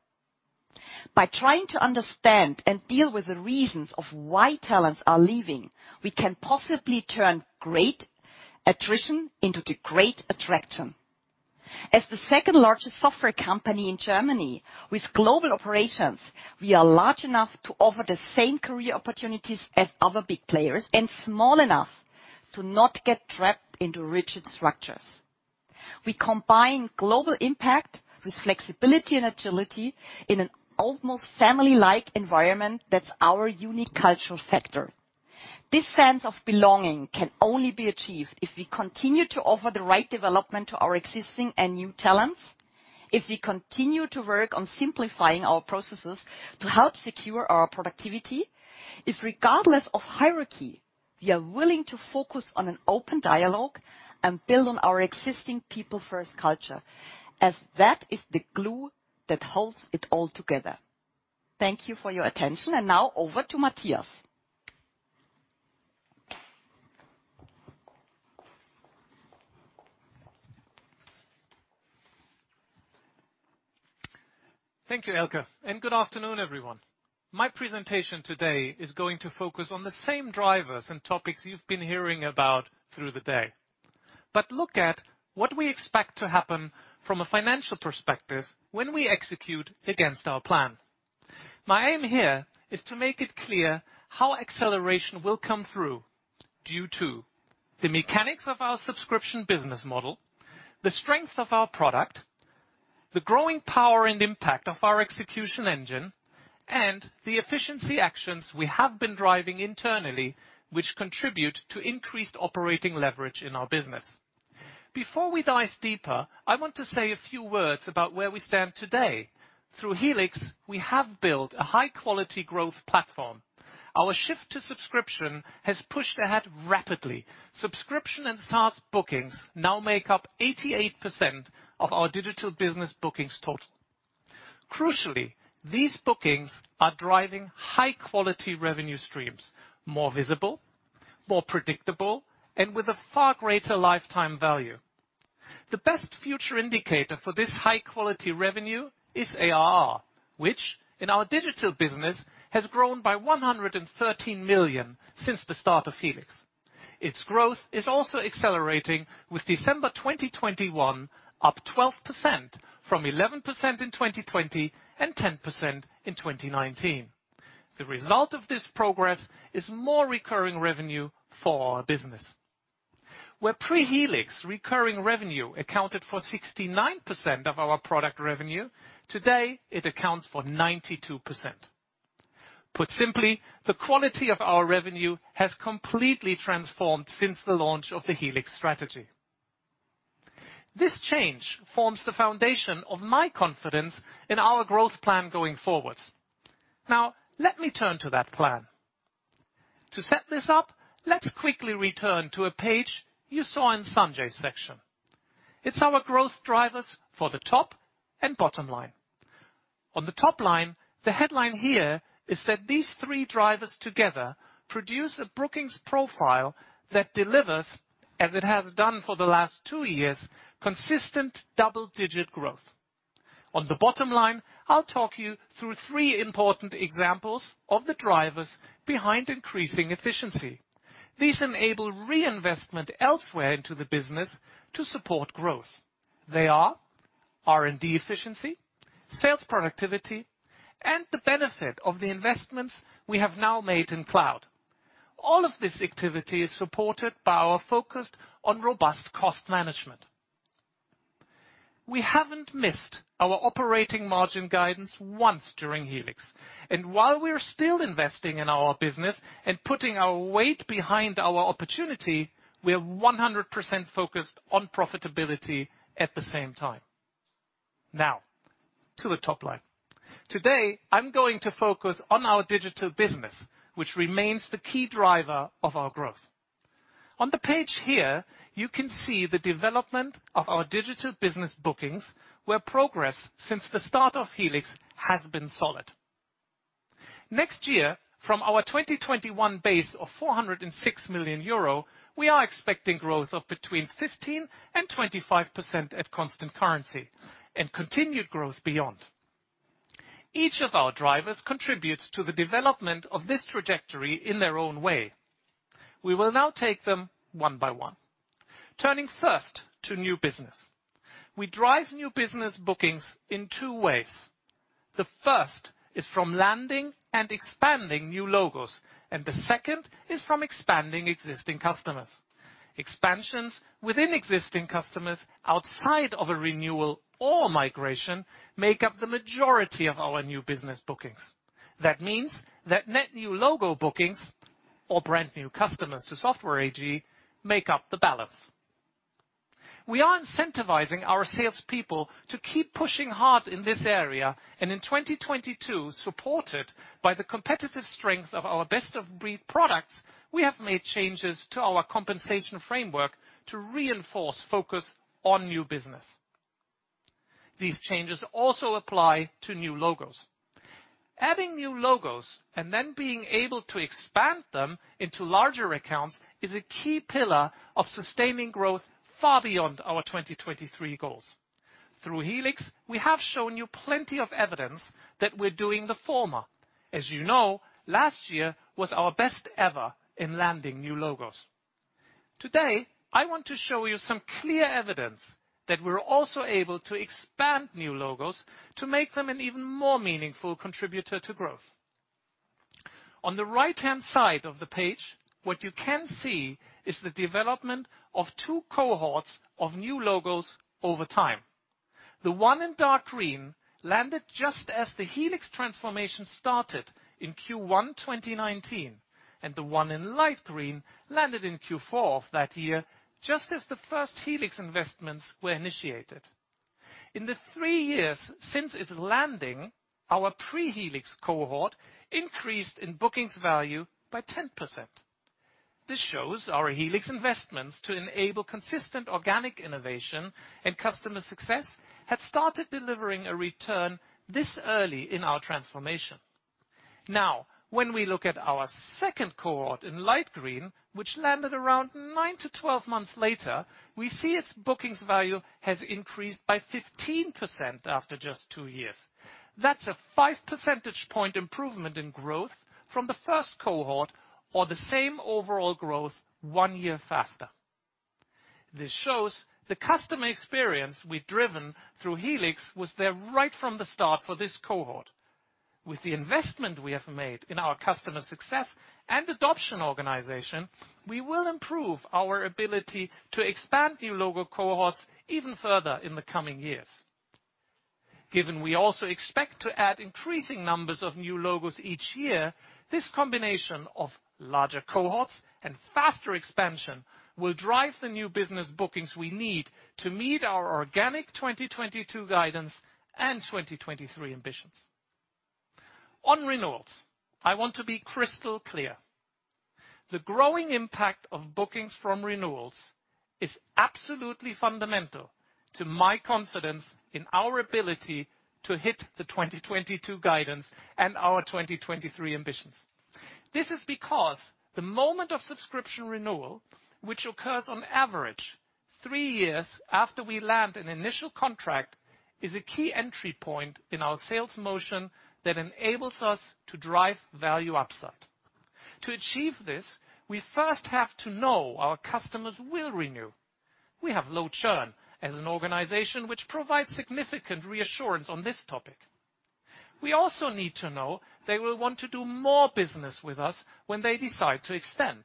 By trying to understand and deal with the reasons of why talents are leaving, we can possibly turn great attrition into the great attraction. As the second-largest software company in Germany with global operations, we are large enough to offer the same career opportunities as other big players and small enough to not get trapped into rigid structures. We combine global impact with flexibility and agility in an almost family-like environment that's our unique cultural factor. This sense of belonging can only be achieved if we continue to offer the right development to our existing and new talents, if we continue to work on simplifying our processes to help secure our productivity, if regardless of hierarchy, we are willing to focus on an open dialogue and build on our existing people-first culture, as that is the glue that holds it all together. Thank you for your attention. Now over to Matthias. Thank you, Elke, and good afternoon, everyone. My presentation today is going to focus on the same drivers and topics you've been hearing about through the day. Look at what we expect to happen from a financial perspective when we execute against our plan. My aim here is to make it clear how acceleration will come through due to the mechanics of our subscription business model, the strength of our product, the growing power and impact of our execution engine, and the efficiency actions we have been driving internally which contribute to increased operating leverage in our business. Before we dive deeper, I want to say a few words about where we stand today. Through Helix, we have built a high quality growth platform. Our shift to subscription has pushed ahead rapidly. Subscription and SaaS bookings now make up 88% of our digital business bookings total. Crucially, these bookings are driving high quality revenue streams, more visible, more predictable, and with a far greater lifetime value. The best future indicator for this high quality revenue is ARR, which in our digital business has grown by 113 million since the start of Helix. Its growth is also accelerating with December 2021 up 12% from 11% in 2020 and 10% in 2019. The result of this progress is more recurring revenue for our business. Where pre-Helix recurring revenue accounted for 69% of our product revenue, today it accounts for 92%. Put simply, the quality of our revenue has completely transformed since the launch of the Helix strategy. This change forms the foundation of my confidence in our growth plan going forward. Now let me turn to that plan. To set this up, let's quickly return to a page you saw in Sanjay's section. It's our growth drivers for the top and bottom line. On the top line, the headline here is that these three drivers together produce a robust profile that delivers, as it has done for the last two years, consistent double-digit growth. On the bottom line, I'll talk you through three important examples of the drivers behind increasing efficiency. These enable reinvestment elsewhere into the business to support growth. They are R&D efficiency, sales productivity, and the benefit of the investments we have now made in cloud. All of this activity is supported by our focus on robust cost management. We haven't missed our operating margin guidance once during Helix, and while we're still investing in our business and putting our weight behind our opportunity, we are 100% focused on profitability at the same time. Now to the top line. Today I'm going to focus on our digital business, which remains the key driver of our growth. On the page here, you can see the development of our digital business bookings where progress since the start of Helix has been solid. Next year, from our 2021 base of 406 million euro, we are expecting growth of between 15% and 25% at constant currency and continued growth beyond. Each of our drivers contributes to the development of this trajectory in their own way. We will now take them one by one. Turning first to new business. We drive new business bookings in two ways. The first is from landing and expanding new logos, and the second is from expanding existing customers. Expansions within existing customers outside of a renewal or migration make up the majority of our new business bookings. That means that net new logo bookings or brand new customers to Software AG make up the balance. We are incentivizing our salespeople to keep pushing hard in this area, and in 2022, supported by the competitive strength of our best-of-breed products, we have made changes to our compensation framework to reinforce focus on new business. These changes also apply to new logos. Adding new logos and then being able to expand them into larger accounts is a key pillar of sustaining growth far beyond our 2023 goals. Through Helix, we have shown you plenty of evidence that we're doing the former. As you know, last year was our best ever in landing new logos. Today, I want to show you some clear evidence that we're also able to expand new logos to make them an even more meaningful contributor to growth. On the right-hand side of the page, what you can see is the development of two cohorts of new logos over time. The one in dark green landed just as the Helix transformation started in Q1 2019, and the one in light green landed in Q4 of that year, just as the first Helix investments were initiated. In the three years since its landing, our pre-Helix cohort increased in bookings value by 10%. This shows our Helix investments to enable consistent organic innovation and customer success had started delivering a return this early in our transformation. Now, when we look at our second cohort in light green, which landed around 9-12 months later, we see its bookings value has increased by 15% after just two years. That's a five percentage point improvement in growth from the first cohort or the same overall growth one year faster. This shows the customer experience we've driven through Helix was there right from the start for this cohort. With the investment we have made in our customer success and adoption organization, we will improve our ability to expand new logo cohorts even further in the coming years. Given we also expect to add increasing numbers of new logos each year, this combination of larger cohorts and faster expansion will drive the new business bookings we need to meet our organic 2022 guidance and 2023 ambitions. On renewals, I want to be crystal clear. The growing impact of bookings from renewals is absolutely fundamental to my confidence in our ability to hit the 2022 guidance and our 2023 ambitions. This is because the moment of subscription renewal, which occurs on average three years after we land an initial contract, is a key entry point in our sales motion that enables us to drive value upside. To achieve this, we first have to know our customers will renew. We have low churn as an organization which provides significant reassurance on this topic. We also need to know they will want to do more business with us when they decide to extend.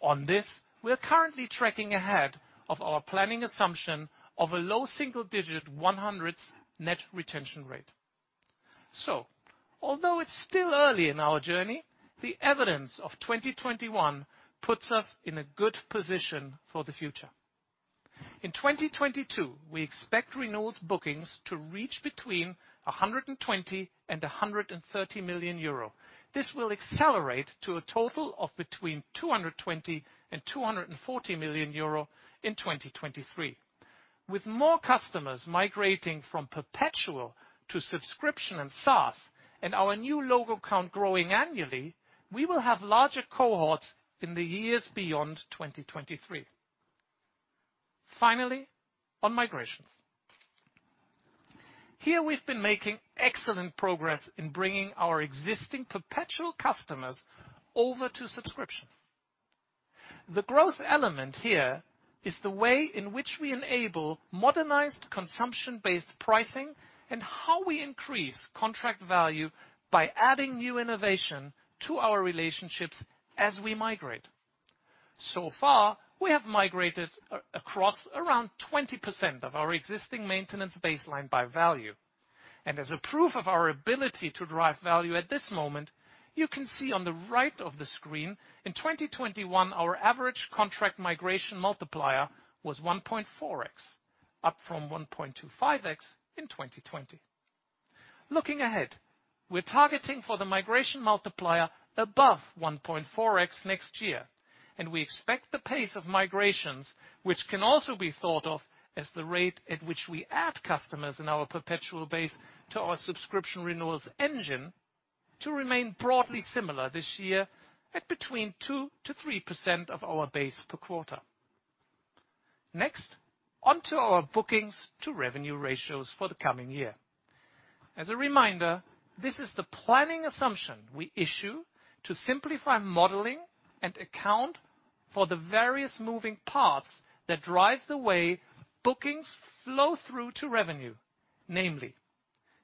On this, we're currently tracking ahead of our planning assumption of a low single-digit 100s net retention rate. Although it's still early in our journey, the evidence of 2021 puts us in a good position for the future. In 2022, we expect renewals bookings to reach between 120 million and 130 million euro. This will accelerate to a total of between 220 million and 240 million euro in 2023. With more customers migrating from perpetual to subscription and SaaS, and our new logo count growing annually, we will have larger cohorts in the years beyond 2023. Finally, on migrations. Here we've been making excellent progress in bringing our existing perpetual customers over to subscription. The growth element here is the way in which we enable modernized consumption-based pricing, and how we increase contract value by adding new innovation to our relationships as we migrate. So far, we have migrated across around 20% of our existing maintenance baseline by value. As a proof of our ability to drive value at this moment, you can see on the right of the screen in 2021, our average contract migration multiplier was 1.4x, up from 1.25x in 2020. Looking ahead, we're targeting for the migration multiplier above 1.4x next year, and we expect the pace of migrations, which can also be thought of as the rate at which we add customers in our perpetual base to our subscription renewals engine, to remain broadly similar this year at between 2%-3% of our base per quarter. Next, on to our bookings to revenue ratios for the coming year. As a reminder, this is the planning assumption we issue to simplify modeling and account for the various moving parts that drive the way bookings flow through to revenue, namely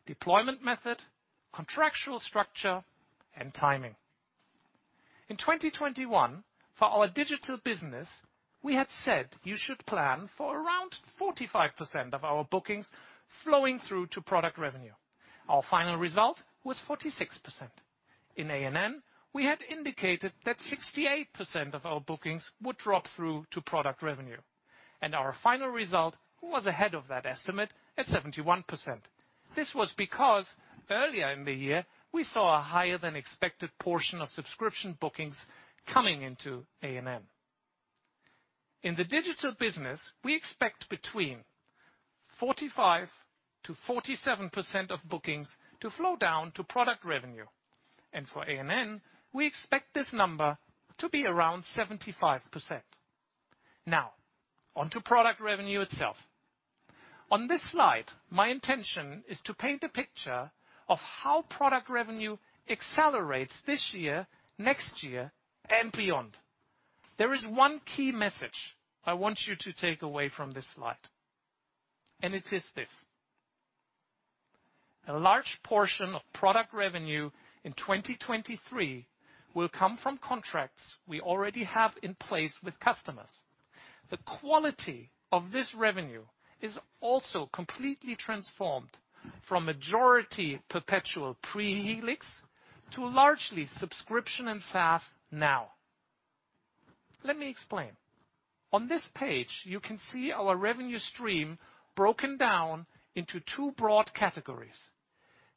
deployment method, contractual structure, and timing. In 2021, for our digital business, we had said you should plan for around 45% of our bookings flowing through to product revenue. Our final result was 46%. In A&N, we had indicated that 68% of our bookings would drop through to product revenue, and our final result was ahead of that estimate at 71%. This was because earlier in the year, we saw a higher than expected portion of subscription bookings coming into A&N. In the digital business, we expect between 45%-47% of bookings to flow down to product revenue. For A&N, we expect this number to be around 75%. Now on to product revenue itself. On this slide, my intention is to paint a picture of how product revenue accelerates this year, next year, and beyond. There is one key message I want you to take away from this slide, and it is this: a large portion of product revenue in 2023 will come from contracts we already have in place with customers. The quality of this revenue is also completely transformed from majority perpetual pre-Helix to largely subscription and SaaS now. Let me explain. On this page, you can see our revenue stream broken down into two broad categories.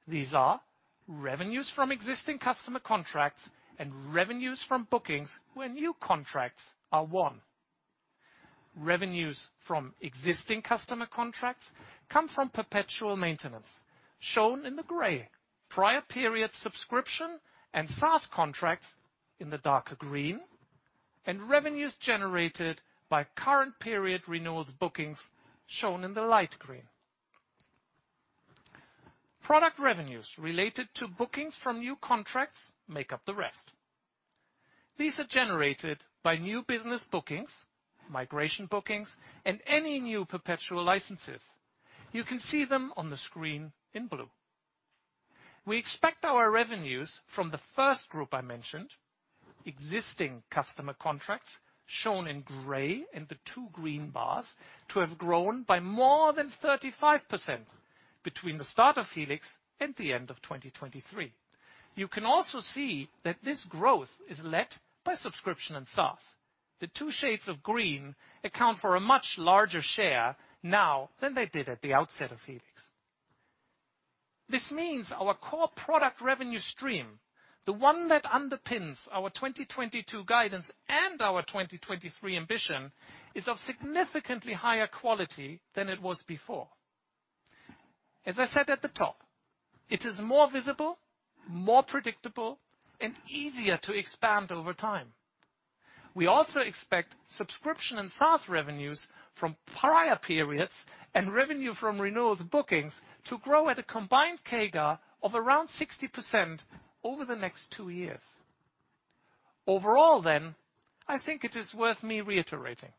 These are revenues from existing customer contracts and revenues from bookings where new contracts are won. Revenues from existing customer contracts come from perpetual maintenance, shown in the gray. Prior period subscription and SaaS contracts in the darker green, and revenues generated by current period renewals bookings shown in the light green. Product revenues related to bookings from new contracts make up the rest. These are generated by new business bookings, migration bookings, and any new perpetual licenses. You can see them on the screen in blue. We expect our revenues from the first group I mentioned, existing customer contracts shown in gray and the two green bars, to have grown by more than 35% between the start of Helix and the end of 2023. You can also see that this growth is led by subscription and SaaS. The two shades of green account for a much larger share now than they did at the outset of Helix. This means our core product revenue stream, the one that underpins our 2022 guidance and our 2023 ambition, is of significantly higher quality than it was before. As I said at the top, it is more visible, more predictable, and easier to expand over time. We also expect subscription and SaaS revenues from prior periods and revenue from renewals bookings to grow at a combined CAGR of around 60% over the next two years. Overall then, I think it is worth me reiterating.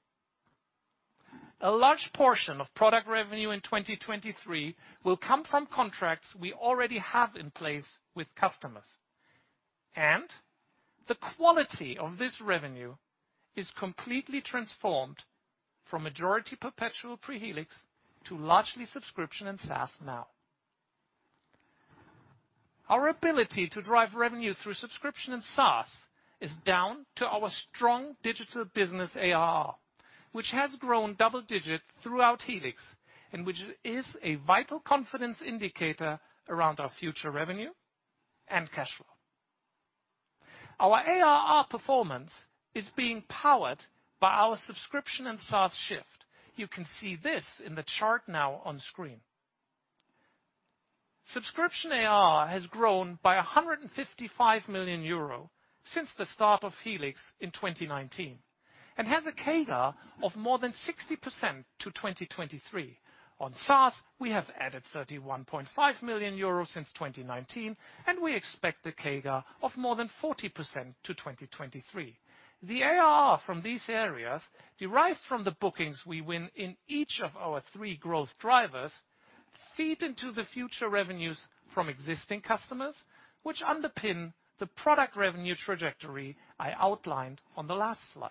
A large portion of product revenue in 2023 will come from contracts we already have in place with customers. The quality of this revenue is completely transformed from majority perpetual pre-Helix to largely subscription and SaaS now. Our ability to drive revenue through subscription and SaaS is down to our strong digital business ARR, which has grown double-digit throughout Helix, and which is a vital confidence indicator around our future revenue and cash flow. Our ARR performance is being powered by our subscription and SaaS shift. You can see this in the chart now on screen. Subscription ARR has grown by 155 million euro since the start of Helix in 2019, and has a CAGR of more than 60% to 2023. On SaaS, we have added 31.5 million euros since 2019, and we expect a CAGR of more than 40% to 2023. The ARR from these areas derives from the bookings we win in each of our three growth drivers, feed into the future revenues from existing customers, which underpin the product revenue trajectory I outlined on the last slide.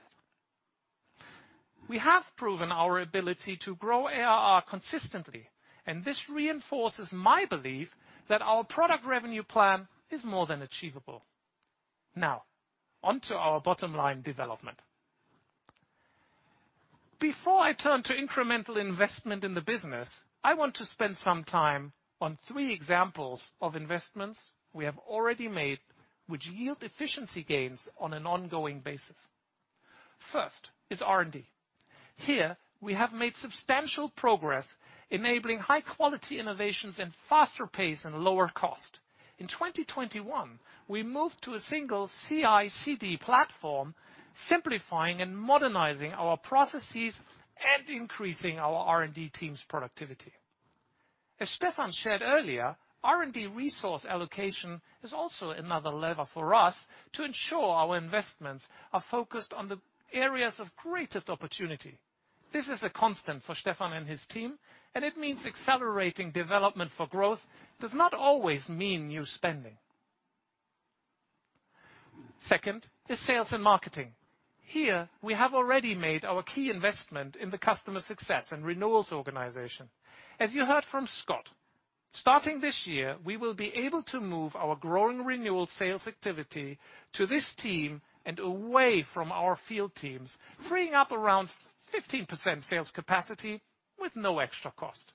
We have proven our ability to grow ARR consistently, and this reinforces my belief that our product revenue plan is more than achievable. Now, on to our bottom line development. Before I turn to incremental investment in the business, I want to spend some time on three examples of investments we have already made which yield efficiency gains on an ongoing basis. First is R&D. Here, we have made substantial progress enabling high-quality innovations in faster pace and lower cost. In 2021, we moved to a single CI/CD platform, simplifying and modernizing our processes and increasing our R&D team's productivity. As Stefan shared earlier, R&D resource allocation is also another lever for us to ensure our investments are focused on the areas of greatest opportunity. This is a constant for Stefan and his team, and it means accelerating development for growth does not always mean new spending. Second is sales and marketing. Here, we have already made our key investment in the customer success and renewals organization. As you heard from Scott, starting this year, we will be able to move our growing renewal sales activity to this team and away from our field teams, freeing up around 15% sales capacity with no extra cost.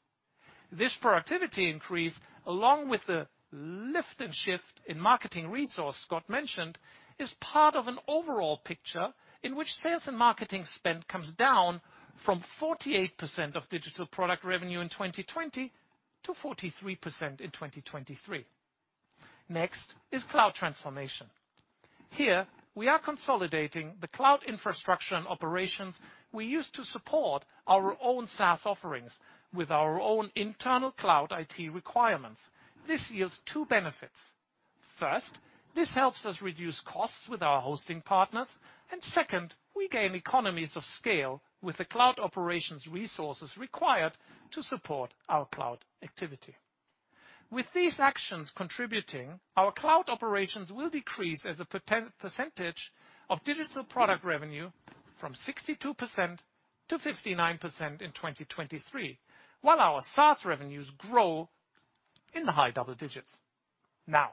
This productivity increase, along with the lift and shift in marketing resource Scott mentioned, is part of an overall picture in which sales and marketing spend comes down from 48% of digital product revenue in 2020 to 43% in 2023. Next is cloud transformation. Here, we are consolidating the cloud infrastructure and operations we use to support our own SaaS offerings with our own internal cloud IT requirements. This yields two benefits. First, this helps us reduce costs with our hosting partners, and second, we gain economies of scale with the cloud operations resources required to support our cloud activity. With these actions contributing, our cloud operations will decrease as a percentage of digital product revenue from 62%-59% in 2023, while our SaaS revenues grow in the high double digits. Now,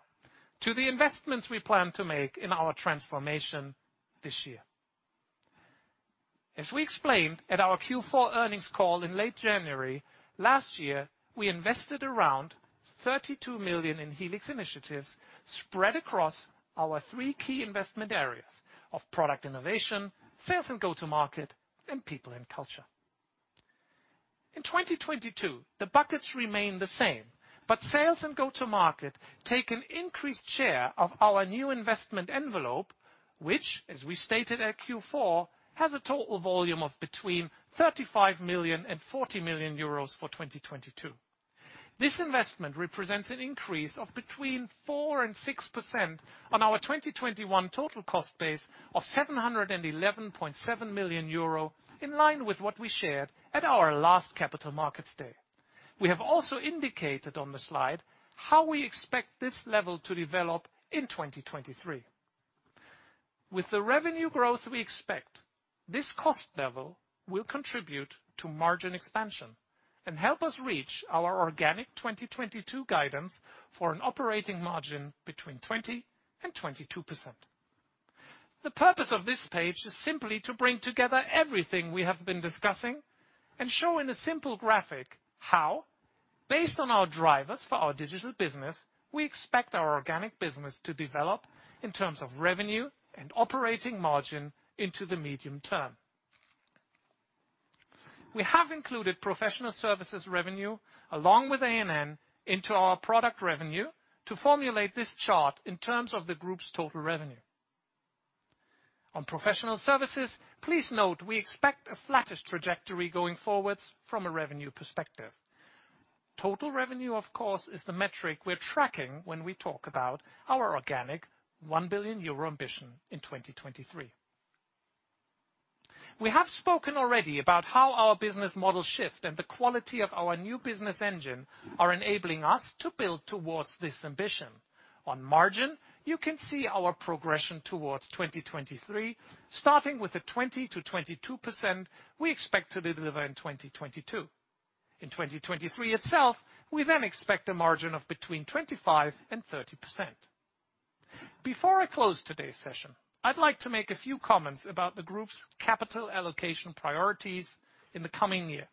to the investments we plan to make in our transformation this year. As we explained at our Q4 earnings call in late January, last year, we invested around 32 million in Helix initiatives spread across our three key investment areas of product innovation, sales and go-to market, and people and culture. In 2022, the buckets remain the same, but sales and go-to market take an increased share of our new investment envelope, which, as we stated at Q4, has a total volume of between 35 million and 40 million euros for 2022. This investment represents an increase of between 4% and 6% on our 2021 total cost base of 711.7 million euro in line with what we shared at our last Capital Markets Day. We have also indicated on the slide how we expect this level to develop in 2023. With the revenue growth we expect, this cost level will contribute to margin expansion and help us reach our organic 2022 guidance for an operating margin between 20% and 22%. The purpose of this page is simply to bring together everything we have been discussing and show in a simple graphic how, based on our drivers for our digital business, we expect our organic business to develop in terms of revenue and operating margin into the medium term. We have included professional services revenue along with A&N into our product revenue to formulate this chart in terms of the group's total revenue. On professional services, please note we expect a flattish trajectory going forwards from a revenue perspective. Total revenue, of course, is the metric we're tracking when we talk about our organic 1 billion euro ambition in 2023. We have spoken already about how our business model shift and the quality of our new business engine are enabling us to build towards this ambition. On margin, you can see our progression towards 2023, starting with the 20%-22% we expect to deliver in 2022. In 2023 itself, we then expect a margin of between 25% and 30%. Before I close today's session, I'd like to make a few comments about the group's capital allocation priorities in the coming year.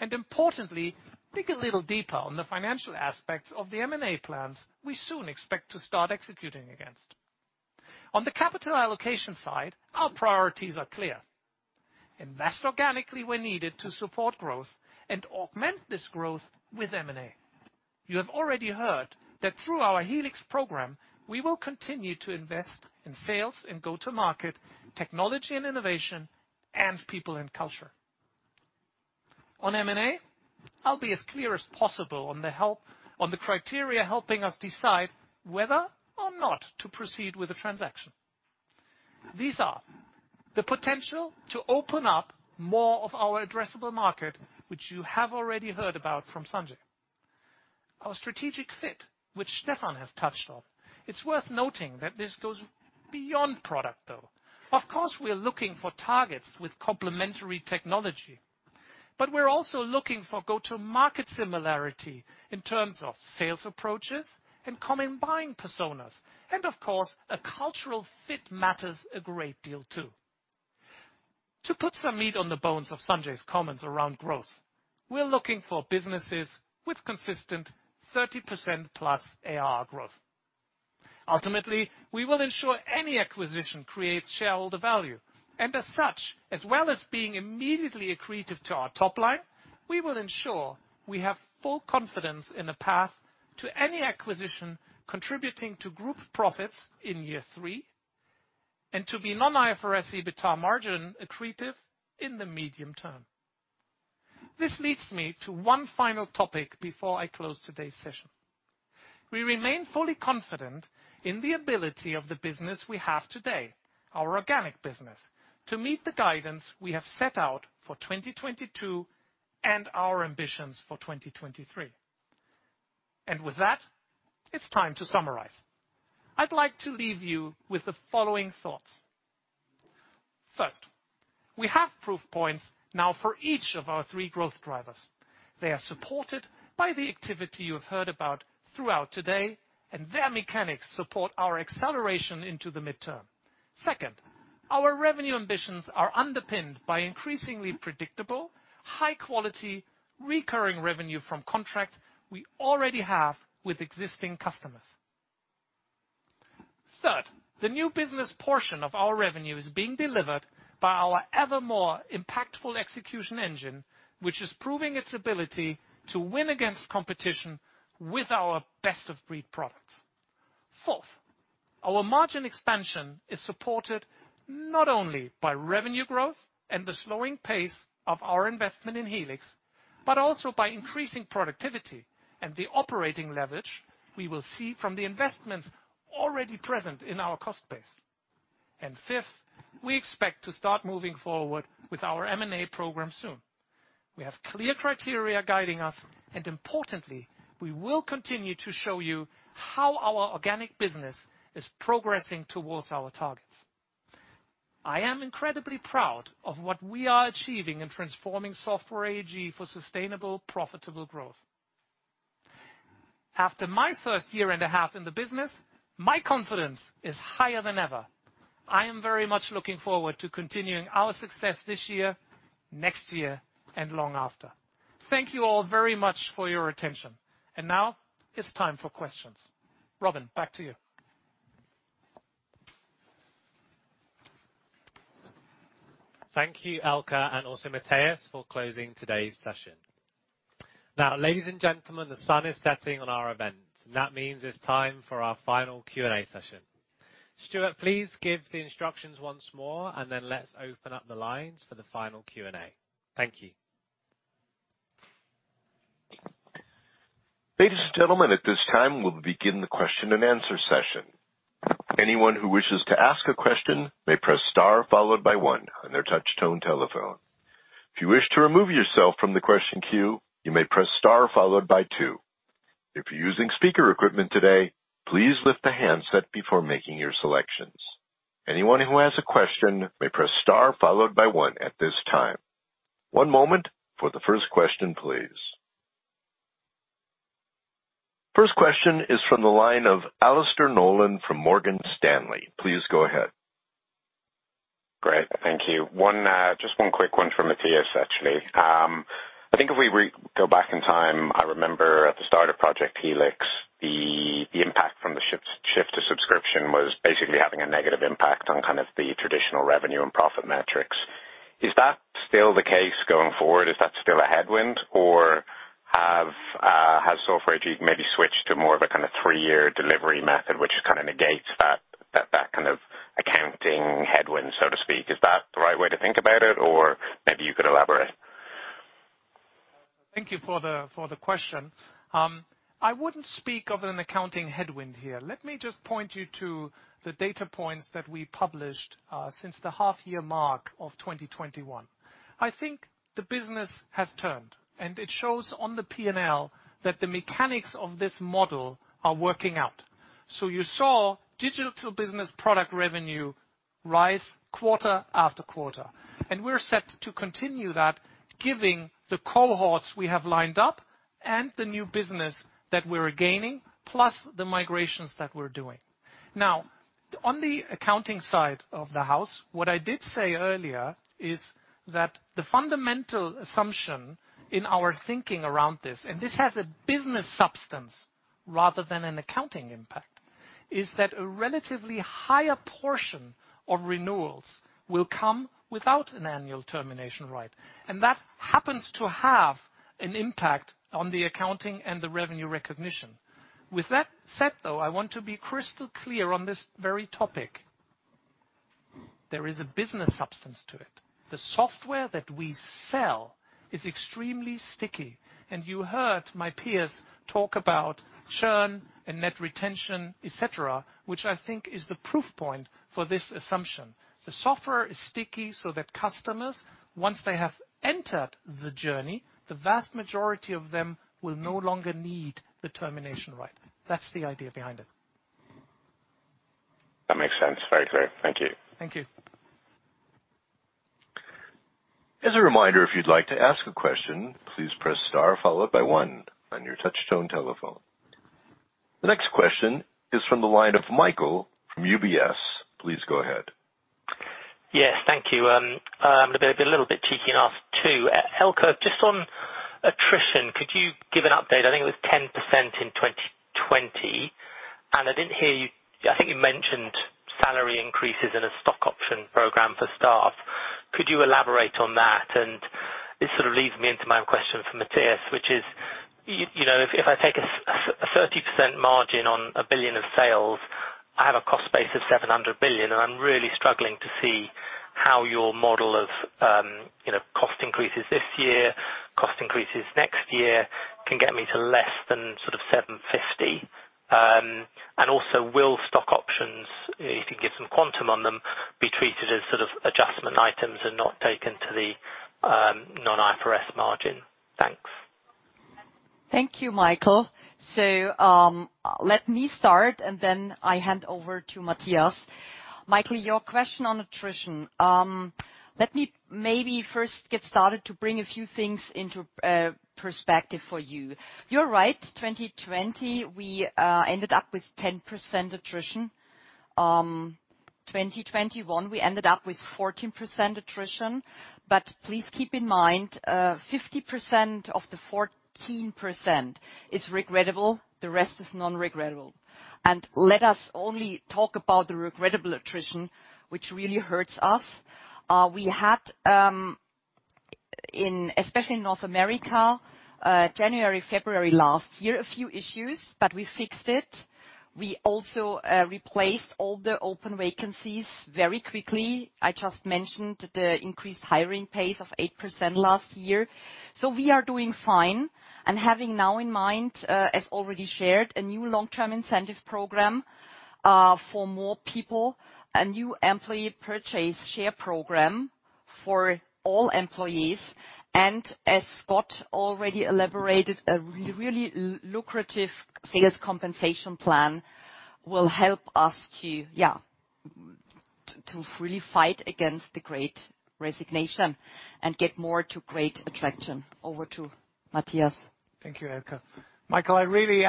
Importantly, dig a little deeper on the financial aspects of the M&A plans we soon expect to start executing against. On the capital allocation side, our priorities are clear. Invest organically where needed to support growth and augment this growth with M&A. You have already heard that through our Helix program, we will continue to invest in sales and go-to-market, technology and innovation, and people and culture. On M&A, I'll be as clear as possible on the criteria helping us decide whether or not to proceed with the transaction. These are the potential to open up more of our addressable market, which you have already heard about from Sanjay. Our strategic fit, which Stefan has touched on. It's worth noting that this goes beyond product, though. Of course, we are looking for targets with complementary technology, but we're also looking for go-to market similarity in terms of sales approaches and common buying personas. Of course, a cultural fit matters a great deal, too. To put some meat on the bones of Sanjay's comments around growth, we're looking for businesses with consistent 30%+ ARR growth. Ultimately, we will ensure any acquisition creates shareholder value. As such, as well as being immediately accretive to our top line, we will ensure we have full confidence in the path to any acquisition contributing to group profits in year three and to the non-IFRS EBITDA margin accretive in the medium term. This leads me to one final topic before I close today's session. We remain fully confident in the ability of the business we have today, our organic business, to meet the guidance we have set out for 2022 and our ambitions for 2023. With that, it's time to summarize. I'd like to leave you with the following thoughts. First, we have proof points now for each of our three growth drivers. They are supported by the activity you've heard about throughout today, and their mechanics support our acceleration into the midterm. Second, our revenue ambitions are underpinned by increasingly predictable, high quality, recurring revenue from contracts we already have with existing customers. Third, the new business portion of our revenue is being delivered by our ever more impactful execution engine, which is proving its ability to win against competition with our best-of-breed products. Fourth, our margin expansion is supported not only by revenue growth and the slowing pace of our investment in Helix, but also by increasing productivity and the operating leverage we will see from the investments already present in our cost base. Fifth, we expect to start moving forward with our M&A program soon. We have clear criteria guiding us, and importantly, we will continue to show you how our organic business is progressing towards our targets. I am incredibly proud of what we are achieving in transforming Software AG for sustainable, profitable growth. After my first year and a half in the business, my confidence is higher than ever. I am very much looking forward to continuing our success this year, next year, and long after. Thank you all very much for your attention. Now it's time for questions. Robin, back to you. Thank you, Elke, and also Matthias, for closing today's session. Now, ladies and gentlemen, the sun is setting on our event. That means it's time for our final Q&A session. Stuart, please give the instructions once more, and then let's open up the lines for the final Q&A. Thank you. Ladies and gentlemen, at this time, we'll begin the question and answer session. Anyone who wishes to ask a question may press star followed by one on their touch-tone telephone. If you wish to remove yourself from the question queue, you may Press Star followed by two. If you're using speaker equipment today, please lift the handset before making your selections. Anyone who has a question may Press Star followed by one at this time. One moment for the first question, please. First question is from the line of Alastair Nolan from Morgan Stanley. Please go ahead. Great. Thank you. One, just one quick one for Matthias, actually. I think if we go back in time, I remember at the start of Project Helix, the impact from the shift to subscription was basically having a negative impact on kind of the traditional revenue and profit metrics. Is that still the case going forward? Is that still a headwind or has Software AG maybe switched to more of a kinda three-year delivery method which kinda negates that? Right way to think about it or maybe you could elaborate. Thank you for the question. I wouldn't speak of an accounting headwind here. Let me just point you to the data points that we published since the half-year mark of 2021. I think the business has turned, and it shows on the P&L that the mechanics of this model are working out. You saw digital business product revenue rise quarter after quarter, and we're set to continue that given the cohorts we have lined up and the new business that we're gaining, plus the migrations that we're doing. Now, on the accounting side of the house, what I did say earlier is that the fundamental assumption in our thinking around this, and this has a business substance rather than an accounting impact, is that a relatively higher portion of renewals will come without an annual termination right. That happens to have an impact on the accounting and the revenue recognition. With that said, though, I want to be crystal clear on this very topic. There is a business substance to it. The software that we sell is extremely sticky. You heard my peers talk about churn and net retention, et cetera, which I think is the proof point for this assumption. The software is sticky so that customers, once they have entered the journey, the vast majority of them will no longer need the termination right. That's the idea behind it. That makes sense. Very clear. Thank you. Thank you. As a reminder, if you'd like to ask a question, please press star followed by one on your touch-tone telephone. The next question is from the line of Michael from UBS. Please go ahead. Yes, thank you. I'm gonna be a little bit cheeky and ask two. Elke, just on attrition, could you give an update? I think it was 10% in 2020. I didn't hear you. I think you mentioned salary increases in a stock option program for staff. Could you elaborate on that? This sort of leads me into my own question for Matthias, which is, you know, if I take a 30% margin on 1 billion of sales, I have a cost base of 700 billion, and I'm really struggling to see how your model of, you know, cost increases this year, cost increases next year can get me to less than sort of 750. Also, will stock options, if you can give some quantum on them, be treated as sort of adjustment items and not taken to the non-IFRS margin? Thanks. Thank you, Michael. Let me start, and then I hand over to Matthias. Michael, your question on attrition. Let me maybe first get started to bring a few things into perspective for you. You're right, 2020, we ended up with 10% attrition. 2021, we ended up with 14% attrition. Please keep in mind, 50% of the 14% is regrettable, the rest is non-regrettable. Let us only talk about the regrettable attrition, which really hurts us. We had, especially in North America, January, February last year, a few issues, but we fixed it. We also replaced all the open vacancies very quickly. I just mentioned the increased hiring pace of 8% last year. We are doing fine. Having now in mind, as already shared, a new long-term incentive program for more people, a new employee purchase share program for all employees. As Scott already elaborated, a really lucrative sales compensation plan will help us to, yeah, to really fight against the great resignation and get more to great attraction. Over to Matthias. Thank you, Elke. Michael, I really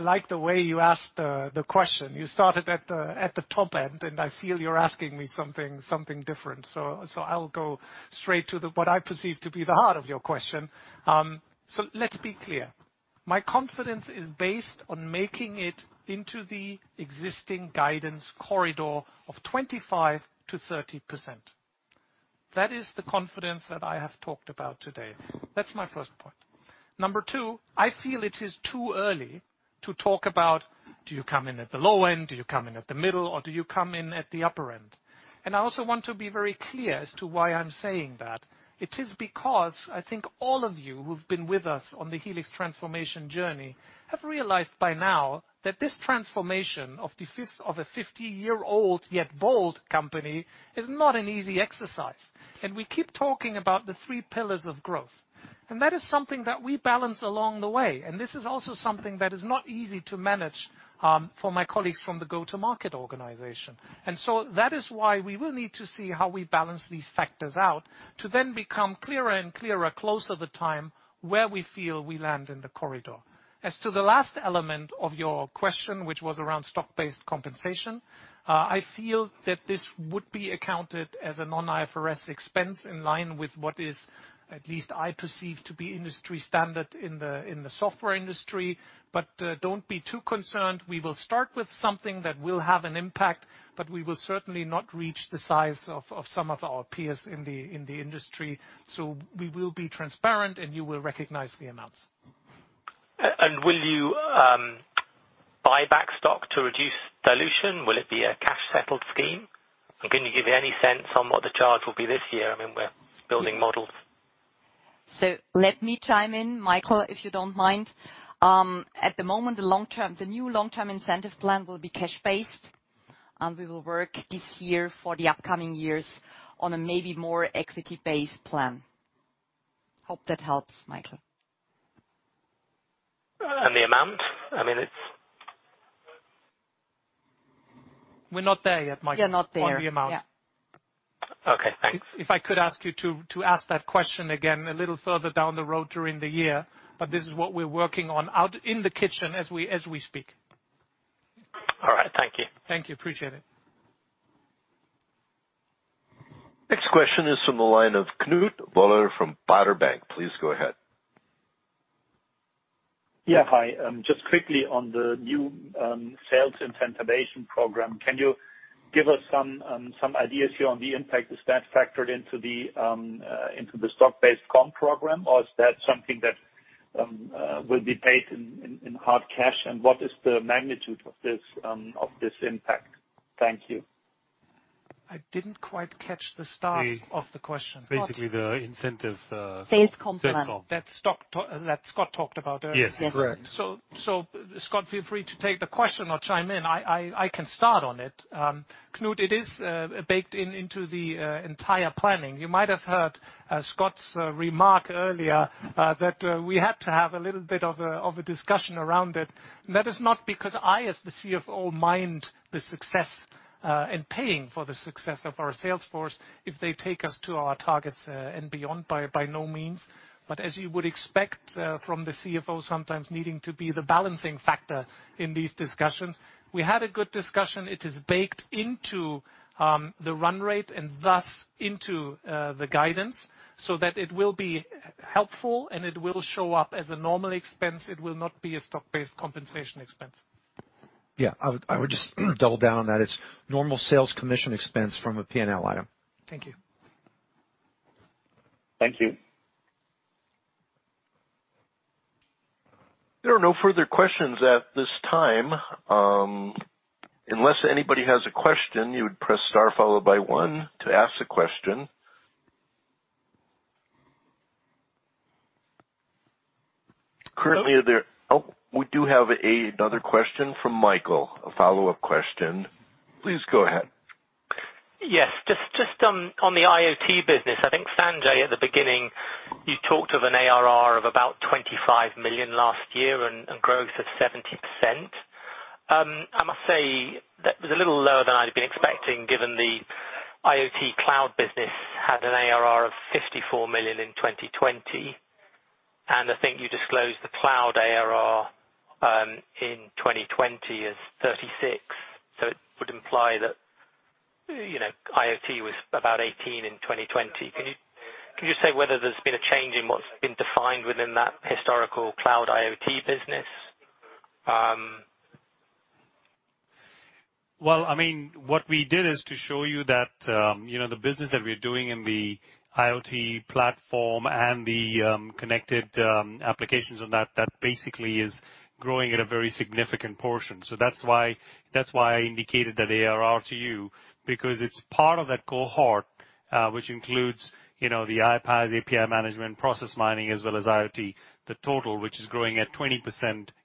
like the way you asked the question. You started at the top end, and I feel you're asking me something different. I'll go straight to what I perceive to be the heart of your question. Let's be clear. My confidence is based on making it into the existing guidance corridor of 25%-30%. That is the confidence that I have talked about today. That's my first point. Number two, I feel it is too early to talk about do you come in at the low end, do you come in at the middle, or do you come in at the upper end? I also want to be very clear as to why I'm saying that. It is because I think all of you who've been with us on the Helix transformation journey have realized by now that this transformation of a fifty-year-old, yet bold company is not an easy exercise. We keep talking about the three pillars of growth. That is something that we balance along the way. This is also something that is not easy to manage for my colleagues from the go-to-market organization. That is why we will need to see how we balance these factors out to then become clearer and clearer closer to the time where we feel we land in the corridor. As to the last element of your question, which was around stock-based compensation, I feel that this would be accounted as a non-IFRS expense in line with what is, at least I perceive, to be industry standard in the software industry. Don't be too concerned. We will start with something that will have an impact, but we will certainly not reach the size of some of our peers in the industry. We will be transparent, and you will recognize the amounts. Will you buy back stock to reduce dilution? Will it be a cash-settled scheme? Can you give any sense on what the charge will be this year? I mean, we're building models. Let me chime in, Michael, if you don't mind. At the moment, the new long-term incentive plan will be cash-based, and we will work this year for the upcoming years on a maybe more equity-based plan. Hope that helps, Michael. The amount? I mean, it's We're not there yet, Michael. We're not there. On the amount. Yeah. Okay. Thanks. If I could ask you to ask that question again a little further down the road during the year, but this is what we're working on out in the kitchen as we speak. All right. Thank you. Thank you. Appreciate it. Next question is from the line of Knut Woller from Baader Bank. Please go ahead. Yeah. Hi. Just quickly on the new sales incentivization program, can you give us some ideas here on the impact? Is that factored into the stock-based comp program, or is that something that will be paid in hard cash, and what is the magnitude of this impact? Thank you. I didn't quite catch the start of the question. Basically the incentive. Sales comp plan. Sales comp. That stock that Scott talked about earlier. Yes. Correct. Yes. Scott, feel free to take the question or chime in. I can start on it. Knut, it is baked into the entire planning. You might have heard Scott's remark earlier that we had to have a little bit of a discussion around it. That is not because I, as the CFO, mind the success and paying for the success of our sales force if they take us to our targets and beyond, by no means. As you would expect from the CFO sometimes needing to be the balancing factor in these discussions, we had a good discussion. It is baked into the run rate and thus into the guidance, so that it will be helpful, and it will show up as a normal expense. It will not be a stock-based compensation expense. I would just double down on that. It's normal sales commission expense from a P&L item. Thank you. Thank you. There are no further questions at this time. Unless anybody has a question, you would press star followed by one to ask the question. Currently, Oh, we do have another question from Michael, a follow-up question. Please go ahead. Yes. Just on the IoT business. I think, Sanjay, at the beginning, you talked of an ARR of about 25 million last year and growth of 70%. I must say that was a little lower than I'd been expecting given the IoT cloud business had an ARR of 54 million in 2020. I think you disclosed the cloud ARR in 2020 as 36 million. So it would imply that, you know, IoT was about 18 million in 2020. Can you say whether there's been a change in what's been defined within that historical cloud IoT business? Well, I mean, what we did is to show you that, you know, the business that we're doing in the IoT platform and the connected applications on that basically is growing at a very significant portion. That's why I indicated that ARR to you because it's part of that cohort, which includes, you know, the iPaaS, API management, process mining, as well as IoT, the total which is growing at 20%.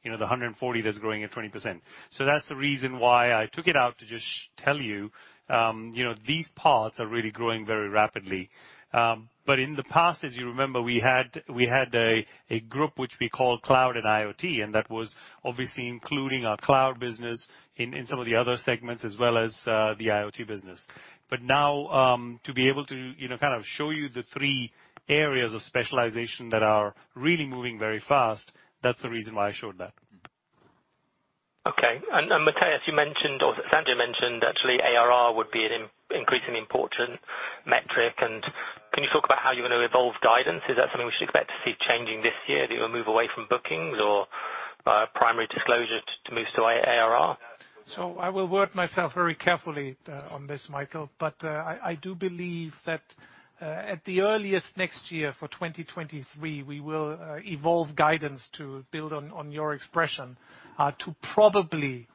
You know, the 140 that's growing at 20%. That's the reason why I took it out to just tell you know, these parts are really growing very rapidly. In the past, as you remember, we had a group which we call cloud and IoT, and that was obviously including our cloud business in some of the other segments as well as the IoT business. Now, to be able to, you know, kind of show you the three areas of specialization that are really moving very fast, that's the reason why I showed that. Okay. Matthias, you mentioned or Sanjay mentioned actually ARR would be an increasingly important metric. Can you talk about how you're gonna evolve guidance? Is that something we should expect to see changing this year? Do you move away from bookings or primary disclosure to move to ARR? I will word myself very carefully on this, Michael. I do believe that at the earliest next year for 2023, we will evolve guidance to build on your expression to probably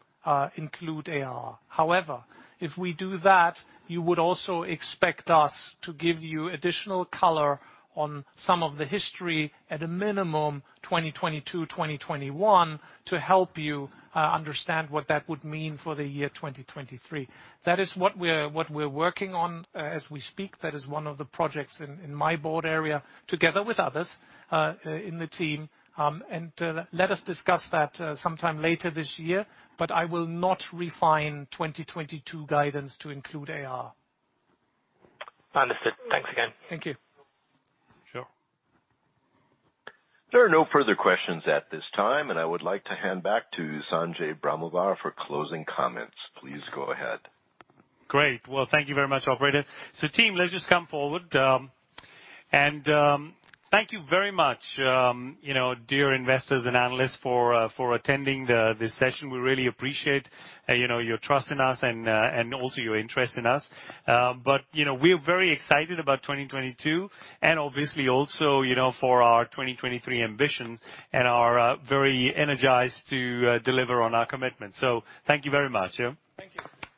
include ARR. However, if we do that, you would also expect us to give you additional color on some of the history at a minimum 2022, 2021 to help you understand what that would mean for the year 2023. That is what we're working on as we speak. That is one of the projects in my board area together with others in the team. Let us discuss that sometime later this year, but I will not refine 2022 guidance to include ARR. Understood. Thanks again. Thank you. Sure. There are no further questions at this time, and I would like to hand back to Sanjay Brahmawar for closing comments. Please go ahead. Great. Well, thank you very much, operator. Team, let's just come forward. Thank you very much, you know, dear investors and analysts for attending this session. We really appreciate, you know, your trust in us and also your interest in us. But, you know, we're very excited about 2022 and obviously also, you know, for our 2023 ambition and are very energized to deliver on our commitment. Thank you very much. Yeah. Thank you.